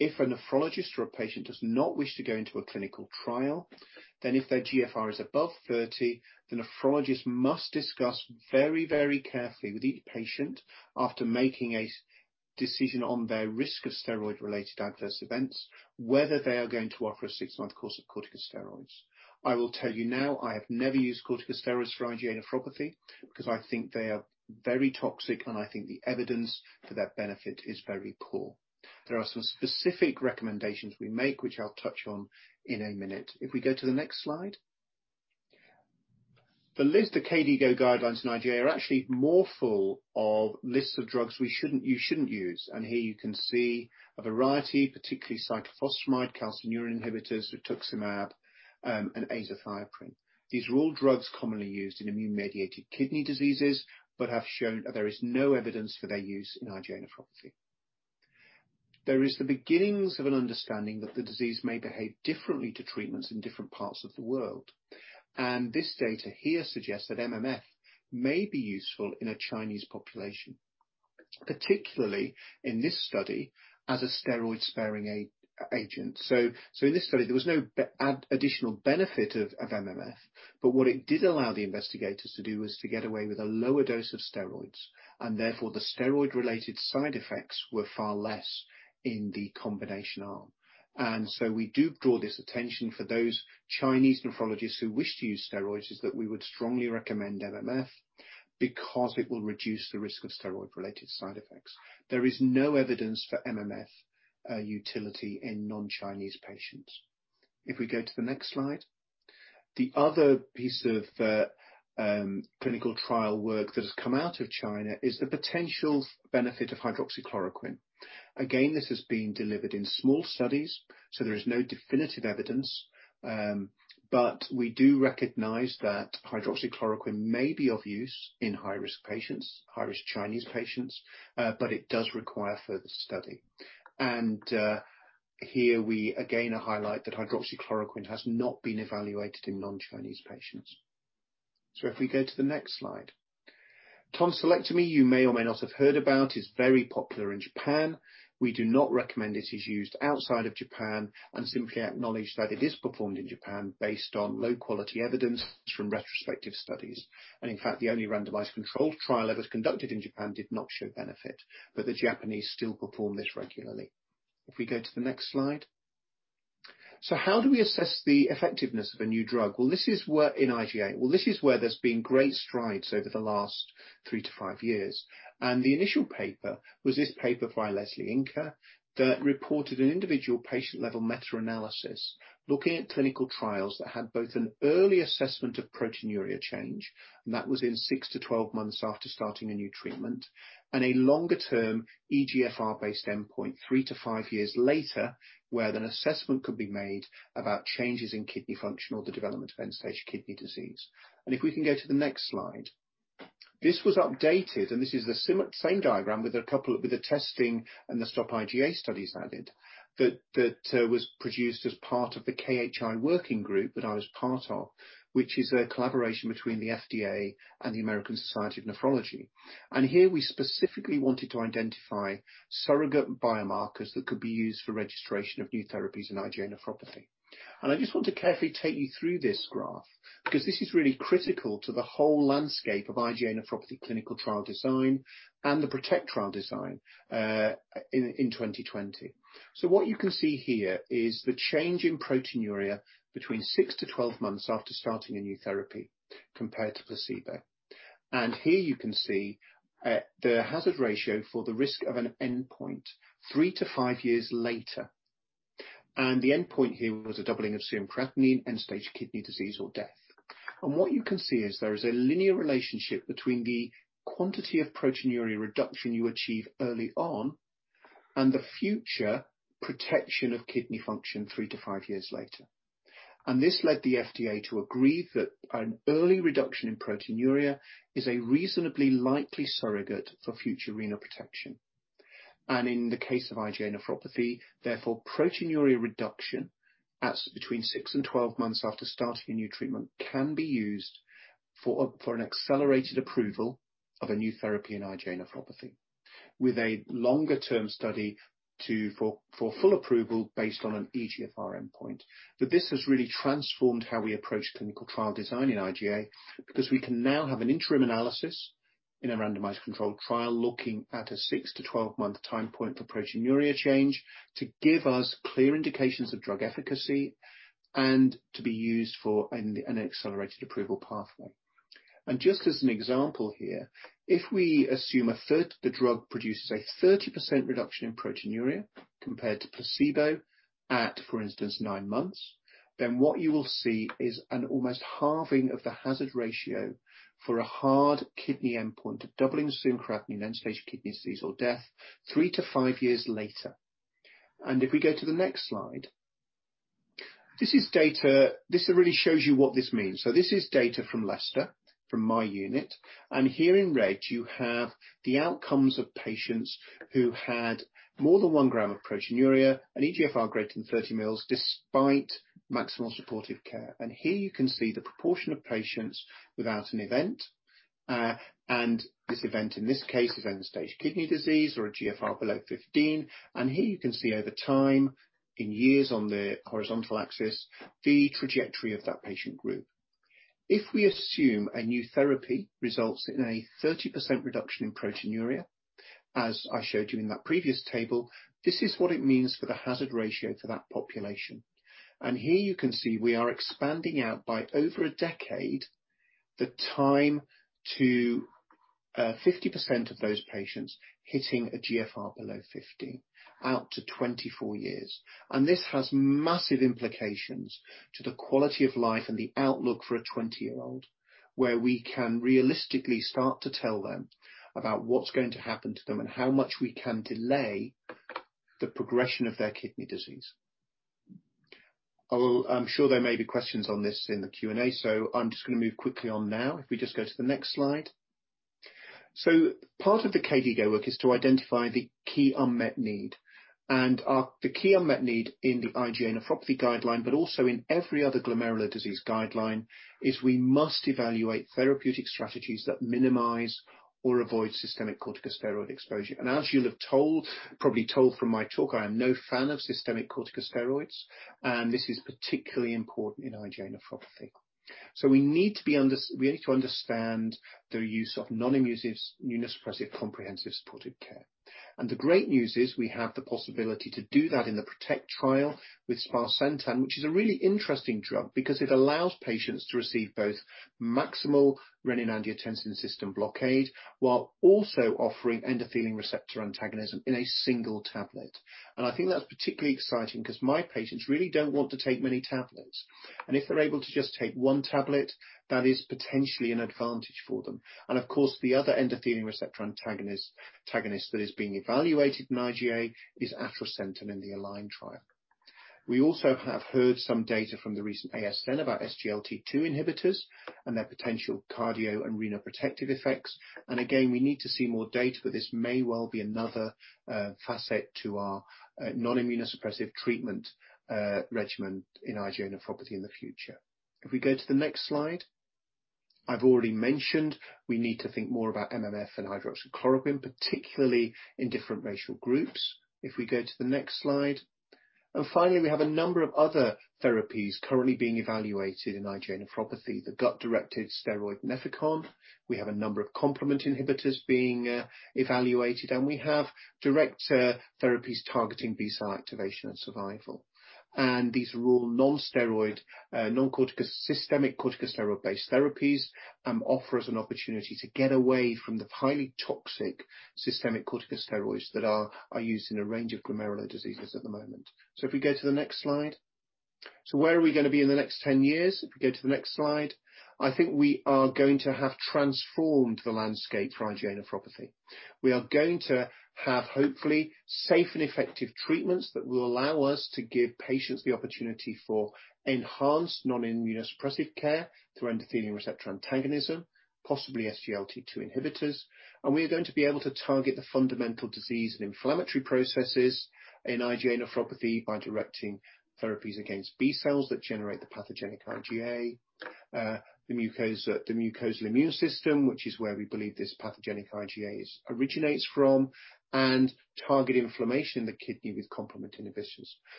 If a nephrologist or a patient does not wish to go into a clinical trial, then if their GFR is above 30, the nephrologist must discuss very, very carefully with each patient after making a decision on their risk of steroid-related adverse events, whether they are going to offer a six-month course of corticosteroids. I will tell you now, I have never used corticosteroids for IgA nephropathy because I think they are very toxic, and I think the evidence for their benefit is very poor. There are some specific recommendations we make, which I'll touch on in a minute. If we go to the next slide. The list of KDIGO guidelines in IgA are actually more full of lists of drugs you shouldn't use. Here you can see a variety, particularly cyclophosphamide, calcineurin inhibitors, rituximab, and azathioprine. These are all drugs commonly used in immune-mediated kidney diseases but have shown that there is no evidence for their use in IgA nephropathy. There is the beginnings of an understanding that the disease may behave differently to treatments in different parts of the world. This data here suggests that MMF may be useful in a Chinese population, particularly in this study as a steroid-sparing agent. In this study, there was no additional benefit of MMF, but what it did allow the investigators to do was to get away with a lower dose of steroids, and therefore the steroid-related side effects were far less in the combination arm. We do draw this attention for those Chinese nephrologists who wish to use steroids, is that we would strongly recommend MMF because it will reduce the risk of steroid-related side effects. There is no evidence for MMF utility in non-Chinese patients. If we go to the next slide. The other piece of clinical trial work that has come out of China is the potential benefit of hydroxychloroquine. This has been delivered in small studies, there is no definitive evidence, but we do recognize that hydroxychloroquine may be of use in high-risk patients, high-risk Chinese patients, but it does require further study. Here we again highlight that hydroxychloroquine has not been evaluated in non-Chinese patients. If we go to the next slide. Tonsillectomy, you may or may not have heard about, is very popular in Japan. We do not recommend it is used outside of Japan and simply acknowledge that it is performed in Japan based on low-quality evidence from retrospective studies. In fact, the only randomized controlled trial ever conducted in Japan did not show benefit. The Japanese still perform this regularly. If we go to the next slide. How do we assess the effectiveness of a new drug? Well, this is work in IgA. Well, this is where there's been great strides over the last three to five years. The initial paper was this paper by Lesley Inker that reported an individual patient-level meta-analysis looking at clinical trials that had both an early assessment of proteinuria change, and that was in six to 12 months after starting a new treatment, and a longer-term eGFR-based endpoint three to five years later, where an assessment could be made about changes in kidney function or the development of end-stage kidney disease. If we can go to the next slide. This was updated, and this is the same diagram with a couple of the TESTING and the STOP-IgAN studies added, that was produced as part of the KHI working group that I was part of, which is a collaboration between the FDA and the American Society of Nephrology. Here we specifically wanted to identify surrogate biomarkers that could be used for registration of new therapies in IgA nephropathy. I just want to carefully take you through this graph, because this is really critical to the whole landscape of IgA nephropathy clinical trial design and the PROTECT trial design in 2020. What you can see here is the change in proteinuria between six to 12 months after starting a new therapy compared to placebo. Here you can see the hazard ratio for the risk of an endpoint three to five years later. The endpoint here was a doubling of serum creatinine, end-stage kidney disease or death. What you can see is there is a linear relationship between the quantity of proteinuria reduction you achieve early on and the future protection of kidney function three to five years later. This led the FDA to agree that an early reduction in proteinuria is a reasonably likely surrogate for future renal protection. In the case of IgA nephropathy, therefore, proteinuria reduction between six and 12 months after starting a new treatment can be used for an accelerated approval of a new therapy in IgA nephropathy, with a longer-term study for full approval based on an eGFR endpoint. This has really transformed how we approach clinical trial design in IgA, because we can now have an interim analysis in a randomized controlled trial looking at a six to 12-month time point for proteinuria change to give us clear indications of drug efficacy and to be used for an accelerated approval pathway. Just as an example here, if we assume the drug produces a 30% reduction in proteinuria compared to placebo at, for instance, nine months, then what you will see is an almost halving of the hazard ratio for a hard kidney endpoint, a doubling of serum creatinine, end-stage kidney disease or death three to five years later. If we go to the next slide. This really shows you what this means. This is data from Leicester, from my unit. Here in red you have the outcomes of patients who had more than one gram of proteinuria, an eGFR greater than 30 mLs despite maximal supportive care. Here you can see the proportion of patients without an event, and this event in this case is end-stage kidney disease or a GFR below 15. Here you can see over time, in years on the horizontal axis, the trajectory of that patient group. If we assume a new therapy results in a 30% reduction in proteinuria, as I showed you in that previous table, this is what it means for the hazard ratio for that population. Here you can see we are expanding out by over a decade the time to 50% of those patients hitting a GFR below 50 out to 24 years. This has massive implications to the quality of life and the outlook for a 20-year-old, where we can realistically start to tell them about what's going to happen to them and how much we can delay the progression of their kidney disease. I'm sure there may be questions on this in the Q&A, so I'm just going to move quickly on now. If we just go to the next slide. Part of the KDIGO work is to identify the key unmet need. The key unmet need in the IgA nephropathy guideline, but also in every other glomerular disease guideline, is we must evaluate therapeutic strategies that minimize or avoid systemic corticosteroid exposure. As you'll have probably told from my talk, I am no fan of systemic corticosteroids, and this is particularly important in IgA nephropathy. We need to understand the use of non-immunosuppressive comprehensive supportive care. The great news is we have the possibility to do that in the PROTECT trial with sparsentan, which is a really interesting drug because it allows patients to receive both maximal renin-angiotensin system blockade while also offering endothelin receptor antagonism in a single tablet. I think that's particularly exciting because my patients really don't want to take many tablets. And if they're able to just take one tablet, that is potentially an advantage for them. Of course, the other endothelin receptor antagonist that is being evaluated in IgA is atrasentan in the ALIGN trial. We also have heard some data from the recent ASN about SGLT2 inhibitors and their potential cardio and renoprotective effects. Again, we need to see more data, but this may well be another facet to our non-immunosuppressive treatment regimen in IgA nephropathy in the future. If we go to the next slide, I've already mentioned we need to think more about MMF and hydroxychloroquine, particularly in different racial groups. If we go to the next slide. Finally, we have a number of other therapies currently being evaluated in IgA nephropathy, the gut-directed steroid Nefecon. We have a number of complement inhibitors being evaluated, and we have direct therapies targeting B cell activation and survival. These are all non-steroid, systemic corticosteroid-based therapies, offer us an opportunity to get away from the highly toxic systemic corticosteroids that are used in a range of glomerular diseases at the moment. If we go to the next slide. Where are we going to be in the next 10 years? If we go to the next slide. I think we are going to have transformed the landscape for IgA nephropathy. We are going to have, hopefully, safe and effective treatments that will allow us to give patients the opportunity for enhanced non-immunosuppressive care through endothelin receptor antagonism, possibly SGLT2 inhibitors. We are going to be able to target the fundamental disease and inflammatory processes in IgA nephropathy by directing therapies against B cells that generate the pathogenic IgA, the mucosal immune system, which is where we believe this pathogenic IgA originates from, and target inflammation in the kidney with complement inhibitors.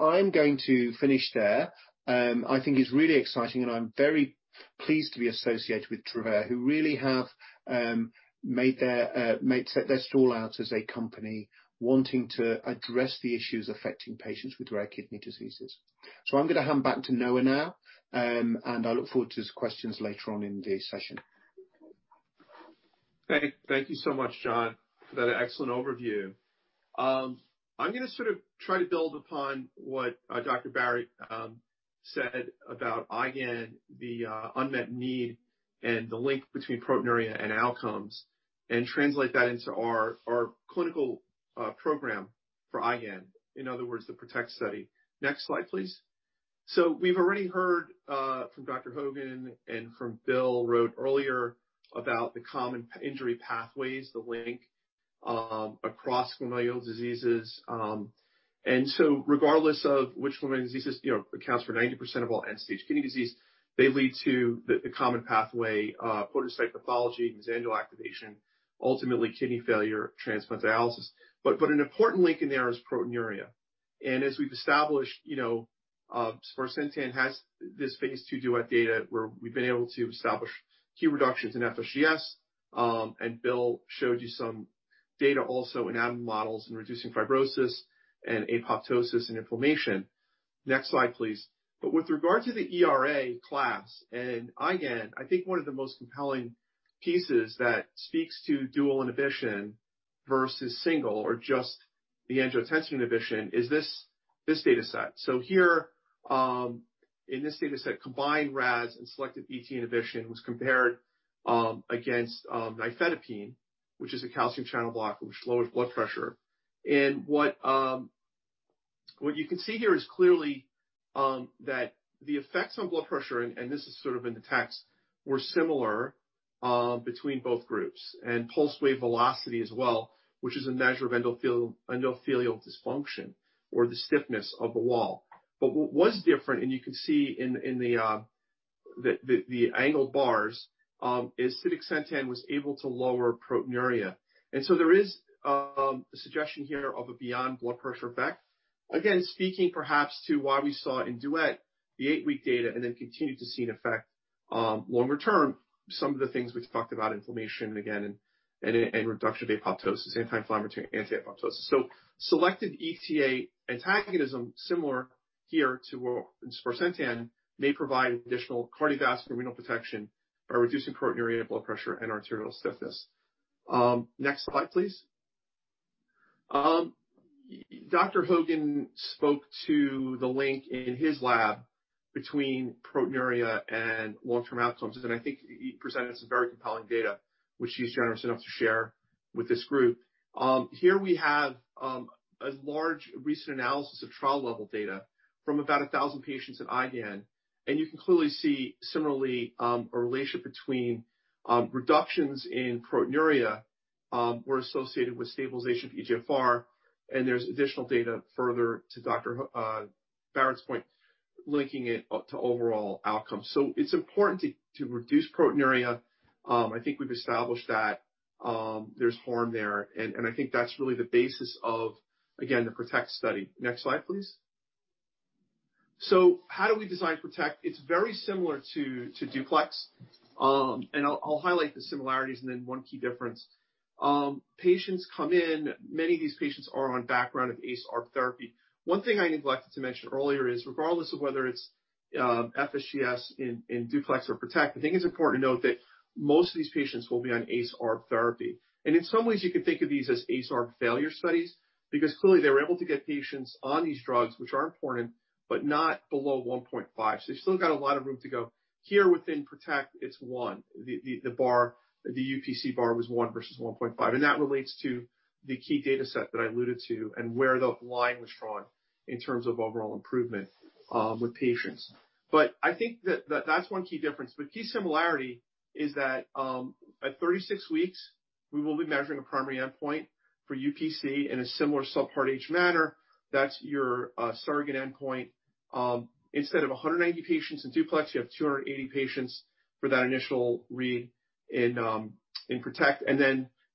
I'm going to finish there. I think it's really exciting, and I'm very pleased to be associated with Travere, who really have set their stall out as a company wanting to address the issues affecting patients with rare kidney diseases. I'm going to hand back to Noah now, and I look forward to his questions later on in the session. Thank you so much, Jonathan, for that excellent overview. I'm going to sort of try to build upon what Dr. Barratt said about IgAN, the unmet need, and the link between proteinuria and outcomes, and translate that into our clinical program for IgAN, in other words, the PROTECT study. Next slide, please. We've already heard from Dr. Hogan and from Bill Rote earlier about the common injury pathways, the link across glomerular diseases. Regardless of which glomerular diseases accounts for 90% of all end-stage kidney disease, they lead to the common pathway, podocyte pathology, mesangial activation, ultimately kidney failure, transplant dialysis. An important link in there is proteinuria. As we've established, sparsentan has this phase II DUET data where we've been able to establish key reductions in FSGS, and Bill showed you some data also in animal models in reducing fibrosis and apoptosis and inflammation. Next slide, please. With regard to the ERA class and IgAN, I think one of the most compelling pieces that speaks to dual inhibition versus single or just the angiotensin inhibition is this data set. Here in this data set, combined RAAS and selective ETA inhibition was compared against nifedipine, which is a calcium channel blocker which lowers blood pressure. What you can see here is clearly that the effects on blood pressure, and this is sort of in the text, were similar between both groups, and pulse wave velocity as well, which is a measure of endothelial dysfunction or the stiffness of the wall. What was different, and you can see in the angled bars, is sparsentan was able to lower proteinuria. There is a suggestion here of a beyond-blood pressure effect. Speaking perhaps to why we saw in DUET the eight week data and then continued to see an effect longer term, some of the things we've talked about, inflammation, again, and reduction of apoptosis, anti-inflammatory and anti-apoptosis. Selected ETA antagonism, similar here to what sparsentan, may provide additional cardiovascular renal protection by reducing proteinuria, blood pressure, and arterial stiffness. Next slide, please. Dr. Hogan spoke to the link in his lab between proteinuria and long-term outcomes, and I think he presented some very compelling data, which he was generous enough to share with this group. Here we have a large recent analysis of trial-level data from about 1,000 patients in IgAN, and you can clearly see similarly a relationship between reductions in proteinuria were associated with stabilization of eGFR, and there's additional data further to Dr. Barratt's point, linking it to overall outcomes. It's important to reduce proteinuria. I think we've established that there's harm there, and I think that's really the basis of, again, the PROTECT study. Next slide, please. How do we design PROTECT? It's very similar to DUPLEX. I'll highlight the similarities and then one key difference. Patients come in. Many of these patients are on background of ACE/ARB therapy. One thing I neglected to mention earlier is regardless of whether it's FSGS in DUPLEX or PROTECT, I think it's important to note that most of these patients will be on ACE/ARB therapy. In some ways, you can think of these as ACE/ARB failure studies, because clearly they were able to get patients on these drugs, which are important, but not below 1.5. They've still got a lot of room to go. Here within PROTECT it's one. The UPC bar was 1 versus 1.5, that relates to the key data set that I alluded to and where the line was drawn in terms of overall improvement with patients. I think that's one key difference. Key similarity is that at 36 weeks, we will be measuring a primary endpoint for UPC in a similar Subpart H manner. That's your surrogate endpoint. Instead of 180 patients in DUPLEX, you have 280 patients for that initial read in PROTECT.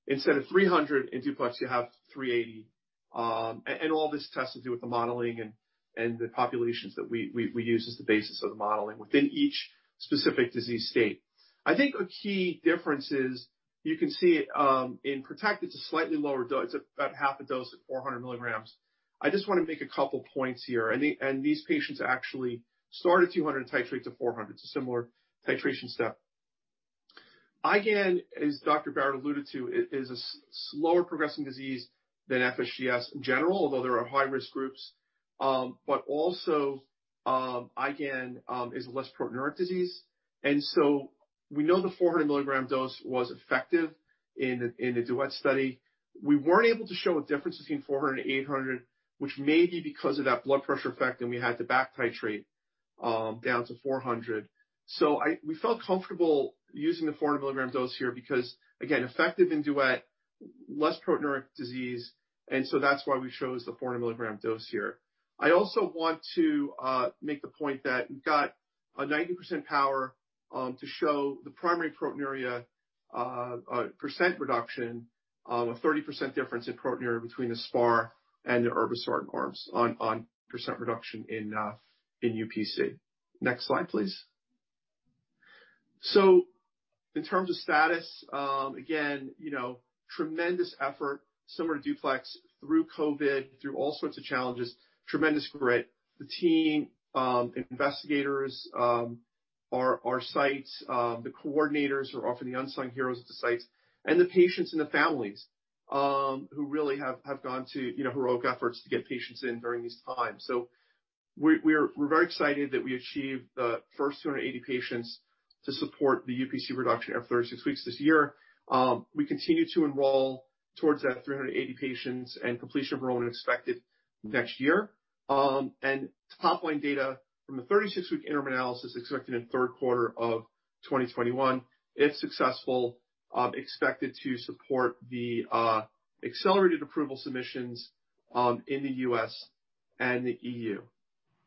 Instead of 300 in DUPLEX, you have 380. All this has to do with the modeling and the populations that we use as the basis of the modeling within each specific disease state. I think a key difference is you can see it in PROTECT, it's a slightly lower dose. It's about half a dose at 400 mg. I just want to make a couple points here. These patients actually start at 200 and titrate to 400. It's a similar titration step. IgAN, as Dr. Barratt alluded to, is a slower progressing disease than FSGS in general, although there are high-risk groups. Also IgAN is a less proteinuria disease. We know the 400 mg dose was effective in the DUET study. We weren't able to show a difference between 400 and 800, which may be because of that blood pressure effect, and we had to back titrate down to 400. We felt comfortable using the 400 mg dose here because, again, effective in DUET, less proteinuria disease, and so that's why we chose the 400 mg dose here. I also want to make the point that we've got a 90% power to show the primary proteinuria percent reduction of 30% difference in proteinuria between the SPAR and the irbesartan arms on percent reduction in UPC. Next slide, please. In terms of status, again, tremendous effort, similar to DUPLEX through COVID, through all sorts of challenges, tremendous grit. The team, investigators, our sites, the coordinators who are often the unsung heroes of the sites, and the patients and the families who really have gone to heroic efforts to get patients in during these times. We're very excited that we achieved the first 280 patients to support the UPC reduction after 36 weeks this year. We continue to enroll towards that 380 patients and completion of enrollment expected next year. Top-line data from the 36-week interim analysis expected in the third quarter of 2021. If successful, expected to support the accelerated approval submissions in the U.S. and the EU.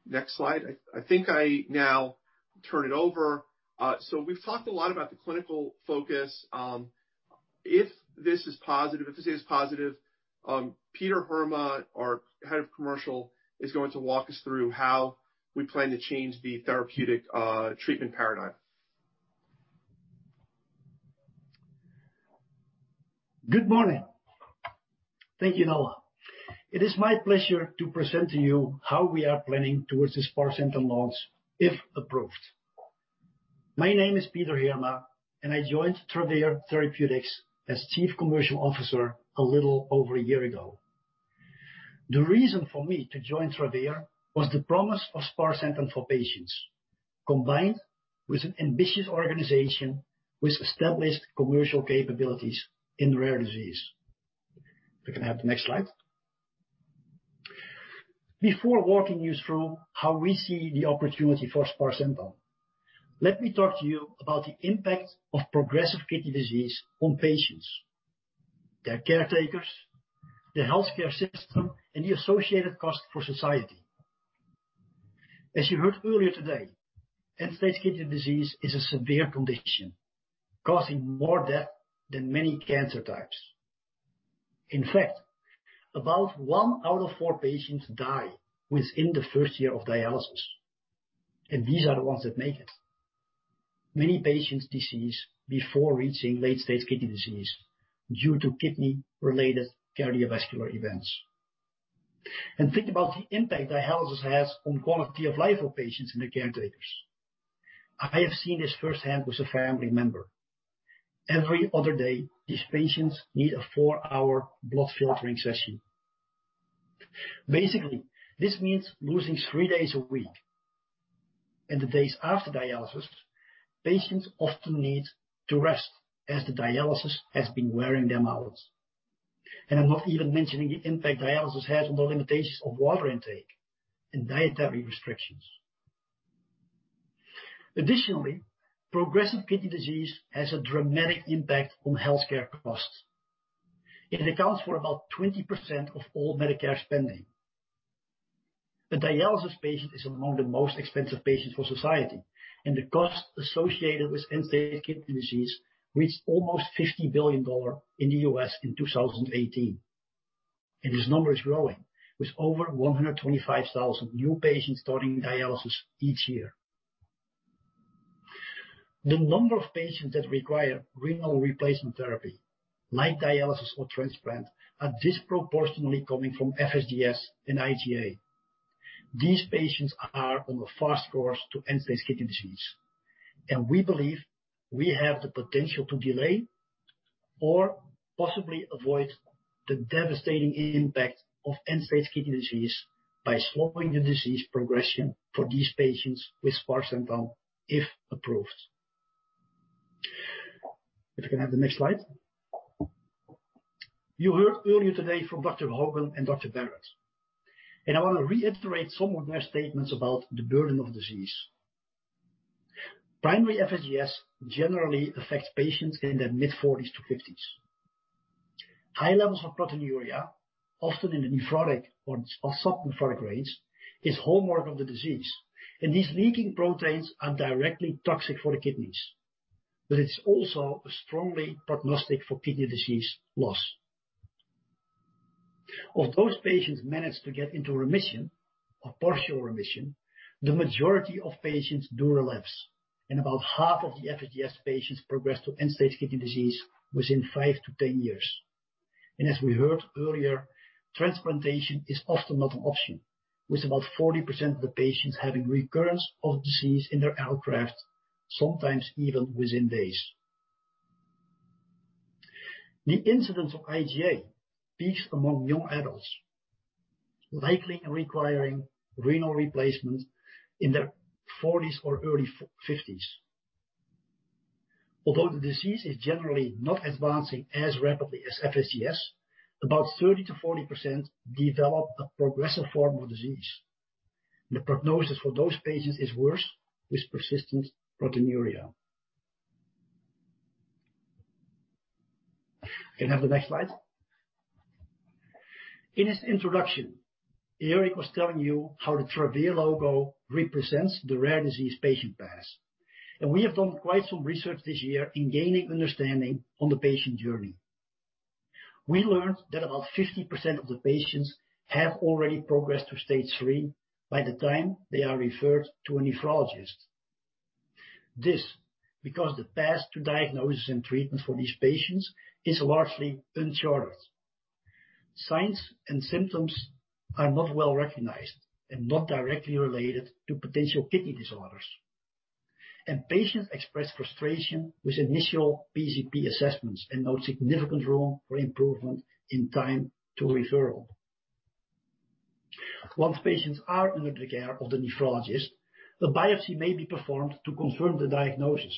Next slide. I think I now turn it over. We've talked a lot about the clinical focus. If this is positive, Peter Heerma, our head of commercial, is going to walk us through how we plan to change the therapeutic treatment paradigm. Good morning. Thank you, Noah. It is my pleasure to present to you how we are planning towards the sparsentan launch, if approved. My name is Peter Heerma, and I joined Travere Therapeutics as Chief Commercial Officer a little over a year ago. The reason for me to join Travere was the promise of sparsentan for patients, combined with an ambitious organization with established commercial capabilities in rare disease. If we can have the next slide. Before walking you through how we see the opportunity for sparsentan, let me talk to you about the impact of progressive kidney disease on patients, their caretakers, the healthcare system, and the associated cost for society. As you heard earlier today, end-stage kidney disease is a severe condition causing more death than many cancer types. In fact, about one out of four patients die within the first year of dialysis, and these are the ones that make it. Many patients decease before reaching late-stage kidney disease due to kidney-related cardiovascular events. Think about the impact dialysis has on quality of life for patients and their caretakers. I have seen this firsthand with a family member. Every other day, these patients need a 4-hour blood filtering session. Basically, this means losing three days a week. The days after dialysis, patients often need to rest as the dialysis has been wearing them out. I'm not even mentioning the impact dialysis has on the limitations of water intake and dietary restrictions. Additionally, progressive kidney disease has a dramatic impact on healthcare costs. It accounts for about 20% of all Medicare spending. The dialysis patient is among the most expensive patients for society. The cost associated with end-stage kidney disease reached almost $50 billion in the U.S. in 2018. This number is growing, with over 125,000 new patients starting dialysis each year. The number of patients that require renal replacement therapy, like dialysis or transplant, are disproportionately coming from FSGS and IgA. These patients are on the fast course to end-stage kidney disease, and we believe we have the potential to delay or possibly avoid the devastating impact of end-stage kidney disease by slowing the disease progression for these patients with sparsentan, if approved. If we can have the next slide. You heard earlier today from Dr. Hogan and Dr. Barratt. I want to reiterate some of their statements about the burden of disease. Primary FSGS generally affects patients in their mid-40s to 50s. High levels of proteinuria, often in the nephrotic or subnephrotic range, is hallmark of the disease. These leaking proteins are directly toxic for the kidneys, it's also strongly prognostic for kidney disease loss. Of those patients managed to get into remission or partial remission, the majority of patients do relapse. About half of the FSGS patients progress to end-stage kidney disease within five to 10 years. As we heard earlier, transplantation is often not an option, with about 40% of the patients having recurrence of disease in their allograft, sometimes even within days. The incidence of IgA peaks among young adults, likely requiring renal replacement in their 40s or early 50s. Although the disease is generally not advancing as rapidly as FSGS, about 30%-40% develop a progressive form of disease. The prognosis for those patients is worse with persistent proteinuria. Can I have the next slide? In his introduction, Eric was telling you how the Travere logo represents the rare disease patient path. We have done quite some research this year in gaining understanding on the patient journey. We learned that about 50% of the patients have already progressed to stage 3 by the time they are referred to a nephrologist. This, because the path to diagnosis and treatment for these patients is largely uncharted. Signs and symptoms are not well-recognized and not directly related to potential kidney disorders. Patients express frustration with initial PCP assessments and note significant room for improvement in time to referral. Once patients are under the care of the nephrologist, a biopsy may be performed to confirm the diagnosis.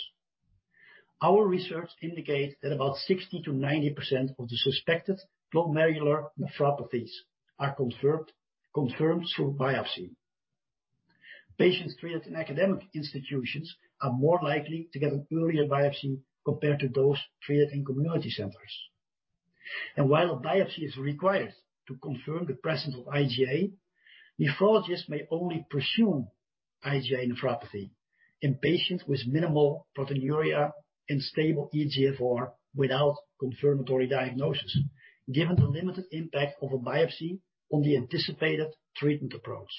Our research indicates that about 60%-90% of the suspected glomerular nephropathies are confirmed through biopsy. Patients treated in academic institutions are more likely to get an earlier biopsy compared to those treated in community centers. While a biopsy is required to confirm the presence of IgA, nephrologists may only presume IgA nephropathy in patients with minimal proteinuria and stable eGFR without confirmatory diagnosis, given the limited impact of a biopsy on the anticipated treatment approach.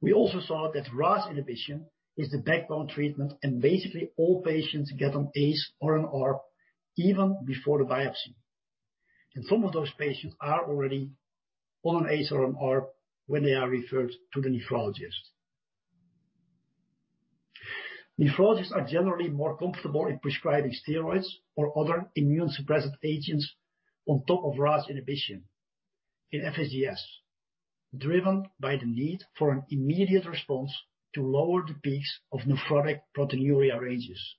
We also saw that RAS inhibition is the backbone treatment, and basically all patients get on ACE or an ARB even before the biopsy, and some of those patients are already on an ACE or an ARB when they are referred to the nephrologist. Nephrologists are generally more comfortable in prescribing steroids or other immunosuppressant agents on top of RAS inhibition in FSGS, driven by the need for an immediate response to lower the peaks of nephrotic proteinuria ranges.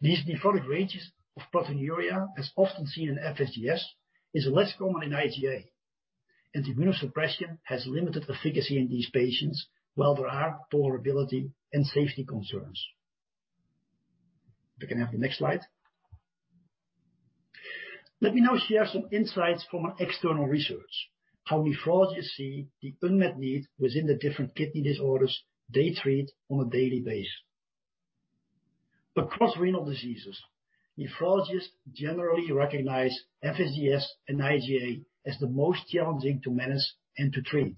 These nephrotic ranges of proteinuria, as often seen in FSGS, is less common in IgA, and immunosuppression has limited efficacy in these patients, while there are tolerability and safety concerns. We can have the next slide. Let me now share some insights from an external research, how nephrologists see the unmet need within the different kidney disorders they treat on a daily basis. Across renal diseases, nephrologists generally recognize FSGS and IgA as the most challenging to manage and to treat.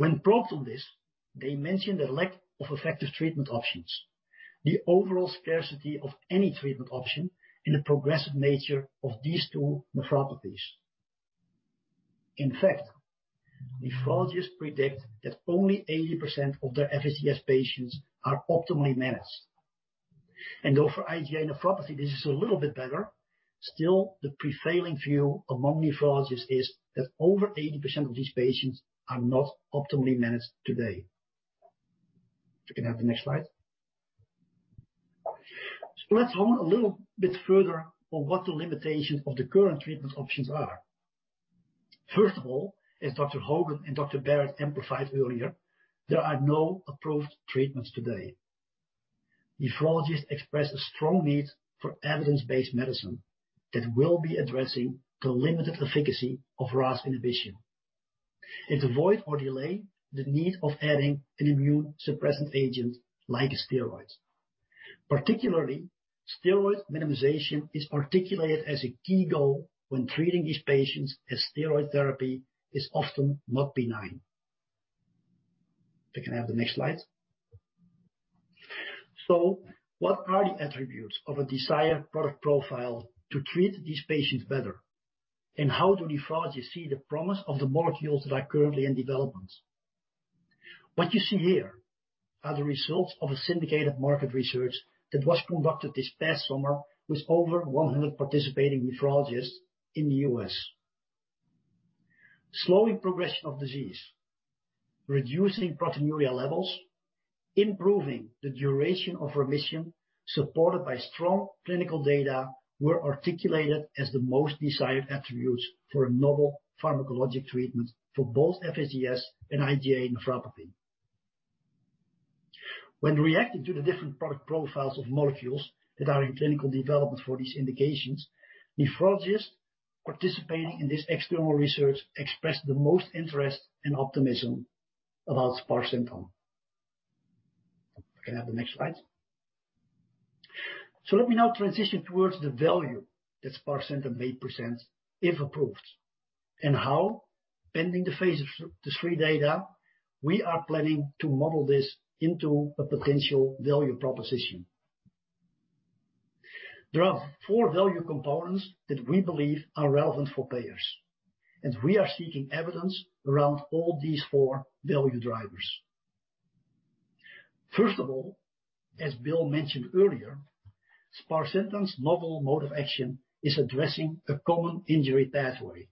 When probed on this, they mentioned the lack of effective treatment options, the overall scarcity of any treatment option, and the progressive nature of these two nephropathies. In fact, nephrologists predict that only 80% of their FSGS patients are optimally managed. Though for IgA nephropathy, this is a little bit better, still the prevailing view among nephrologists is that over 80% of these patients are not optimally managed today. We can have the next slide. Let's hone a little bit further on what the limitations of the current treatment options are. First of all, as Dr. Hogan and Dr. Barratt emphasized earlier, there are no approved treatments today. Nephrologists express a strong need for evidence-based medicine that will be addressing the limited efficacy of RAS inhibition and avoid or delay the need of adding an immunosuppressant agent like steroids. Particularly, steroid minimization is articulated as a key goal when treating these patients, as steroid therapy is often not benign. We can have the next slide. What are the attributes of a desired product profile to treat these patients better? How do nephrologists see the promise of the molecules that are currently in development? What you see here are the results of a syndicated market research that was conducted this past summer with over 100 participating nephrologists in the U.S. Slowing progression of disease, reducing proteinuria levels, improving the duration of remission, supported by strong clinical data, were articulated as the most desired attributes for a novel pharmacologic treatment for both FSGS and IgA nephropathy. When reacting to the different product profiles of molecules that are in clinical development for these indications, nephrologists participating in this external research expressed the most interest and optimism about sparsentan. We can have the next slide. Let me now transition towards the value that sparsentan may present if approved, and how, pending the phase III data, we are planning to model this into a potential value proposition. There are four value components that we believe are relevant for payers, and we are seeking evidence around all these four value drivers. First of all, as Bill mentioned earlier, sparsentan's novel mode of action is addressing a common injury pathway,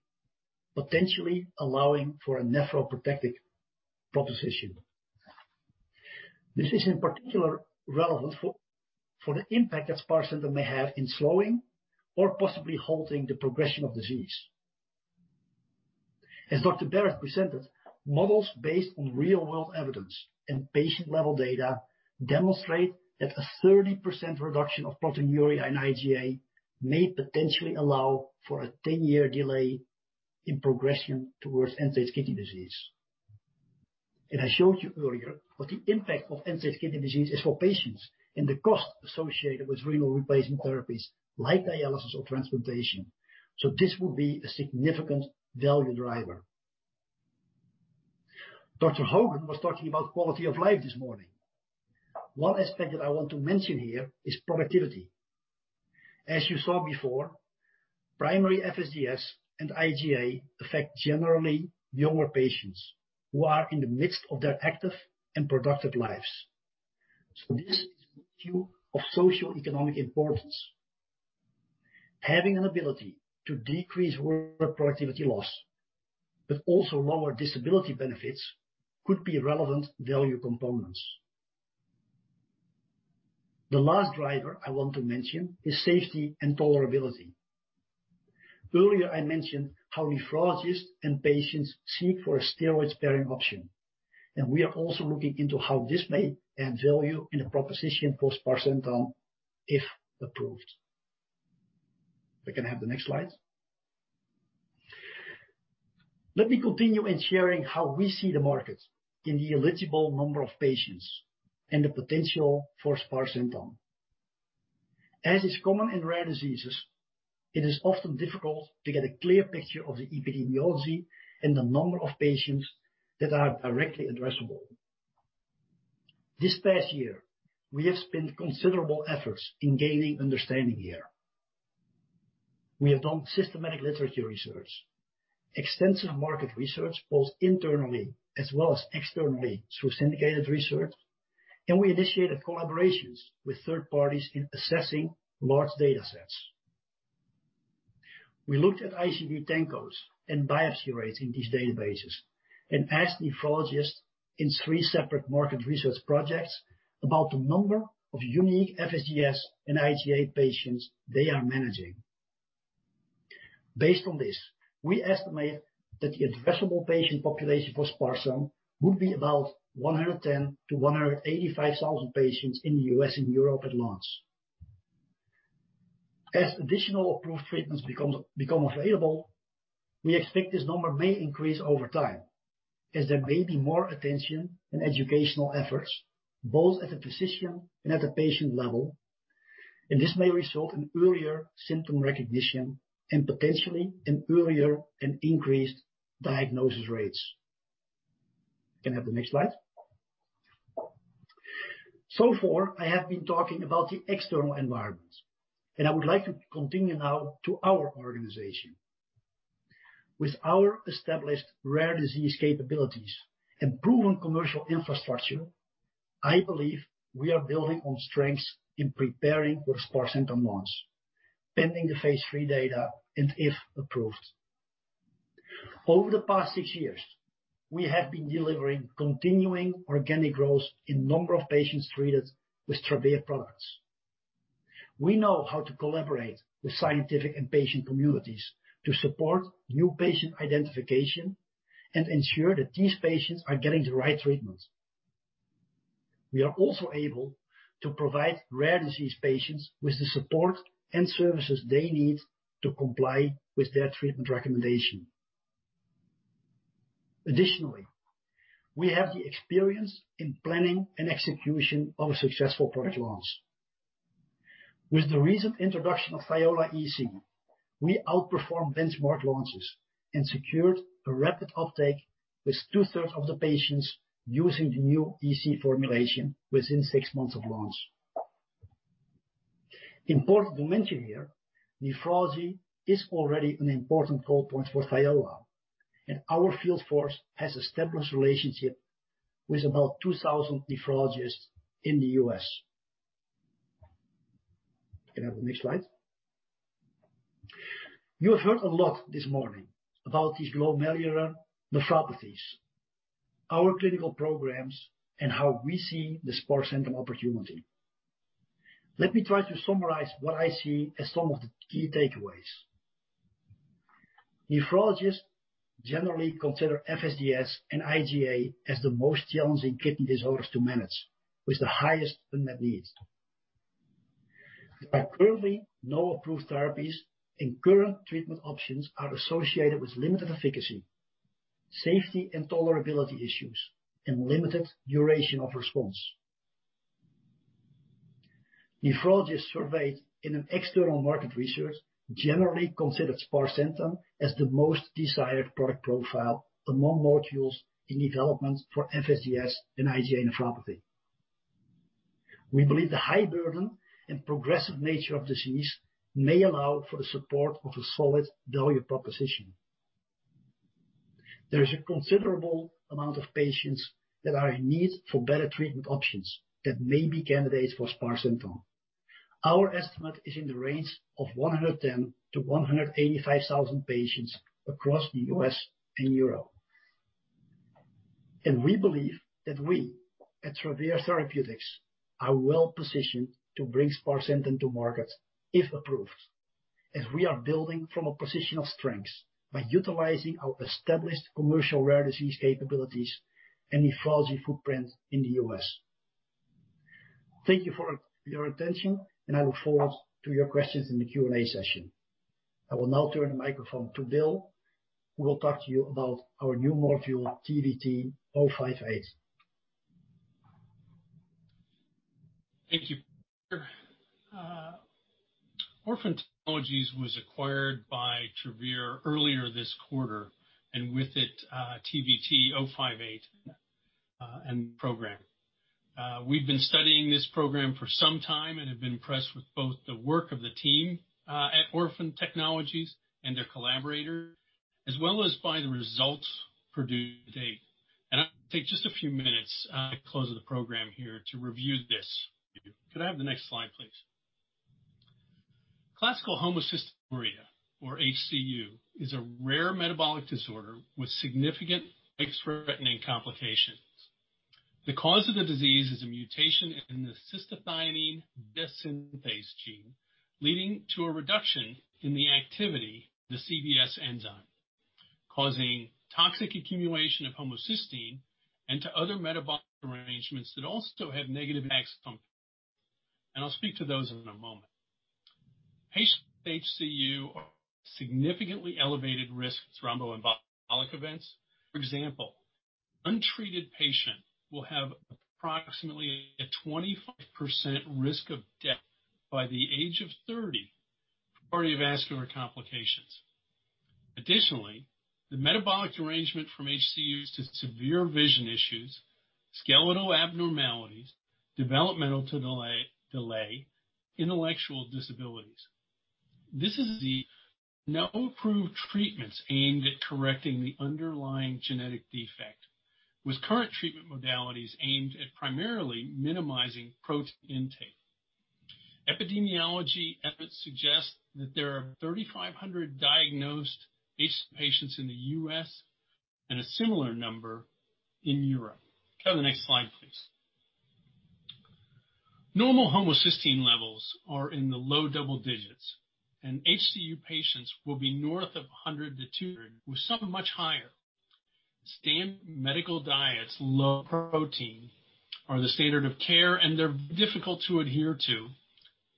potentially allowing for a nephroprotective proposition. This is in particular relevant for the impact that sparsentan may have in slowing or possibly halting the progression of disease. As Dr. Barratt presented, models based on real-world evidence and patient-level data demonstrate that a 30% reduction of proteinuria in IgA may potentially allow for a 10-year delay in progression towards end-stage kidney disease. I showed you earlier what the impact of end-stage kidney disease is for patients and the cost associated with renal replacement therapies like dialysis or transplantation. This would be a significant value driver. Dr. Hogan was talking about quality of life this morning. One aspect that I want to mention here is productivity. As you saw before, primary FSGS and IgA affect generally younger patients who are in the midst of their active and productive lives. This is of socioeconomic importance. Having an ability to decrease work productivity loss, but also lower disability benefits, could be relevant value components. The last driver I want to mention is safety and tolerability. Earlier, I mentioned how nephrologists and patients seek for a steroid-sparing option, and we are also looking into how this may add value in a proposition for sparsentan if approved. We can have the next slide. Let me continue in sharing how we see the market in the eligible number of patients and the potential for sparsentan. As is common in rare diseases, it is often difficult to get a clear picture of the epidemiology and the number of patients that are directly addressable. This past year, we have spent considerable efforts in gaining understanding here. We have done systematic literature research, extensive market research, both internally as well as externally through syndicated research, and we initiated collaborations with third parties in assessing large data sets. We looked at ICD-10 codes and biopsy rates in these databases and asked nephrologists in three separate market research projects about the number of unique FSGS and IgA patients they are managing. Based on this, we estimate that the addressable patient population for sparsentan would be about 110,000 to 185,000 patients in the U.S. and Europe at launch. As additional approved treatments become available, we expect this number may increase over time as there may be more attention and educational efforts, both at the physician and at the patient level. This may result in earlier symptom recognition and potentially in earlier and increased diagnosis rates. Can I have the next slide? So far, I have been talking about the external environment, and I would like to continue now to our organization. With our established rare disease capabilities and proven commercial infrastructure, I believe we are building on strengths in preparing for sparsentan launch, pending the phase III data and if approved. Over the past six years, we have been delivering continuing organic growth in number of patients treated with Travere products. We know how to collaborate with scientific and patient communities to support new patient identification and ensure that these patients are getting the right treatment. We are also able to provide rare disease patients with the support and services they need to comply with their treatment recommendation. Additionally, we have the experience in planning and execution of a successful product launch. With the recent introduction of THIOLA EC, we outperformed benchmark launches and secured a rapid uptake, with two-thirds of the patients using the new EC formulation within six months of launch. Important to mention here, nephrology is already an important call point for THIOLA, and our field force has established relationship with about 2,000 nephrologists in the U.S. Can I have the next slide? You have heard a lot this morning about these glomerular nephropathies, our clinical program, and how we see the sparsentan opportunity. Let me try to summarize what I see as some of the key takeaways. Nephrologists generally consider FSGS and IgA as the most challenging kidney disorders to manage, with the highest unmet needs. There are currently no approved therapies, and current treatment options are associated with limited efficacy, safety and tolerability issues, and limited duration of response. Nephrologists surveyed in an external market research generally considered sparsentan as the most desired product profile among molecules in development for FSGS and IgA nephropathy. We believe the high burden and progressive nature of disease may allow for the support of a solid value proposition. There is a considerable amount of patients that are in need for better treatment options that may be candidates for sparsentan. Our estimate is in the range of 110 to 185,000 patients across the U.S. and Europe. We believe that we, at Travere Therapeutics, are well-positioned to bring sparsentan to market if approved, as we are building from a position of strength by utilizing our established commercial rare disease capabilities and nephrology footprint in the U.S. Thank you for your attention, and I will look forward to your questions in the Q&A session. I will now turn the microphone to Bill, who will talk to you about our new molecule, TVT-058. Thank you. Orphan Technologies was acquired by Travere earlier this quarter, and with it, TVT-058 and program. We've been studying this program for some time and have been impressed with both the work of the team, at Orphan Technologies and their collaborators, as well as by the results produced to date. I'll take just a few minutes at close of the program here to review this with you. Could I have the next slide, please? Classical homocystinuria, or HCU, is a rare metabolic disorder with significant life-threatening complications. The cause of the disease is a mutation in the cystathionine β-synthase gene, leading to a reduction in the activity of the CBS enzyme, causing toxic accumulation of homocysteine and to other metabolic [arrangements] that also have negative effects on. I'll speak to those in a moment. Patients with HCU are significantly elevated risk of thromboembolic events. For example, untreated patient will have approximately a 25% risk of death by the age of 30 from cardiovascular complications. Additionally, the metabolic derangement from HCU leads to severe vision issues, skeletal abnormalities, developmental delay, intellectual disabilities. This is a disease with no approved treatments aimed at correcting the underlying genetic defect, with current treatment modalities aimed at primarily minimizing protein intake. Epidemiology efforts suggest that there are 3,500 diagnosed [HC patients] in the U.S. and a similar number in Europe. Can I have the next slide, please? Normal homocysteine levels are in the low double digits. HCU patients will be north of 100 to 200, with some much higher. Standard medical diets, low protein, are the standard of care. They're difficult to adhere to,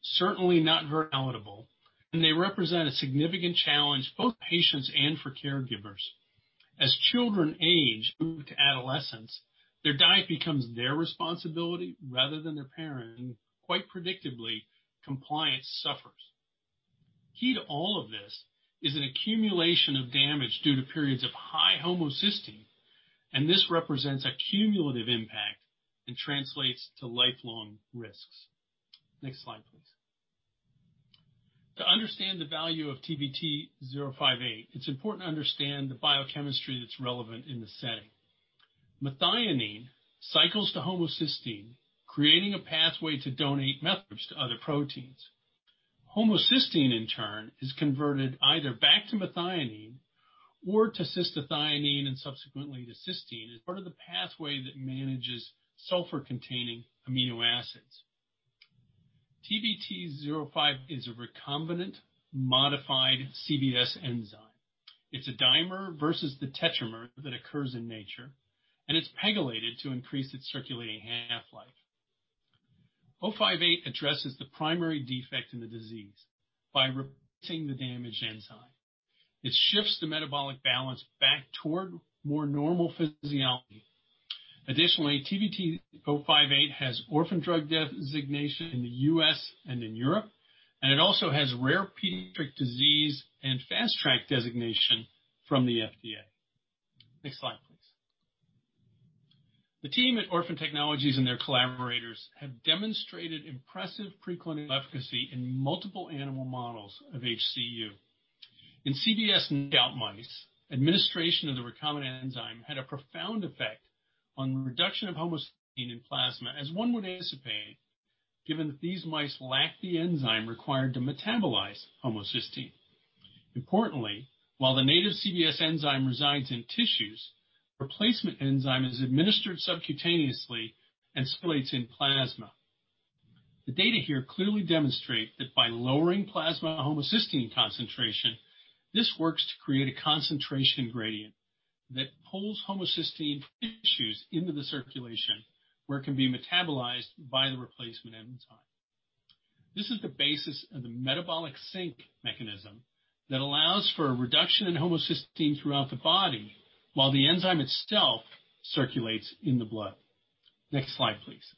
certainly not very palatable, and they represent a significant challenge both for patients and for caregivers. As children age to adolescence, their diet becomes their responsibility rather than their parent, and quite predictably, compliance suffers. Key to all of this is an accumulation of damage due to periods of high homocysteine, and this represents a cumulative impact and translates to lifelong risks. Next slide, please. To understand the value of TVT-058, it's important to understand the biochemistry that's relevant in this setting. Methionine cycles to homocysteine, creating a pathway to donate methyl groups to other proteins. Homocysteine, in turn, is converted either back to methionine or to cystathionine and subsequently to cysteine, as part of the pathway that manages sulfur-containing amino acids. TVT-058 is a recombinant modified CBS enzyme. It's a dimer versus the tetramer that occurs in nature, and it's pegylated to increase its circulating half-life. 058 addresses the primary defect in the disease by replacing the damaged enzyme. It shifts the metabolic balance back toward more normal physiology. Additionally, TVT-058 has orphan drug designation in the U.S. and in Europe, and it also has rare pediatric disease and fast track designation from the FDA. Next slide, please. The team at Orphan Technologies and their collaborators have demonstrated impressive preclinical efficacy in multiple animal models of HCU. In CBS knockout mice, administration of the recombinant enzyme had a profound effect on the reduction of homocysteine in plasma, as one would anticipate, given that these mice lack the enzyme required to metabolize homocysteine. Importantly, while the native CBS enzyme resides in tissues, replacement enzyme is administered subcutaneously and circulates in plasma. The data here clearly demonstrate that by lowering plasma homocysteine concentration, this works to create a concentration gradient that pulls homocysteine from tissues into the circulation where it can be metabolized by the replacement enzyme. This is the basis of the metabolic sink mechanism that allows for a reduction in homocysteine throughout the body while the enzyme itself circulates in the blood. Next slide, please.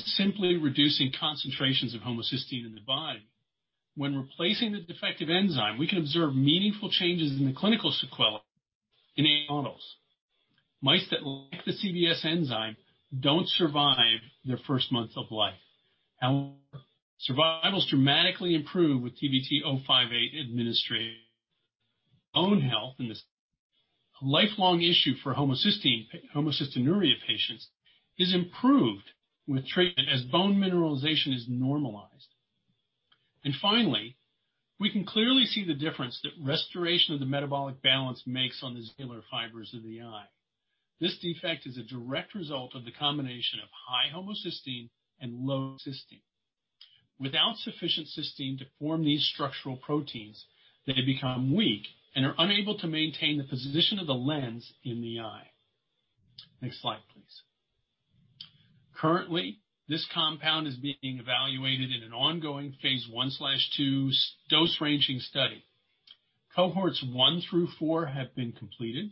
Simply reducing concentrations of homocysteine in the body, when replacing the defective enzyme, we can observe meaningful changes in the clinical sequelae in animal models. Mice that lack the CBS enzyme don't survive their first month of life. Survivals dramatically improve with TVT-058 administration. Bone health, a lifelong issue for homocystinuria patients, is improved with treatment as bone mineralization is normalized. Finally, we can clearly see the difference that restoration of the metabolic balance makes on the zonular fibers of the eye. This defect is a direct result of the combination of high homocysteine and low cysteine. Without sufficient cysteine to form these structural proteins, they become weak and are unable to maintain the position of the lens in the eye. Next slide, please. Currently, this compound is being evaluated in an ongoing phase I/II dose-ranging study. Cohorts 1 through 4 have been completed.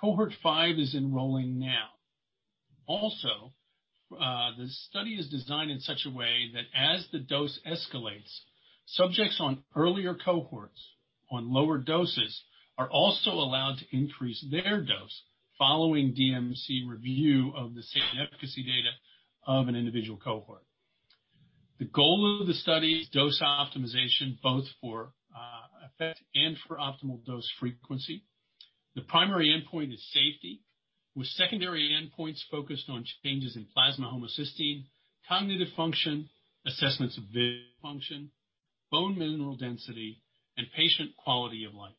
Cohort 5 is enrolling now. Also, the study is designed in such a way that as the dose escalates, subjects on earlier cohorts on lower doses are also allowed to increase their dose following DMC review of the safety efficacy data of an individual cohort. The goal of the study is dose optimization, both for effect and for optimal dose frequency. The primary endpoint is safety, with secondary endpoints focused on changes in plasma homocysteine, cognitive function, assessments of vision function, bone mineral density, and patient quality of life.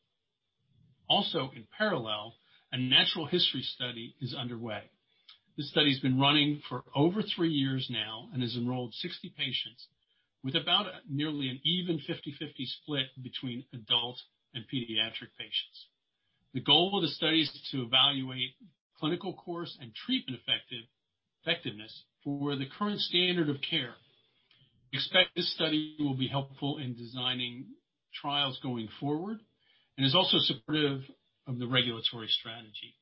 Also, in parallel, a natural history study is underway. This study has been running for over three years now and has enrolled 60 patients with about nearly an even 50/50 split between adult and pediatric patients. The goal of the study is to evaluate clinical course and treatment effectiveness for the current standard of care. We expect this study will be helpful in designing trials going forward and is also supportive of the regulatory strategy.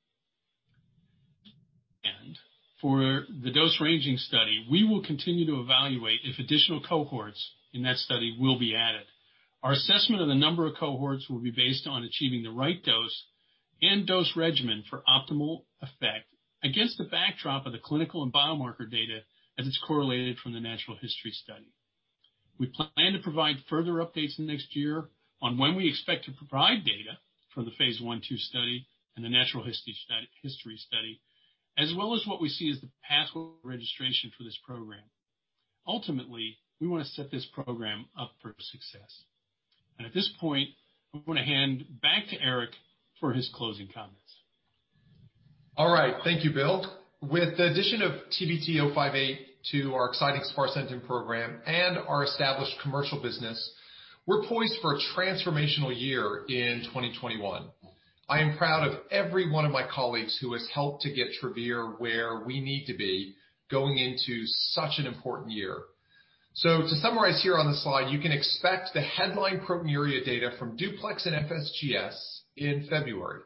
For the dose-ranging study, we will continue to evaluate if additional cohorts in that study will be added. Our assessment of the number of cohorts will be based on achieving the right dose and dose regimen for optimal effect against the backdrop of the clinical and biomarker data as it's correlated from the natural history study. We plan to provide further updates in the next year on when we expect to provide data for the phase I/II study and the natural history study, as well as what we see as the path for registration for this program. Ultimately, we want to set this program up for success. At this point, I'm going to hand back to Eric for his closing comments. All right. Thank you, Bill. With the addition of TVT-058 to our exciting sparsentan program and our established commercial business, we're poised for a transformational year in 2021. I am proud of every one of my colleagues who has helped to get Travere where we need to be going into such an important year. To summarize here on the slide, you can expect the headline proteinuria data from DUPLEX and FSGS in February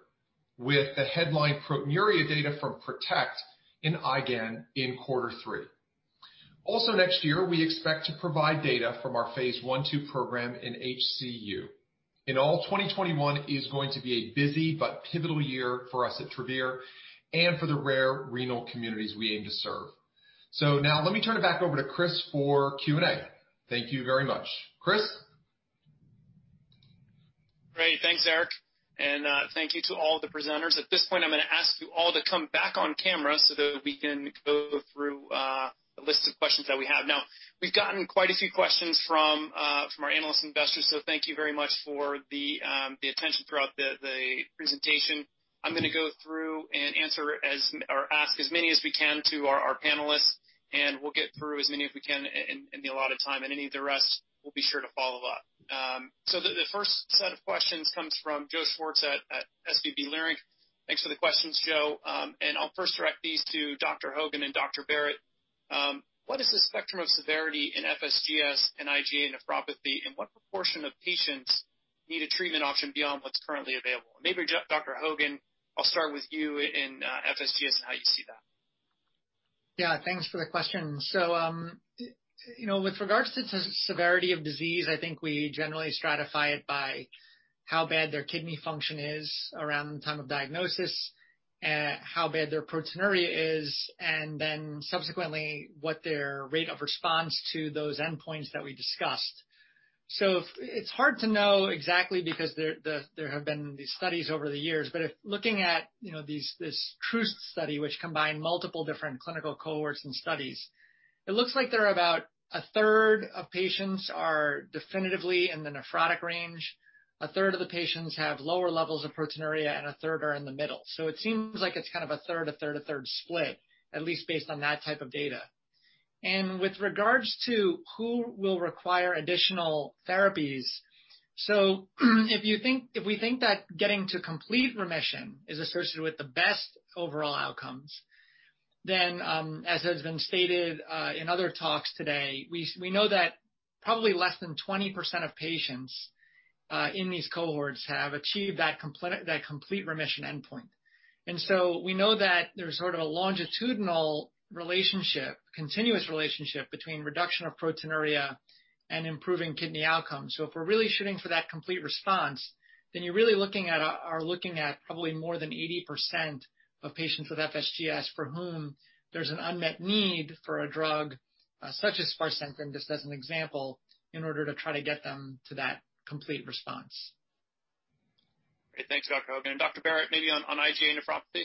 with the headline proteinuria data from PROTECT in IgAN in quarter three. Also next year, we expect to provide data from our phase I/II program in HCU. In all, 2021 is going to be a busy but pivotal year for us at Travere and for the rare renal communities we aim to serve. Now let me turn it back over to Chris for Q&A. Thank you very much. Chris? Great. Thanks, Eric, and thank you to all the presenters. At this point, I'm going to ask you all to come back on camera so that we can go through a list of questions that we have. We've gotten quite a few questions from our analysts and investors. Thank you very much for the attention throughout the presentation. I'm going to go through and ask as many as we can to our panelists, and we'll get through as many as we can in the allotted time, and any of the rest, we'll be sure to follow up. The first set of questions comes from Joe Schwartz at SVB Leerink. Thanks for the questions, Joe. I'll first direct these to Dr. Hogan and Dr. Barratt. What is the spectrum of severity in FSGS and IgA nephropathy, and what proportion of patients need a treatment option beyond what's currently available? Maybe Dr. Hogan, I'll start with you in FSGS and how you see that. Yeah, thanks for the question. With regards to severity of disease, I think we generally stratify it by how bad their kidney function is around the time of diagnosis, how bad their proteinuria is, and then subsequently, what their rate of response to those endpoints that we discussed. It's hard to know exactly because there have been these studies over the years, but if looking at this truth study, which combined multiple different clinical cohorts and studies, it looks like there are about a third of patients are definitively in the nephrotic range. A third of the patients have lower levels of proteinuria, and a third are in the middle. It seems like it's a third, a third, a third split, at least based on that type of data. With regards to who will require additional therapies, if we think that getting to complete remission is associated with the best overall outcomes, then, as has been stated in other talks today, we know that probably less than 20% of patients in these cohorts have achieved that complete remission endpoint. We know that there's sort of a longitudinal relationship, continuous relationship between reduction of proteinuria and improving kidney outcomes. If we're really shooting for that complete response, then you're really looking at probably more than 80% of patients with FSGS for whom there's an unmet need for a drug such as sparsentan, just as an example, in order to try to get them to that complete response. Great. Thanks, Dr. Hogan. Dr. Barratt, maybe on IgA nephropathy?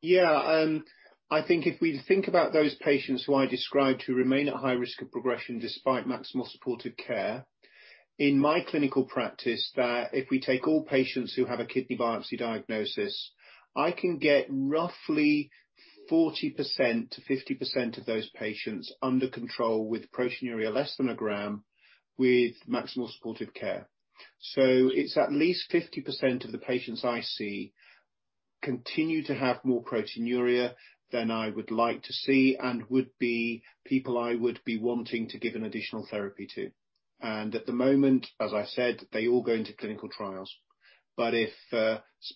Yeah. I think if we think about those patients who I described who remain at high risk of progression despite maximal supportive care, in my clinical practice that if we take all patients who have a kidney biopsy diagnosis, I can get roughly 40%-50% of those patients under control with proteinuria less than a gram with maximal supportive care. It's at least 50% of the patients I see continue to have more proteinuria than I would like to see and would be people I would be wanting to give an additional therapy to. At the moment, as I said, they all go into clinical trials. If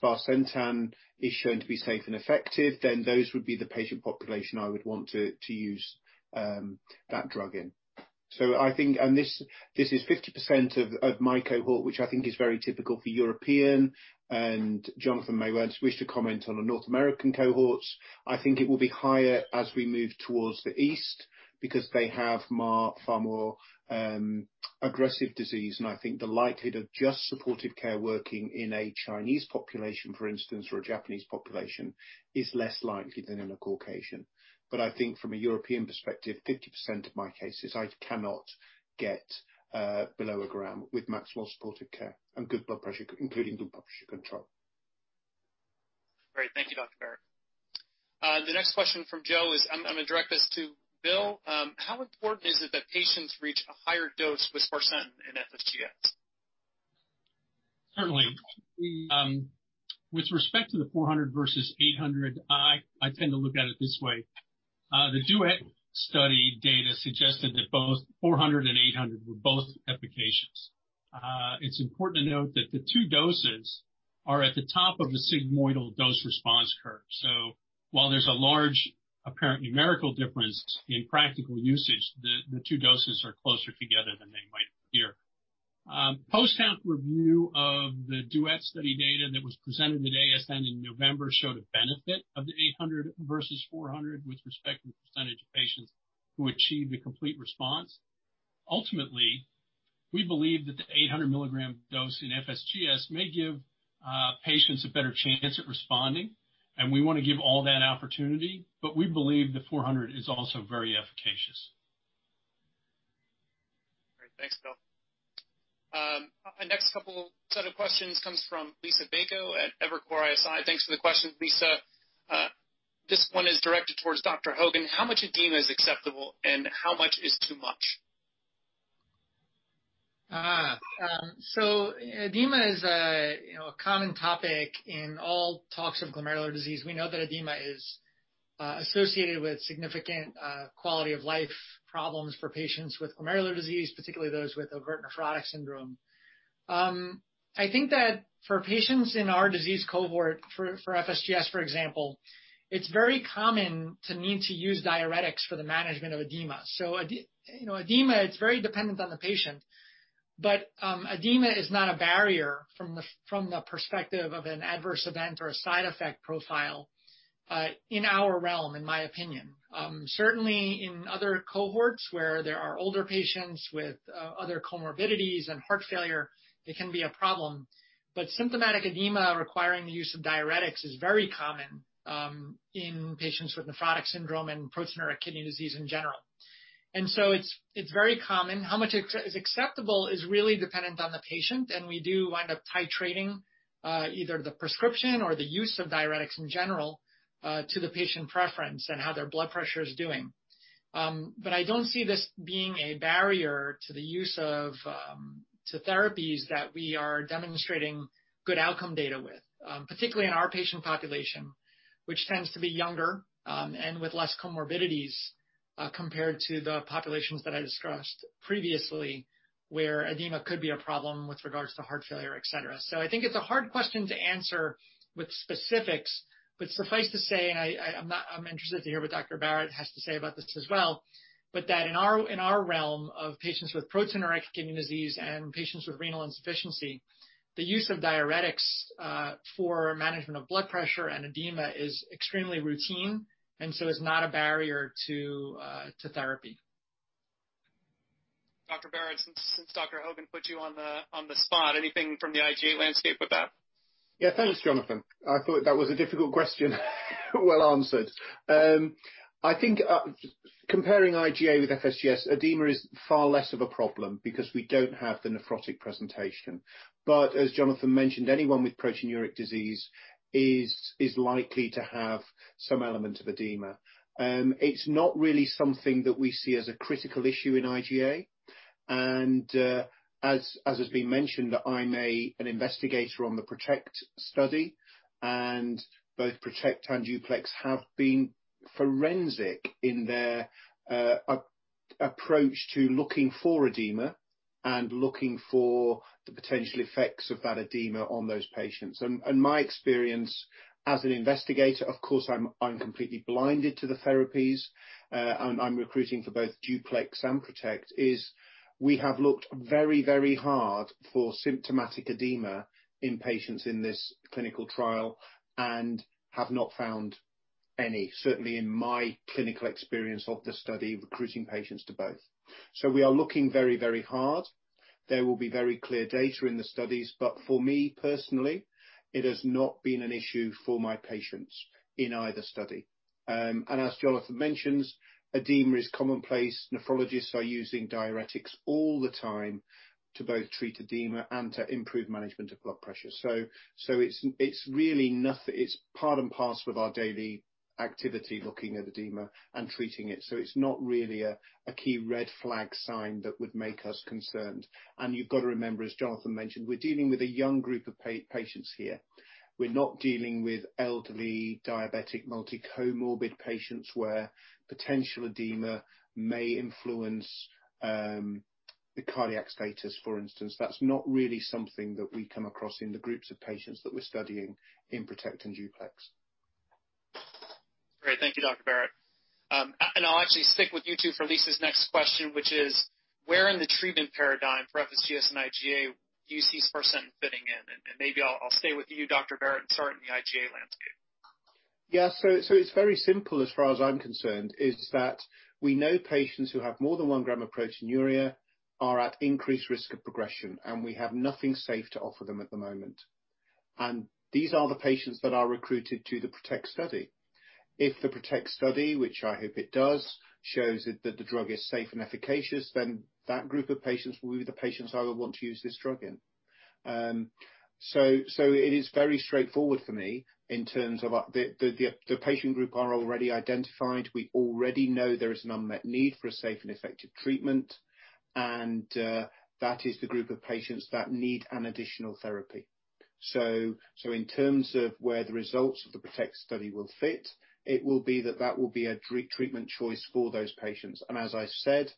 sparsentan is shown to be safe and effective, then those would be the patient population I would want to use that drug in. I think, and this is 50% of my cohort, which I think is very typical for European, and Jonathan may well wish to comment on the North American cohorts. I think it will be higher as we move towards the East because they have far more aggressive disease, and I think the likelihood of just supportive care working in a Chinese population, for instance, or a Japanese population, is less likely than in a Caucasian. I think from a European perspective, 50% of my cases I cannot get below a gram with maximal supportive care and good blood pressure, including good blood pressure control. Great. Thank you, Dr. Barratt. The next question from Joe is, I'm going to direct this to Bill. How important is it that patients reach a higher dose with sparsentan in FSGS? Certainly. With respect to the 400 versus 800, I tend to look at it this way. The DUET study data suggested that both 400 and 800 were both efficacious. It's important to note that the two doses are at the top of a sigmoidal dose response curve. While there's a large apparent numerical difference in practical usage, the two doses are closer together than they might appear. Post-hoc review of the DUET study data that was presented at ASN in November showed a benefit of the 800 versus 400 with respect to the percentage of patients who achieved a complete response. Ultimately, we believe that the 800 mg dose in FSGS may give patients a better chance at responding, and we want to give all that opportunity, but we believe the 400 is also very efficacious. Great. Thanks, Bill. Our next couple set of questions comes from Liisa Bayko at Evercore ISI. Thanks for the questions, Liisa. This one is directed towards Dr. Hogan. How much edema is acceptable, and how much is too much? Edema is a common topic in all talks of glomerular disease. We know that edema is associated with significant quality of life problems for patients with glomerular disease, particularly those with overt nephrotic syndrome. I think that for patients in our disease cohort, for FSGS, for example, it's very common to need to use diuretics for the management of edema. Edema, it's very dependent on the patient. Edema is not a barrier from the perspective of an adverse event or a side effect profile, in our realm, in my opinion. Certainly, in other cohorts where there are older patients with other comorbidities and heart failure, it can be a problem. Symptomatic edema requiring the use of diuretics is very common in patients with nephrotic syndrome and proteinuria kidney disease in general. It's very common. How much is acceptable is really dependent on the patient, and we do wind up titrating, either the prescription or the use of diuretics in general, to the patient preference and how their blood pressure is doing. I don't see this being a barrier to therapies that we are demonstrating good outcome data with, particularly in our patient population, which tends to be younger, and with less comorbidities, compared to the populations that I discussed previously, where edema could be a problem with regards to heart failure, et cetera. I think it's a hard question to answer with specifics, but suffice to say, I'm interested to hear what Dr. Barratt has to say about this as well. That in our realm of patients with proteinuria kidney disease and patients with renal insufficiency, the use of diuretics for management of blood pressure and edema is extremely routine and is not a barrier to therapy. Dr. Barratt, since Dr. Hogan put you on the spot, anything from the IgA landscape with that? Thanks, Jonathan. I thought that was a difficult question well answered. I think comparing IgA with FSGS, edema is far less of a problem because we don't have the nephrotic presentation. As Jonathan mentioned, anyone with proteinuria disease is likely to have some element of edema. It's not really something that we see as a critical issue in IgA. As has been mentioned, I'm an investigator on the PROTECT Study, and both PROTECT and DUPLEX have been forensic in their approach to looking for edema and looking for the potential effects of that edema on those patients. My experience as an investigator, of course, I'm completely blinded to the therapies, and I'm recruiting for both DUPLEX and PROTECT, is we have looked very hard for symptomatic edema in patients in this clinical trial and have not found any, certainly in my clinical experience of the study recruiting patients to both. We are looking very hard. There will be very clear data in the studies, but for me personally, it has not been an issue for my patients in either study. As Jonathan mentions, edema is commonplace. Nephrologists are using diuretics all the time to both treat edema and to improve management of blood pressure. It's part and parcel with our daily activity, looking at edema and treating it. It's not really a key red flag sign that would make us concerned. You've got to remember, as Jonathan mentioned, we're dealing with a young group of patients here. We're not dealing with elderly, diabetic, multi-comorbid patients where potential edema may influence the cardiac status, for instance. That's not really something that we come across in the groups of patients that we're studying in PROTECT and DUPLEX. Great. Thank you, Dr. Barratt. I'll actually stick with you two for Liisa's next question, which is, where in the treatment paradigm for FSGS and IgA do you see sparsentan fitting in? Maybe I'll stay with you, Dr. Barratt, and start in the IgA landscape. Yeah. It's very simple as far as I'm concerned, is that we know patients who have more than one gram of proteinuria are at increased risk of progression, and we have nothing safe to offer them at the moment. These are the patients that are recruited to the PROTECT Study. If the PROTECT Study, which I hope it does, shows that the drug is safe and efficacious, then that group of patients will be the patients I will want to use this drug in. It is very straightforward for me in terms of the patient group are already identified. We already know there is an unmet need for a safe and effective treatment, and that is the group of patients that need an additional therapy. In terms of where the results of the PROTECT Study will fit, that will be a treatment choice for those patients. As I said,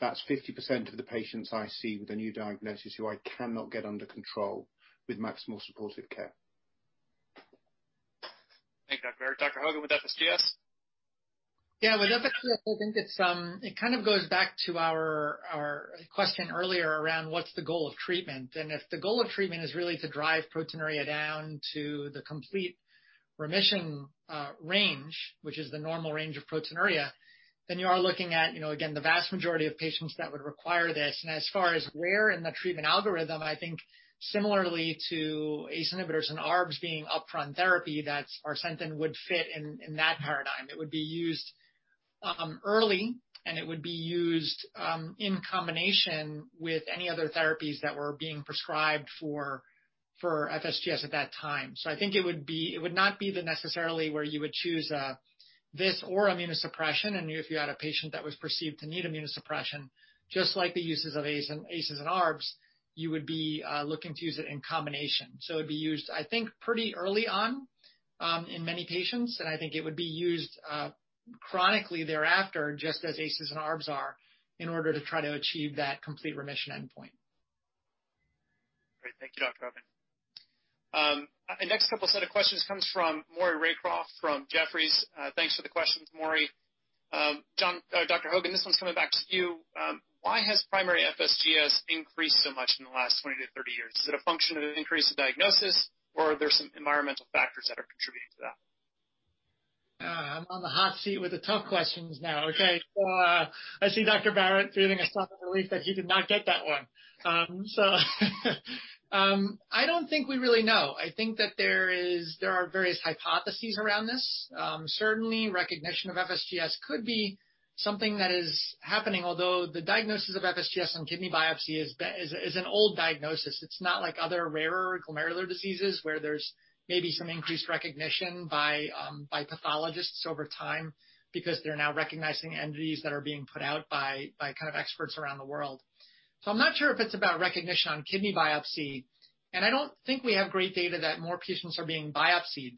that's 50% of the patients I see with a new diagnosis who I cannot get under control with maximal supportive care. Thanks, Dr. Barratt. Dr. Hogan, with FSGS? Yeah. With FSGS, I think it kind of goes back to our question earlier around what's the goal of treatment. If the goal of treatment is really to drive proteinuria down to the complete remission range, which is the normal range of proteinuria, then you are looking at, again, the vast majority of patients that would require this. As far as where in the treatment algorithm, I think similarly to ACE inhibitors and ARBs being upfront therapy, that sparsentan would fit in that paradigm. It would be used early, and it would be used in combination with any other therapies that were being prescribed for FSGS at that time. I think it would not be the necessarily where you would choose this or immunosuppression. If you had a patient that was perceived to need immunosuppression, just like the uses of ACEs and ARBs, you would be looking to use it in combination. It would be used, I think, pretty early on in many patients, and I think it would be used chronically thereafter, just as ACEs and ARBs are, in order to try to achieve that complete remission endpoint. Great. Thank you, Dr. Hogan. Our next couple set of questions comes from Maury Raycroft from Jefferies. Thanks for the questions, Maury. Dr. Hogan, this one's coming back to you. Why has primary FSGS increased so much in the last 20-30 years? Is it a function of an increase in diagnosis, or are there some environmental factors that are contributing to that? I'm on the hot seat with the tough questions now. Okay. I see Dr. Barratt breathing a sigh of relief that he did not get that one. I don't think we really know. I think that there are various hypotheses around this. Certainly, recognition of FSGS could be-Something that is happening, although the diagnosis of FSGS on kidney biopsy is an old diagnosis. It's not like other rarer glomerular diseases where there's maybe some increased recognition by pathologists over time because they're now recognizing entities that are being put out by experts around the world. I'm not sure if it's about recognition on kidney biopsy, and I don't think we have great data that more patients are being biopsied.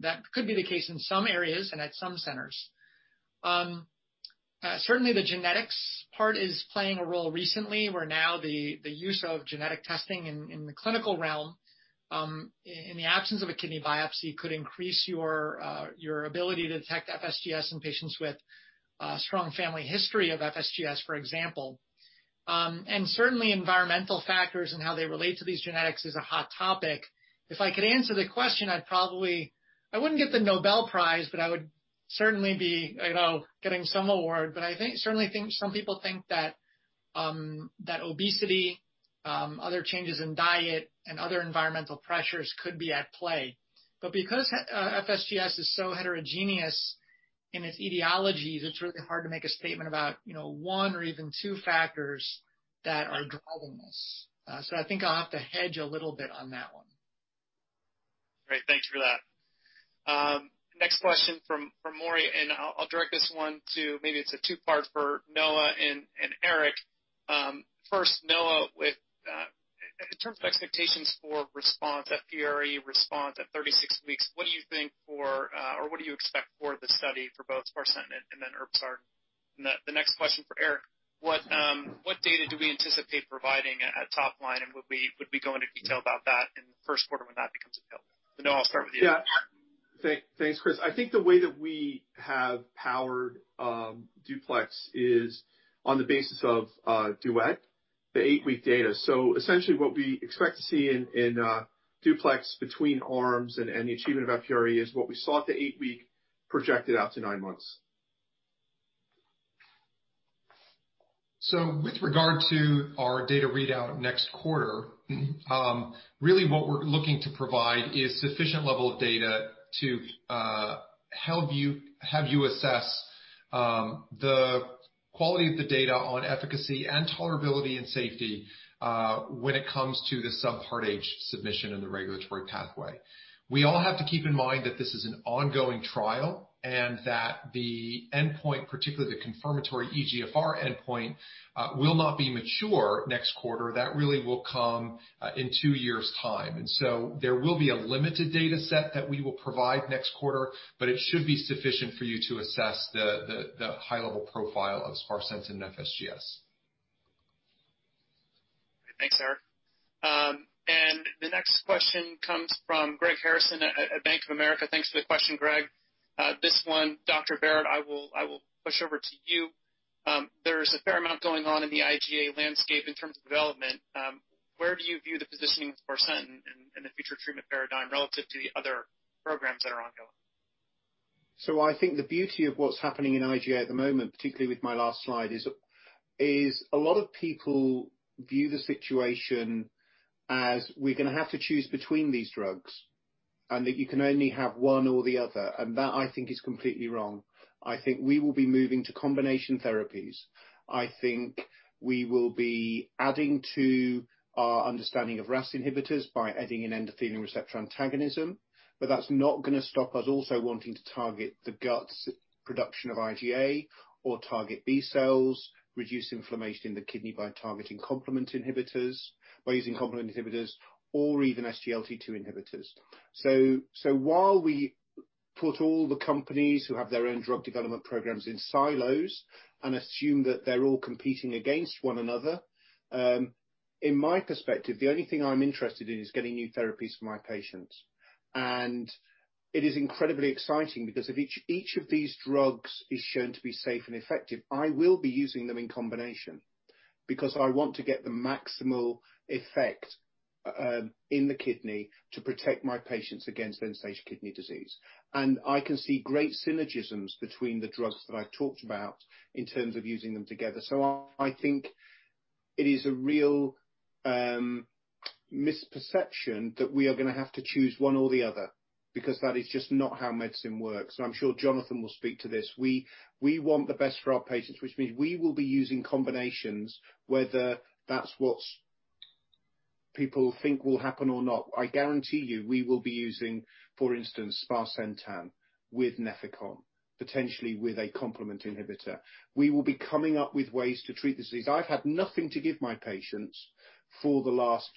That could be the case in some areas and at some centers. Certainly, the genetics part is playing a role recently, where now the use of genetic testing in the clinical realm, in the absence of a kidney biopsy, could increase your ability to detect FSGS in patients with a strong family history of FSGS, for example. Certainly, environmental factors and how they relate to these genetics is a hot topic. If I could answer the question, I wouldn't get the Nobel Prize, but I would certainly be getting some award. I certainly think some people think that obesity, other changes in diet, and other environmental pressures could be at play. Because FSGS is so heterogeneous in its etiologies, it's really hard to make a statement about one or even two factors that are drivable. I think I'll have to hedge a little bit on that one. Great. Thanks for that. Next question from Maury, I'll direct this one to, maybe it's a two-part for Noah and Eric. First, Noah, in terms of expectations for response, FPRE response at 36 weeks, what do you think or what do you expect for the study for both sparsentan and then irbesartan? The next question for Eric, what data do we anticipate providing at top line, and would we be going into detail about that in the first quarter when that becomes available? Noah, I'll start with you. Yeah. Thanks, Chris. I think the way that we have powered DUPLEX is on the basis of DUET, the eight-week data. Essentially what we expect to see in DUPLEX between arms and the achievement of FPRE is what we saw at the eight-week projected out to nine months. With regard to our data readout next quarter, really what we're looking to provide is sufficient level of data to have you assess the quality of the data on efficacy and tolerability and safety when it comes to the Subpart H submission and the regulatory pathway. We all have to keep in mind that this is an ongoing trial and that the endpoint, particularly the confirmatory eGFR endpoint, will not be mature next quarter. That really will come in two years' time. There will be a limited data set that we will provide next quarter, but it should be sufficient for you to assess the high-level profile of sparsentan and FSGS. Thanks, Eric. The next question comes from Greg Harrison at Bank of America. Thanks for the question, Greg. This one, Dr. Barratt, I will push over to you. There's a fair amount going on in the IgA landscape in terms of development. Where do you view the positioning of sparsentan in the future treatment paradigm relative to the other program that are ongoing? I think the beauty of what's happening in IgA at the moment, particularly with my last slide, is a lot of people view the situation as we're going to have to choose between these drugs, and that you can only have one or the other. That I think is completely wrong. I think we will be moving to combination therapies. I think we will be adding to our understanding of RAS inhibitors by adding an endothelin receptor antagonism. That's not going to stop us also wanting to target the gut's production of IgA or target B cells, reduce inflammation in the kidney by using complement inhibitors, or even SGLT2 inhibitors. While we put all the companies who have their own drug development program in silos and assume that they're all competing against one another, in my perspective, the only thing I'm interested in is getting new therapies for my patients. It is incredibly exciting because if each of these drugs is shown to be safe and effective, I will be using them in combination because I want to get the maximal effect in the kidney to protect my patients against end-stage kidney disease. I can see great synergisms between the drugs that I've talked about in terms of using them together. I think it is a real misperception that we are going to have to choose one or the other, because that is just not how medicine works. I'm sure Jonathan will speak to this. We want the best for our patients, which means we will be using combinations, whether that's what people think will happen or not. I guarantee you we will be using, for instance, sparsentan with Nefecon, potentially with a complement inhibitor. We will be coming up with ways to treat disease. I've had nothing to give my patients for the last,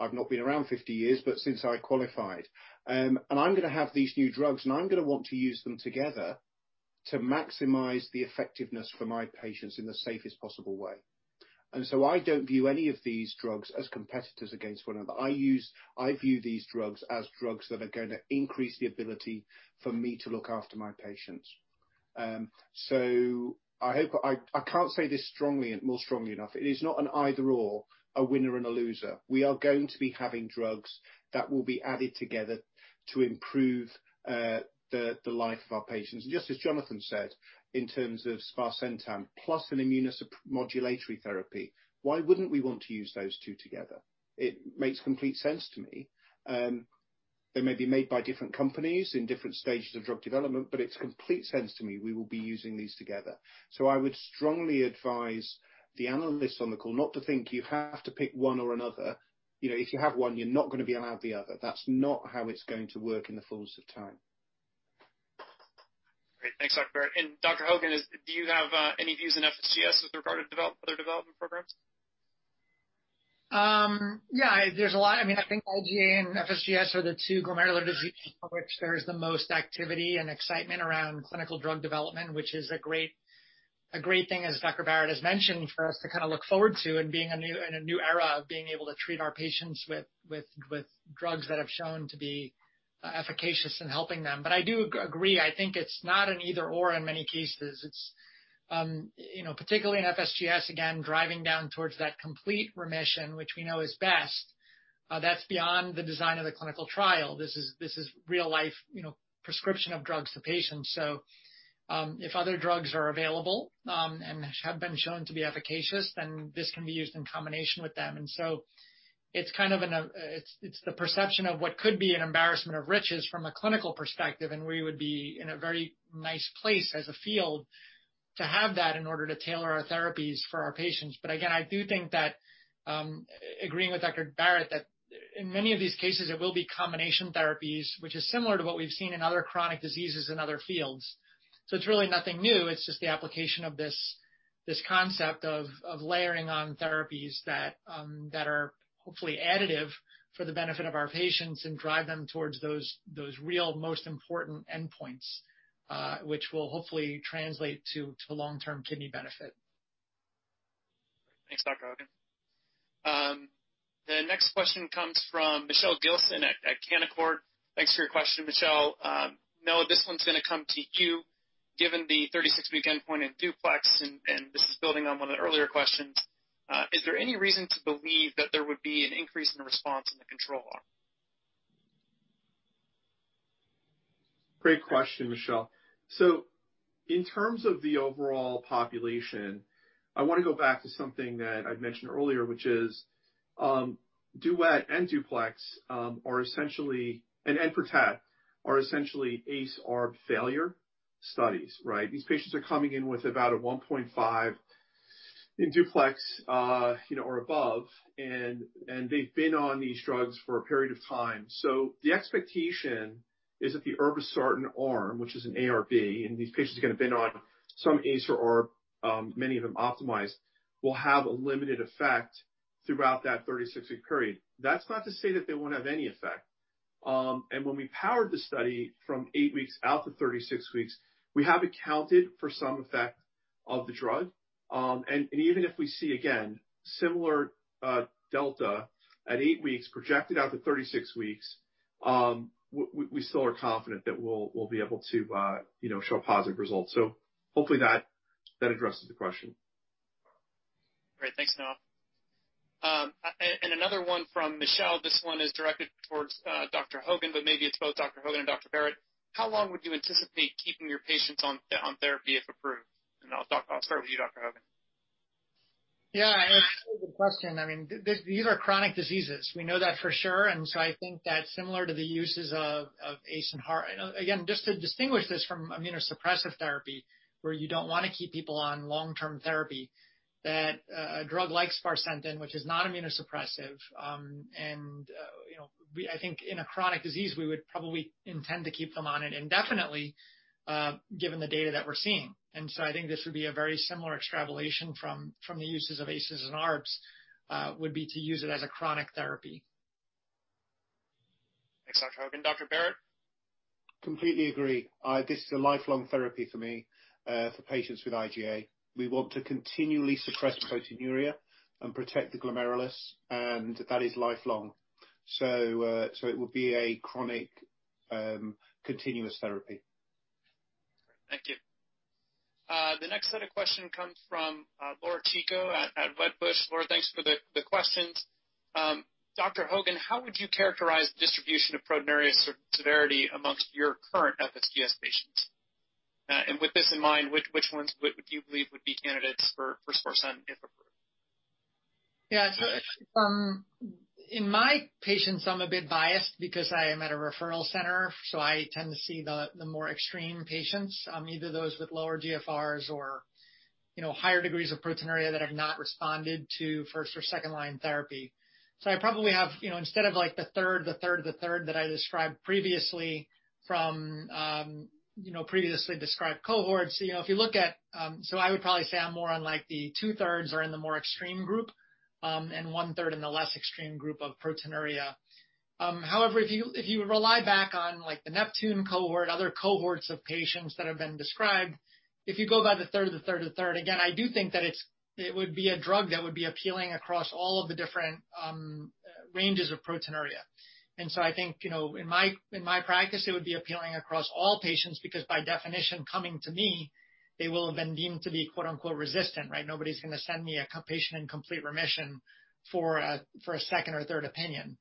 I've not been around 50 years, but since I qualified. I'm going to have these new drugs, and I'm going to want to use them together to maximize the effectiveness for my patients in the safest possible way. I don't view any of these drugs as competitors against one another. I view these drugs as drugs that are going to increase the ability for me to look after my patients. I can't say this more strongly enough. It is not an either/or, a winner and a loser. We are going to be having drugs that will be added together to improve the life of our patients. Just as Jonathan said, in terms of sparsentan plus an immunomodulatory therapy, why wouldn't we want to use those two together? It makes complete sense to me. They may be made by different companies in different stages of drug development, but it's complete sense to me we will be using these together. I would strongly advise the analysts on the call not to think you have to pick one or another. If you have one, you're not going to be allowed the other. That's not how it's going to work in the fullness of time. Great. Thanks, Dr. Barratt. Dr. Hogan, do you have any views on FSGS with regard to other development program? Yeah, there's a lot. I think IgA and FSGS are the two glomerular diseases for which there is the most activity and excitement around clinical drug development, which is a great thing, as Dr. Barratt has mentioned, for us to look forward to in a new era of being able to treat our patients with drugs that have shown to be efficacious in helping them. I do agree, I think it's not an either/or in many cases. Particularly in FSGS, again, driving down towards that complete remission, which we know is best, that's beyond the design of the clinical trial. This is real-life prescription of drugs to patients. If other drugs are available, and have been shown to be efficacious, then this can be used in combination with them. It's the perception of what could be an embarrassment of riches from a clinical perspective, and we would be in a very nice place as a field to have that in order to tailor our therapies for our patients. Again, I do think that, agreeing with Dr. Barratt, that in many of these cases, it will be combination therapies, which is similar to what we've seen in other chronic diseases in other fields. It's really nothing new. It's just the application of this concept of layering on therapies that are hopefully additive for the benefit of our patients and drive them towards those real most important endpoints, which will hopefully translate to long-term kidney benefit. Thanks, Dr. Hogan. The next question comes from Michelle Gilson at Canaccord. Thanks for your question, Michelle. Noah, this one's going to come to you. Given the 36-week endpoint in DUPLEX, and this is building on one of the earlier questions, is there any reason to believe that there would be an increase in the response in the control arm? Great question, Michelle. In terms of the overall population, I want to go back to something that I'd mentioned earlier, which is DUET and DUPLEX, and [PROTECT], are essentially ACE/ARB failure studies, right? These patients are coming in with about a 1.5 in DUPLEX or above, and they've been on these drugs for a period of time. The expectation is that the irbesartan arm, which is an ARB, and these patients are going to have been on some ACE or ARB, many of them optimized, will have a limited effect throughout that 36-week period. That's not to say that they won't have any effect. When we powered the study from eight weeks out to 36 weeks, we have accounted for some effect of the drug. Even if we see, again, similar delta at eight weeks projected out to 36 weeks, we still are confident that we'll be able to show a positive result. Hopefully that addresses the question. Great. Thanks, Noah. Another one from Michelle, this one is directed towards Dr. Hogan, but maybe it's both Dr. Hogan and Dr. Barratt. How long would you anticipate keeping your patients on therapy if approved? I'll start with you, Dr. Hogan. Yeah, it's a good question. These are chronic diseases. We know that for sure, I think that similar to the uses of ACE and ARBs, again, just to distinguish this from immunosuppressive therapy, where you don't want to keep people on long-term therapy, that a drug like sparsentan, which is not immunosuppressive, I think in a chronic disease, we would probably intend to keep them on it indefinitely, given the data that we're seeing. I think this would be a very similar extrapolation from the uses of ACEs and ARBs, would be to use it as a chronic therapy. Thanks, Dr. Hogan. Dr. Barratt? Completely agree. This is a lifelong therapy for me, for patients with IgA. We want to continually suppress proteinuria and protect the glomerulus, and that is lifelong. It would be a chronic, continuous therapy. Thank you. The next set of question comes from Laura Chico at Wedbush. Laura, thanks for the questions. Dr. Hogan, how would you characterize distribution of proteinuria severity amongst your current FSGS patients? With this in mind, which ones would you believe would be candidates for sparsentan if approved? Yeah. In my patients, I'm a bit biased because I am at a referral center, so I tend to see the more extreme patients, either those with lower GFRs or higher degrees of proteinuria that have not responded to first or second-line therapy. I probably have, instead of the third, the third, the third that I described previously from previously described cohorts. I would probably say I'm more on the two-thirds are in the more extreme group, and one-third in the less extreme group of proteinuria. However, if you rely back on the NEPTUNE cohort, other cohorts of patients that have been described, if you go by the third, the third, the third, again, I do think that it would be a drug that would be appealing across all of the different ranges of proteinuria. I think, in my practice, it would be appealing across all patients, because by definition, coming to me, they will have been deemed to be "resistant," right? Nobody's going to send me a patient in complete remission for a second or third opinion.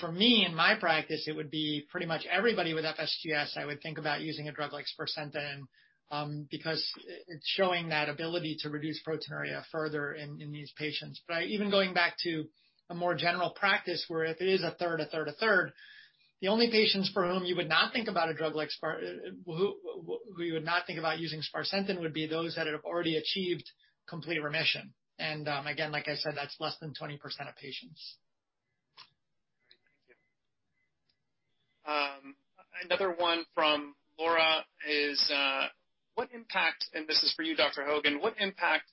For me, in my practice, it would be pretty much everybody with FSGS, I would think about using a drug like sparsentan because it's showing that ability to reduce proteinuria further in these patients. Even going back to a more general practice where if it is a third, a third, a third, the only patients for whom you would not think about using sparsentan would be those that have already achieved complete remission. Again, like I said, that's less than 20% of patients. Another one from Laura is, this is for you, Dr. Hogan, what impact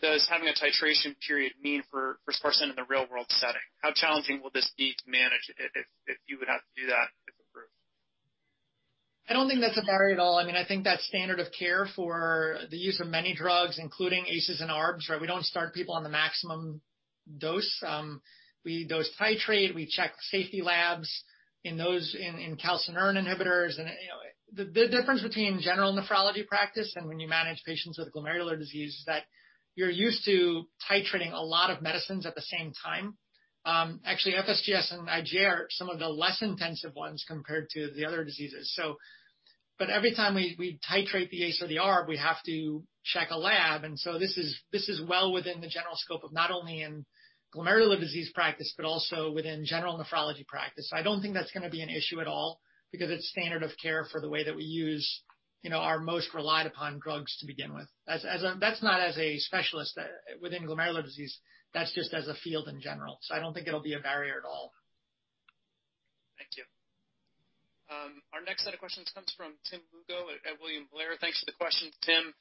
does having a titration period mean for sparsentan in the real-world setting? How challenging will this be to manage if you would have to do that, if approved? I don't think that's a barrier at all. I think that's standard of care for the use of many drugs, including ACEs and ARBs, right? We don't start people on the maximum dose. We dose titrate, we check safety labs in calcineurin inhibitors. The difference between general nephrology practice and when you manage patients with glomerular disease is that you're used to titrating a lot of medicines at the same time. Actually, FSGS and IgA are some of the less intensive ones compared to the other diseases. Every time we titrate the ACE or the ARB, we have to check a lab, and so this is well within the general scope of not only in glomerular disease practice, but also within general nephrology practice. I don't think that's going to be an issue at all because it's standard of care for the way that we use our most relied upon drugs to begin with. That's not as a specialist within glomerular disease, that's just as a field in general. I don't think it'll be a barrier at all. Thank you. Our next set of questions comes from Tim Lugo at William Blair. Thanks for the questions, Tim.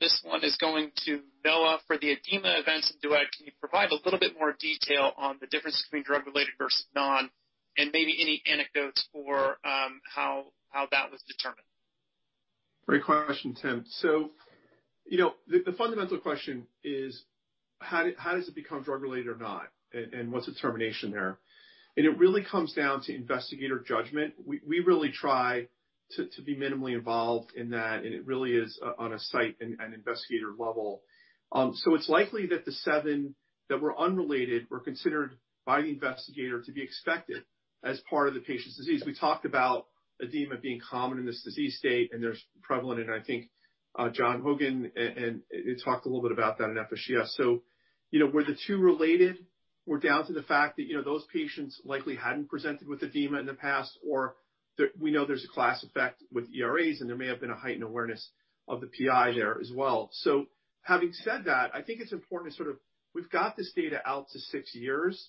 This one is going to Noah. For the edema events in DUET, can you provide a little bit more detail on the difference between drug-related versus non, and maybe any anecdotes for how that was determined? Great question, Tim. The fundamental question is how does it become drug-related or not, and what's the determination there? It really comes down to investigator judgment. We really try to be minimally involved in that, and it really is on a site and investigator level. It's likely that the seven that were unrelated were considered by the investigator to be expected as part of the patient's disease. We talked about edema being common in this disease state, and there's prevalent, and I think John Hogan talked a little bit about that in FSGS. Were the two related or down to the fact that those patients likely hadn't presented with edema in the past, or we know there's a class effect with ERAs, and there may have been a heightened awareness of the PI there as well. Having said that, I think it's important, we've got this data out to six years,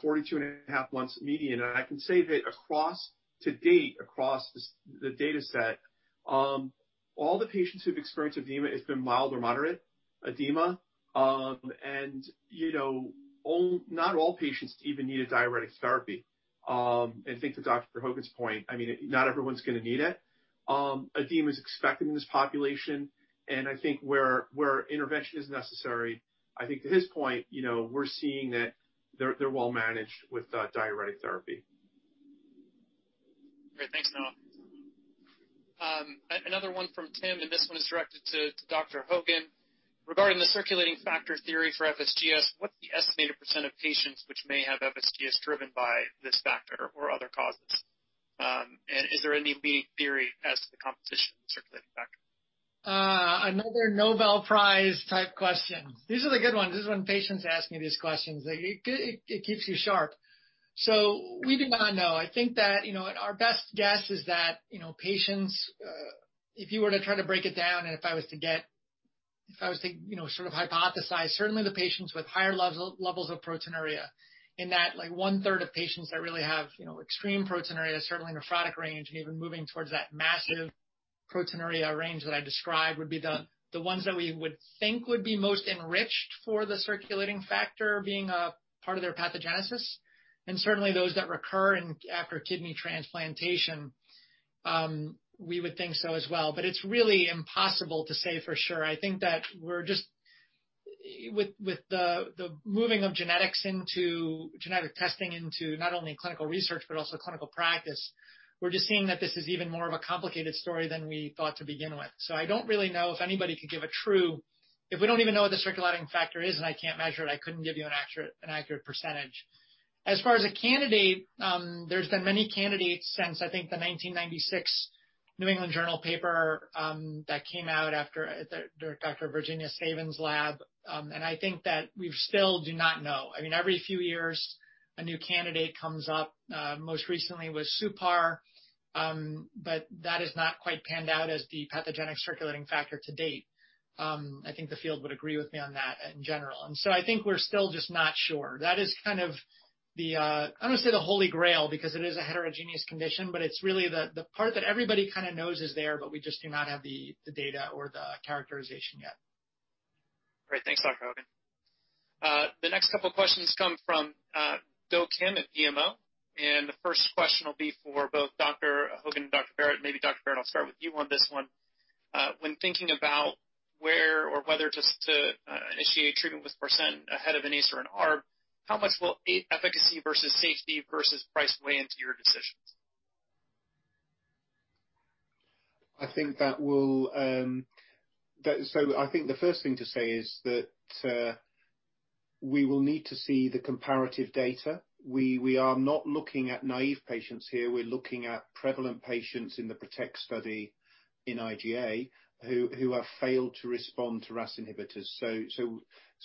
42 and a half months median. I can say that across to date, across the data set, all the patients who've experienced edema, it's been mild or moderate edema. Not all patients even need a diuretic therapy. I think to Dr. Hogan's point, not everyone's going to need it. Edema is expected in this population. I think where intervention is necessary, I think to his point, we're seeing that they're well managed with diuretic therapy. Great. Thanks, Noah. Another one from Tim, and this one is directed to Dr. Hogan. Regarding the circulating factor theory for FSGS, what's the estimated percentage of patients which may have FSGS driven by this factor or other causes? Is there any theory as to the composition of the circulating factor? Another Nobel Prize type question. These are the good ones. This is when patients ask me these questions. It keeps you sharp. We do not know. I think that our best guess is that patients, if you were to try to break it down, and if I was to sort of hypothesize, certainly the patients with higher levels of proteinuria in that one-third of patients that really have extreme proteinuria, certainly nephrotic range, and even moving towards that massive proteinuria range that I described, would be the ones that we would think would be most enriched for the circulating factor being a part of their pathogenesis. Certainly, those that recur after kidney transplantation, we would think so as well. It's really impossible to say for sure. I think that with the moving of genetic testing into not only clinical research but also clinical practice, we're just seeing that this is even more of a complicated story than we thought to begin with. I don't really know if anybody could give a true If we don't even know what the circulating factor is and I can't measure it, I couldn't give you an accurate percentage. As far as a candidate, there's been many candidates since, I think, the 1996 New England Journal paper that came out after Dr. Virginia Savin's lab, and I think that we still do not know. Every few years, a new candidate comes up, most recently was suPAR, but that has not quite panned out as the pathogenic circulating factor to date. I think the field would agree with me on that in general. I think we're still just not sure. That is kind of the, I don't want to say the Holy Grail because it is a heterogeneous condition, but it's really the part that everybody kind of knows is there, but we just do not have the data or the characterization yet. Great. Thanks, Dr. Hogan. The next couple of questions come from Do Kim at BMO, and the first question will be for both Dr. Hogan and Dr. Barratt. Maybe Dr. Barratt, I'll start with you on this one. When thinking about where or whether just to initiate treatment with sparsentan ahead of an ACE or an ARB, how much will efficacy versus safety versus price weigh into your decisions? I think the first thing to say is that we will need to see the comparative data. We are not looking at naive patients here. We're looking at prevalent patients in the PROTECT study in IgA who have failed to respond to RAS inhibitors.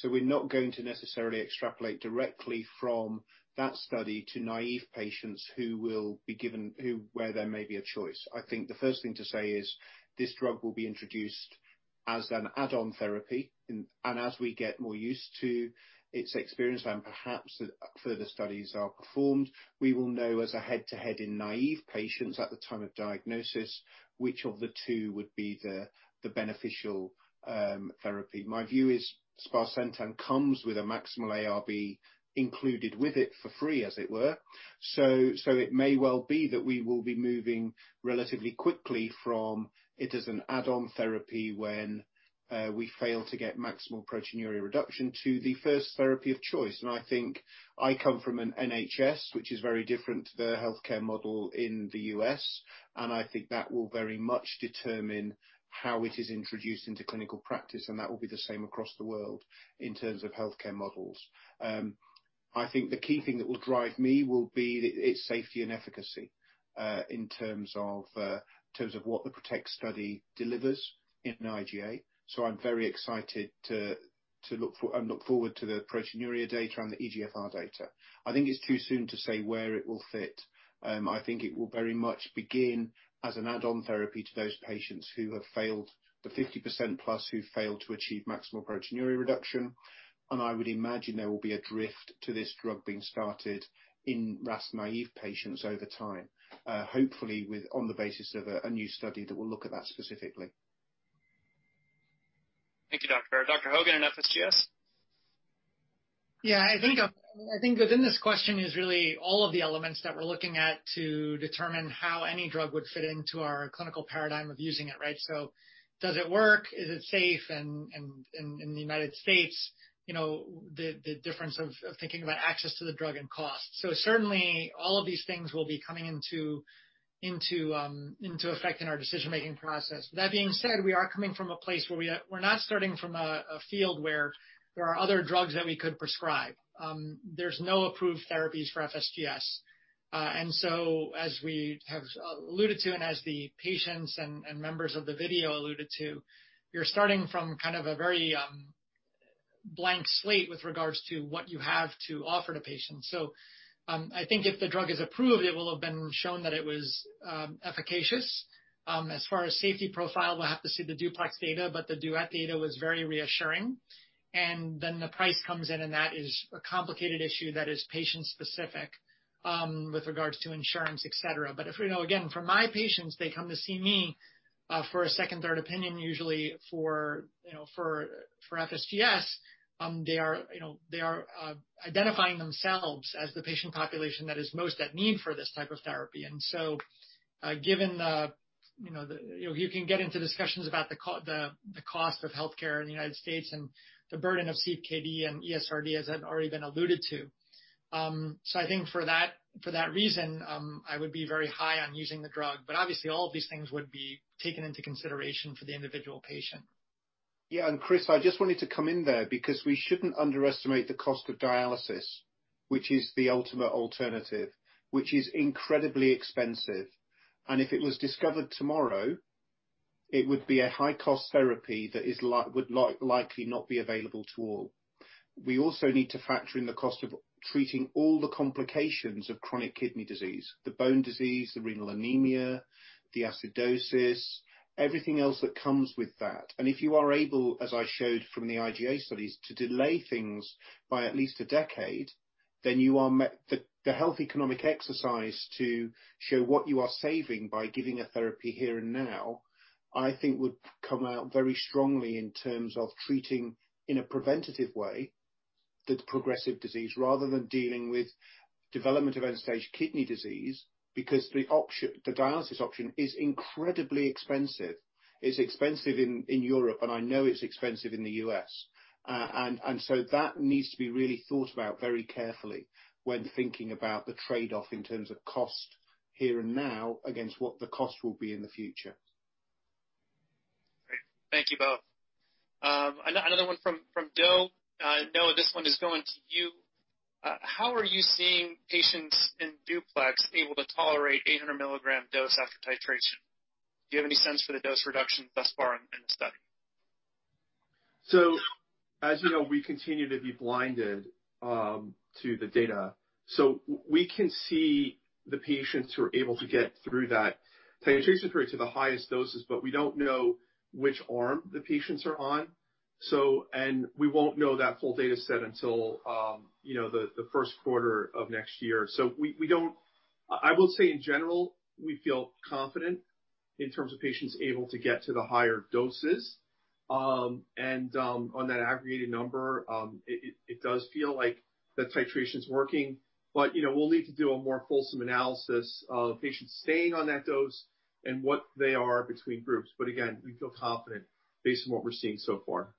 We're not going to necessarily extrapolate directly from that study to naive patients where there may be a choice. I think the first thing to say is this drug will be introduced as an add-on therapy, and as we get more used to its experience and perhaps further studies are performed, we will know as a head-to-head in naive patients at the time of diagnosis, which of the two would be the beneficial therapy. My view is sparsentan comes with a maximal ARB included with it for free, as it were. It may well be that we will be moving relatively quickly from it as an add-on therapy when we fail to get maximal proteinuria reduction to the first therapy of choice. I think I come from an NHS, which is very different to the healthcare model in the U.S., and I think that will very much determine how it is introduced into clinical practice, and that will be the same across the world in terms of healthcare models. I think the key thing that will drive me will be its safety and efficacy in terms of what the PROTECT study delivers in IgA. I'm very excited and look forward to the proteinuria data and the eGFR data. I think it's too soon to say where it will fit. I think it will very much begin as an add-on therapy to those patients who have failed, the 50%+ who failed to achieve maximal proteinuria reduction. I would imagine there will be a drift to this drug being started in RAS naive patients over time. Hopefully, on the basis of a new study that will look at that specifically. Thank you, Doctor. Dr. Hogan in FSGS? I think within this question is really all of the elements that we're looking at to determine how any drug would fit into our clinical paradigm of using it, right? Does it work, is it safe, and in the U.S., the difference of thinking about access to the drug and cost. Certainly, all of these things will be coming into effect in our decision-making process. That being said, we are coming from a place where we're not starting from a field where there are other drugs that we could prescribe. There's no approved therapies for FSGS. As we have alluded to, and as the patients and members of the video alluded to, you're starting from kind of a very blank slate with regards to what you have to offer to patients. I think if the drug is approved, it will have been shown that it was efficacious. As far as safety profile, we'll have to see the DUPLEX data, but the DUET data was very reassuring. The price comes in, and that is a complicated issue that is patient-specific with regards to insurance, et cetera. If we know, again, from my patients, they come to see me for a second, third opinion, usually for FSGS. They are identifying themselves as the patient population that is most at need for this type of therapy. You can get into discussions about the cost of healthcare in the U.S. and the burden of CKD and ESRD, as had already been alluded to. I think for that reason, I would be very high on using the drug. Obviously all of these things would be taken into consideration for the individual patient. Yeah. Chris, I just wanted to come in there because we shouldn't underestimate the cost of dialysis, which is the ultimate alternative, which is incredibly expensive. If it was discovered tomorrow, it would be a high-cost therapy that would likely not be available to all. We also need to factor in the cost of treating all the complications of chronic kidney disease, the bone disease, the renal anemia, the acidosis, everything else that comes with that. If you are able, as I showed from the IgA studies, to delay things by at least a decade, then the health economic exercise to show what you are saving by giving a therapy here and now, I think would come out very strongly in terms of treating in a preventative way the progressive disease rather than dealing with development of end-stage kidney disease, because the dialysis option is incredibly expensive. It's expensive in Europe, and I know it's expensive in the U.S. That needs to be really thought about very carefully when thinking about the trade-off in terms of cost here and now against what the cost will be in the future. Great. Thank you both. Another one from Do. Noah, this one is going to you. How are you seeing patients in DUPLEX able to tolerate 800 mg dose after titration? Do you have any sense for the dose reduction thus far in the study? As you know, we continue to be blinded to the data. We can see the patients who are able to get through that titration period to the highest doses, but we don't know which arm the patients are on. We won't know that full data set until the first quarter of next year. I will say, in general, we feel confident in terms of patients able to get to the higher doses. On that aggregated number, it does feel like the titration's working. We'll need to do a more fulsome analysis of patients staying on that dose and what they are between groups. Again, we feel confident based on what we're seeing so far.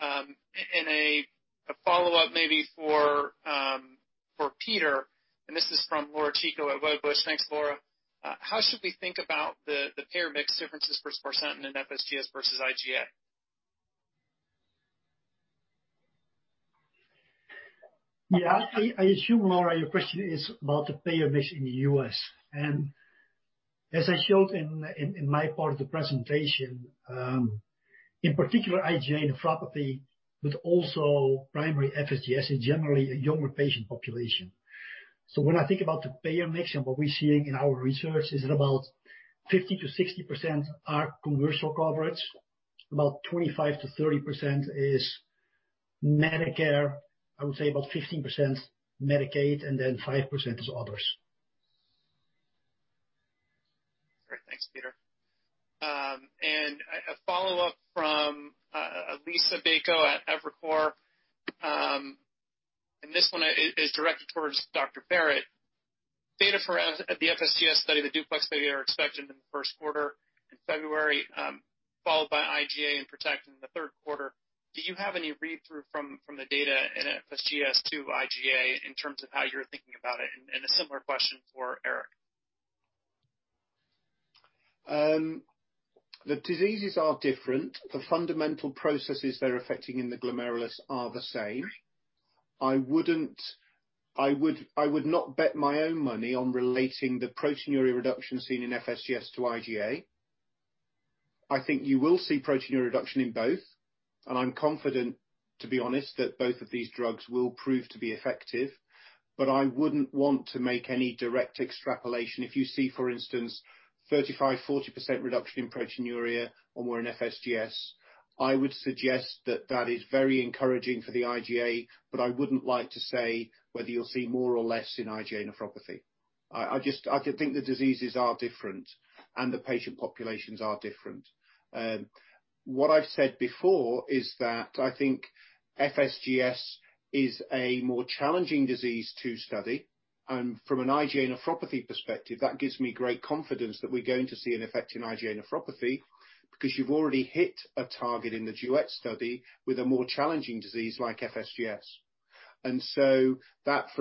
Thanks, Noah. A follow-up maybe for Peter, and this is from Laura Chico at Wedbush. Thanks, Laura. How should we think about the payer mix differences for sparsentan in FSGS versus IgA? Yeah. I assume, Laura, your question is about the payer mix in the U.S. As I showed in my part of the presentation, in particular IgA nephropathy, but also primary FSGS is generally a younger patient population. When I think about the payer mix and what we're seeing in our research is that about 50%-60% are commercial coverage, about 25%-30% is. Medicare, I would say about 15%, Medicaid, and then 5% is others. Great. Thanks, Peter. A follow-up from Liisa Bayko at Evercore. This one is directed towards Dr. Barratt. Data for the FSGS study, the DUPLEX study, are expected in the first quarter in February, followed by IgA and PROTECT in the third quarter. Do you have any read-through from the data in FSGS to IgA in terms of how you're thinking about it? A similar question for Eric. The diseases are different. The fundamental processes they're affecting in the glomerulus are the same. I would not bet my own money on relating the proteinuria reduction seen in FSGS to IgA. I think you will see proteinuria reduction in both, and I'm confident, to be honest, that both of these drugs will prove to be effective. I wouldn't want to make any direct extrapolation. If you see, for instance, 35%-40% reduction in proteinuria or more in FSGS, I would suggest that that is very encouraging for the IgA, but I wouldn't like to say whether you'll see more or less in IgA nephropathy. I think the diseases are different, and the patient populations are different. What I've said before is that I think FSGS is a more challenging disease to study. From an IgA nephropathy perspective, that gives me great confidence that we're going to see an effect in IgA nephropathy because you've already hit a target in the DUET study with a more challenging disease like FSGS. From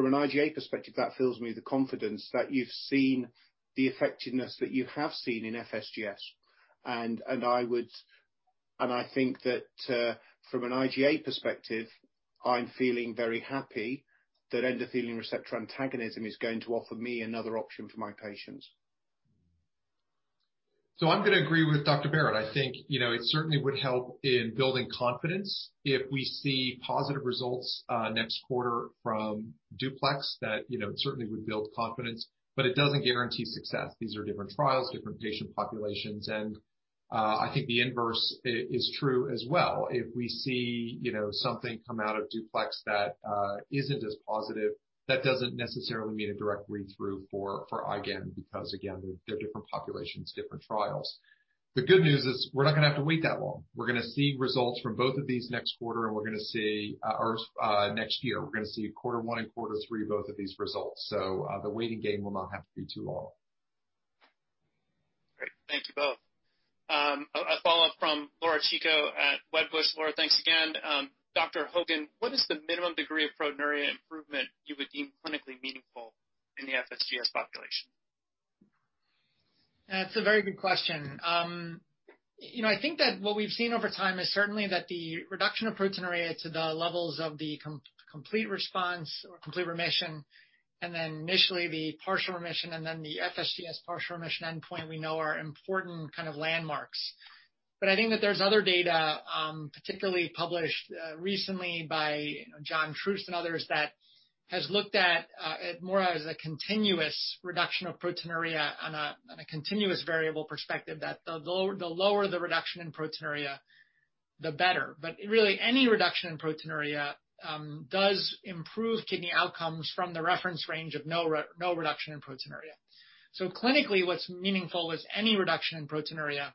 an IgA perspective, that fills me with the confidence that you've seen the effectiveness that you have seen in FSGS. I think that from an IgA perspective, I'm feeling very happy that endothelin receptor antagonism is going to offer me another option for my patients. I'm going to agree with Dr. Barratt. I think it certainly would help in building confidence if we see positive results next quarter from DUPLEX. That certainly would build confidence, but it doesn't guarantee success. These are different trials, different patient populations, and I think the inverse is true as well. If we see something come out of DUPLEX that isn't as positive, that doesn't necessarily mean a direct read-through for IgAN, because again, they're different populations, different trials. The good news is we're not going to have to wait that long. We're going to see results from both of these next quarter, and we're going to see our next year. We're going to see quarter one and quarter three, both of these results. The waiting game will not have to be too long. Great. Thank you both. A follow-up from Laura Chico at Wedbush. Laura, thanks again. Dr. Hogan, what is the minimum degree of proteinuria improvement you would deem clinically meaningful in the FSGS population? That's a very good question. I think that what we've seen over time is certainly that the reduction of proteinuria to the levels of the complete response or complete remission, and then initially the partial remission, and then the FSGS partial remission endpoint we know are important kind of landmarks. I think that there's other data, particularly published recently by Jonathan Troost and others, that has looked at it more as a continuous reduction of proteinuria on a continuous variable perspective, that the lower the reduction in proteinuria, the better. Really, any reduction in proteinuria does improve kidney outcomes from the reference range of no reduction in proteinuria. Clinically, what's meaningful is any reduction in proteinuria.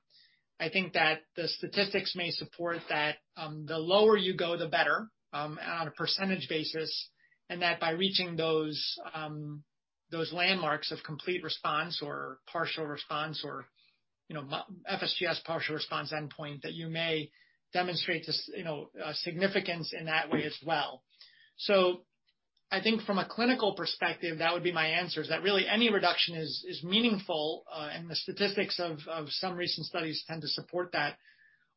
I think that the statistics may support that the lower you go, the better on a percentage basis, and that by reaching those landmarks of complete response or partial response or FSGS partial remission endpoint, that you may demonstrate a significance in that way as well. I think from a clinical perspective, that would be my answer, is that really any reduction is meaningful, and the statistics of some recent studies tend to support that,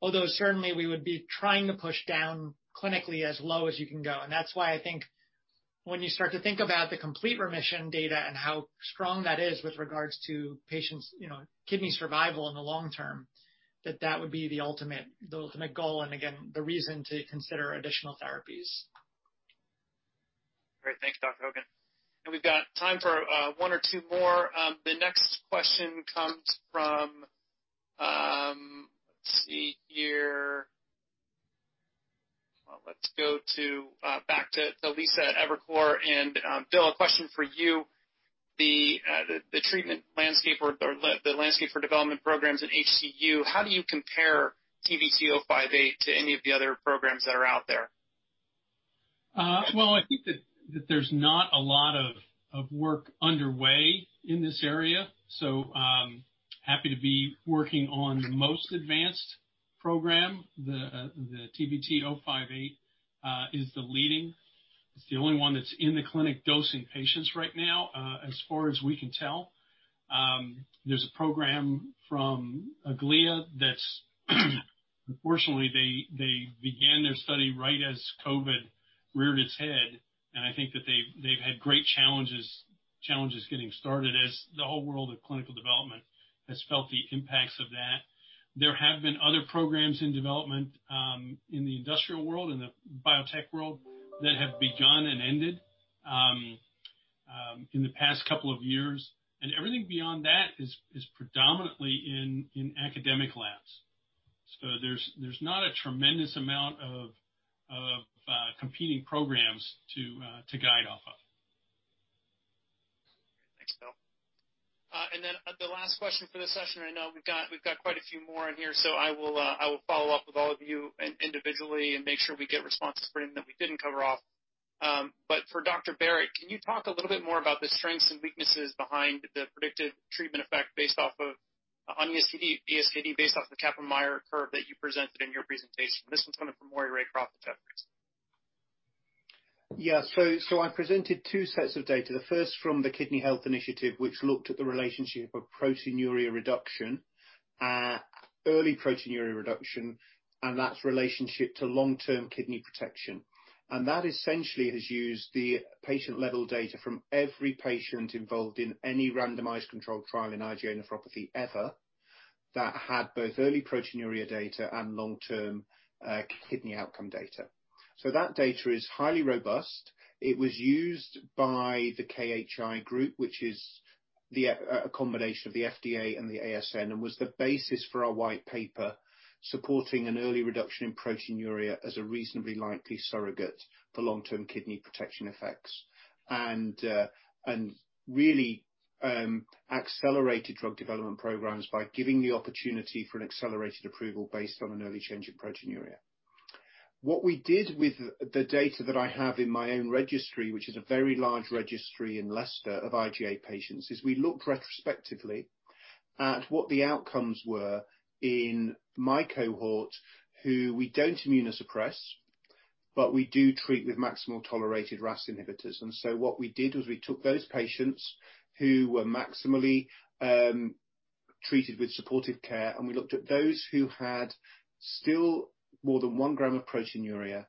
although certainly we would be trying to push down clinically as low as you can go. That's why I think when you start to think about the complete remission data and how strong that is with regards to patients' kidney survival in the long term, that that would be the ultimate goal, and again, the reason to consider additional therapies. Great. Thanks, Dr. Hogan. We've got time for one or two more. The next question comes from, let's see here. Well, let's go back to Liisa at Evercore. Bill, a question for you. The treatment landscape or the landscape for development program in HCU. How do you compare TVT-058 to any of the other program that are out there? Well, I think that there's not a lot of work underway in this area, so happy to be working on the most advanced program. The TVT-058 is the leading, it's the only one that's in the clinic dosing patients right now, as far as we can tell. There's a program from Aeglea that's unfortunately, they began their study right as COVID reared its head, and I think that they've had great challenges getting started as the whole world of clinical development has felt the impacts of that. There have been other program in development in the industrial world, in the biotech world that have begun and ended. In the past couple of years, everything beyond that is predominantly in academic labs. There's not a tremendous amount of competing program to guide off of. Thanks, Bill. The last question for this session. I know we've got quite a few more in here, so I will follow up with all of you individually and make sure we get responses for any that we didn't cover off. For Dr. Barratt, can you talk a little bit more about the strengths and weaknesses behind the predicted treatment effect on ESKD based off the Kaplan-Meier curve that you presented in your presentation? This one's coming from Maury [Raycroft, Crawford, Travere]. Yeah. I presented two sets of data. The first from the Kidney Health Initiative, which looked at the relationship of proteinuria reduction, early proteinuria reduction, and that's relationship to long-term kidney protection. That essentially has used the patient-level data from every patient involved in any randomized controlled trial in IgA nephropathy ever, that had both early proteinuria data and long-term kidney outcome data. That data is highly robust. It was used by the KHI group, which is a combination of the FDA and the ASN, and was the basis for our white paper supporting an early reduction in proteinuria as a reasonably likely surrogate for long-term kidney protection effects. Really accelerated drug development program by giving the opportunity for an accelerated approval based on an early change in proteinuria. What we did with the data that I have in my own registry, which is a very large registry in Leicester of IgA patients, is we looked retrospectively at what the outcomes were in my cohort, who we don't immunosuppress, but we do treat with maximal tolerated RAS inhibitors. What we did was we took those patients who were maximally treated with supportive care, and we looked at those who had still more than one gram of proteinuria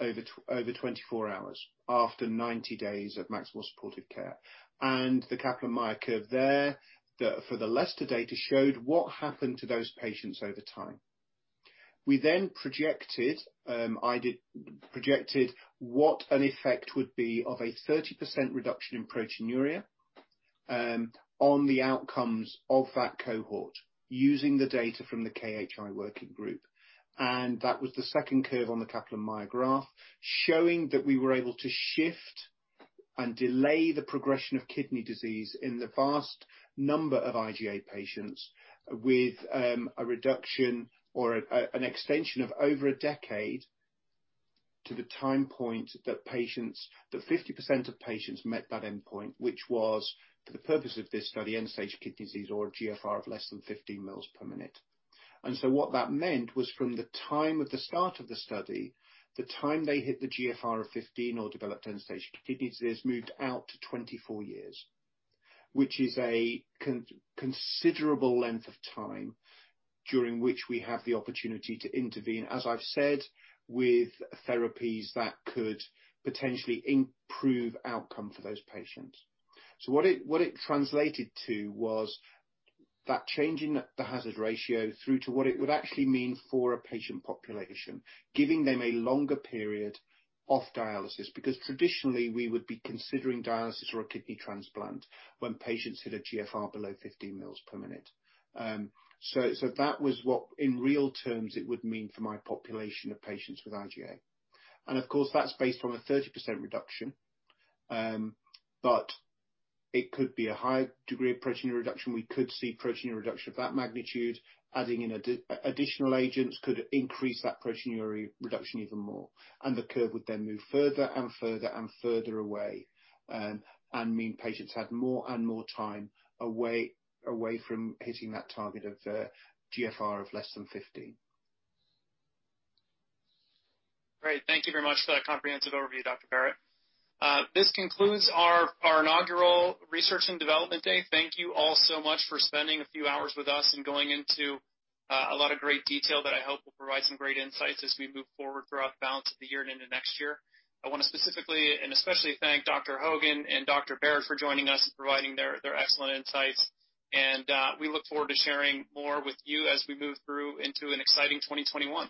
over 24 hours after 90 days of maximal supportive care. The Kaplan-Meier curve there for the Leicester data showed what happened to those patients over time. We projected what an effect would be of a 30% reduction in proteinuria, on the outcomes of that cohort using the data from the KHI working group, and that was the second curve on the Kaplan-Meier graph, showing that we were able to shift and delay the progression of kidney disease in the vast number of IgA patients with a reduction or an extension of over a decade to the time point that 50% of patients met that endpoint, which was, for the purpose of this study, end-stage kidney disease or a GFR of less than 15 mLs per minute. What that meant was from the time of the start of the study, the time they hit the GFR of 15 or developed end-stage kidney disease moved out to 24 years, which is a considerable length of time during which we have the opportunity to intervene, as I've said, with therapies that could potentially improve outcome for those patients. What it translated to was that change in the hazard ratio through to what it would actually mean for a patient population, giving them a longer period off dialysis. Because traditionally, we would be considering dialysis or a kidney transplant when patients hit a GFR below 15 mLs per minute. That was what in real terms it would mean for my population of patients with IgA. Of course, that's based on a 30% reduction. But it could be a higher degree of proteinuria reduction. We could see proteinuria reduction of that magnitude. Adding in additional agents could increase that proteinuria reduction even more, and the curve would then move further and further and further away, and mean patients had more and more time away from hitting that target of a GFR of less than 15. Great. Thank you very much for that comprehensive overview, Dr. Barratt. This concludes our inaugural Research and Development Day. Thank you all so much for spending a few hours with us and going into a lot of great detail that I hope will provide some great insights as we move forward throughout the balance of the year and into next year. I want to specifically and especially thank Dr. Hogan and Dr. Barratt for joining us and providing their excellent insights. We look forward to sharing more with you as we move through into an exciting 2021.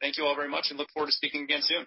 Thank you all very much and look forward to speaking again soon.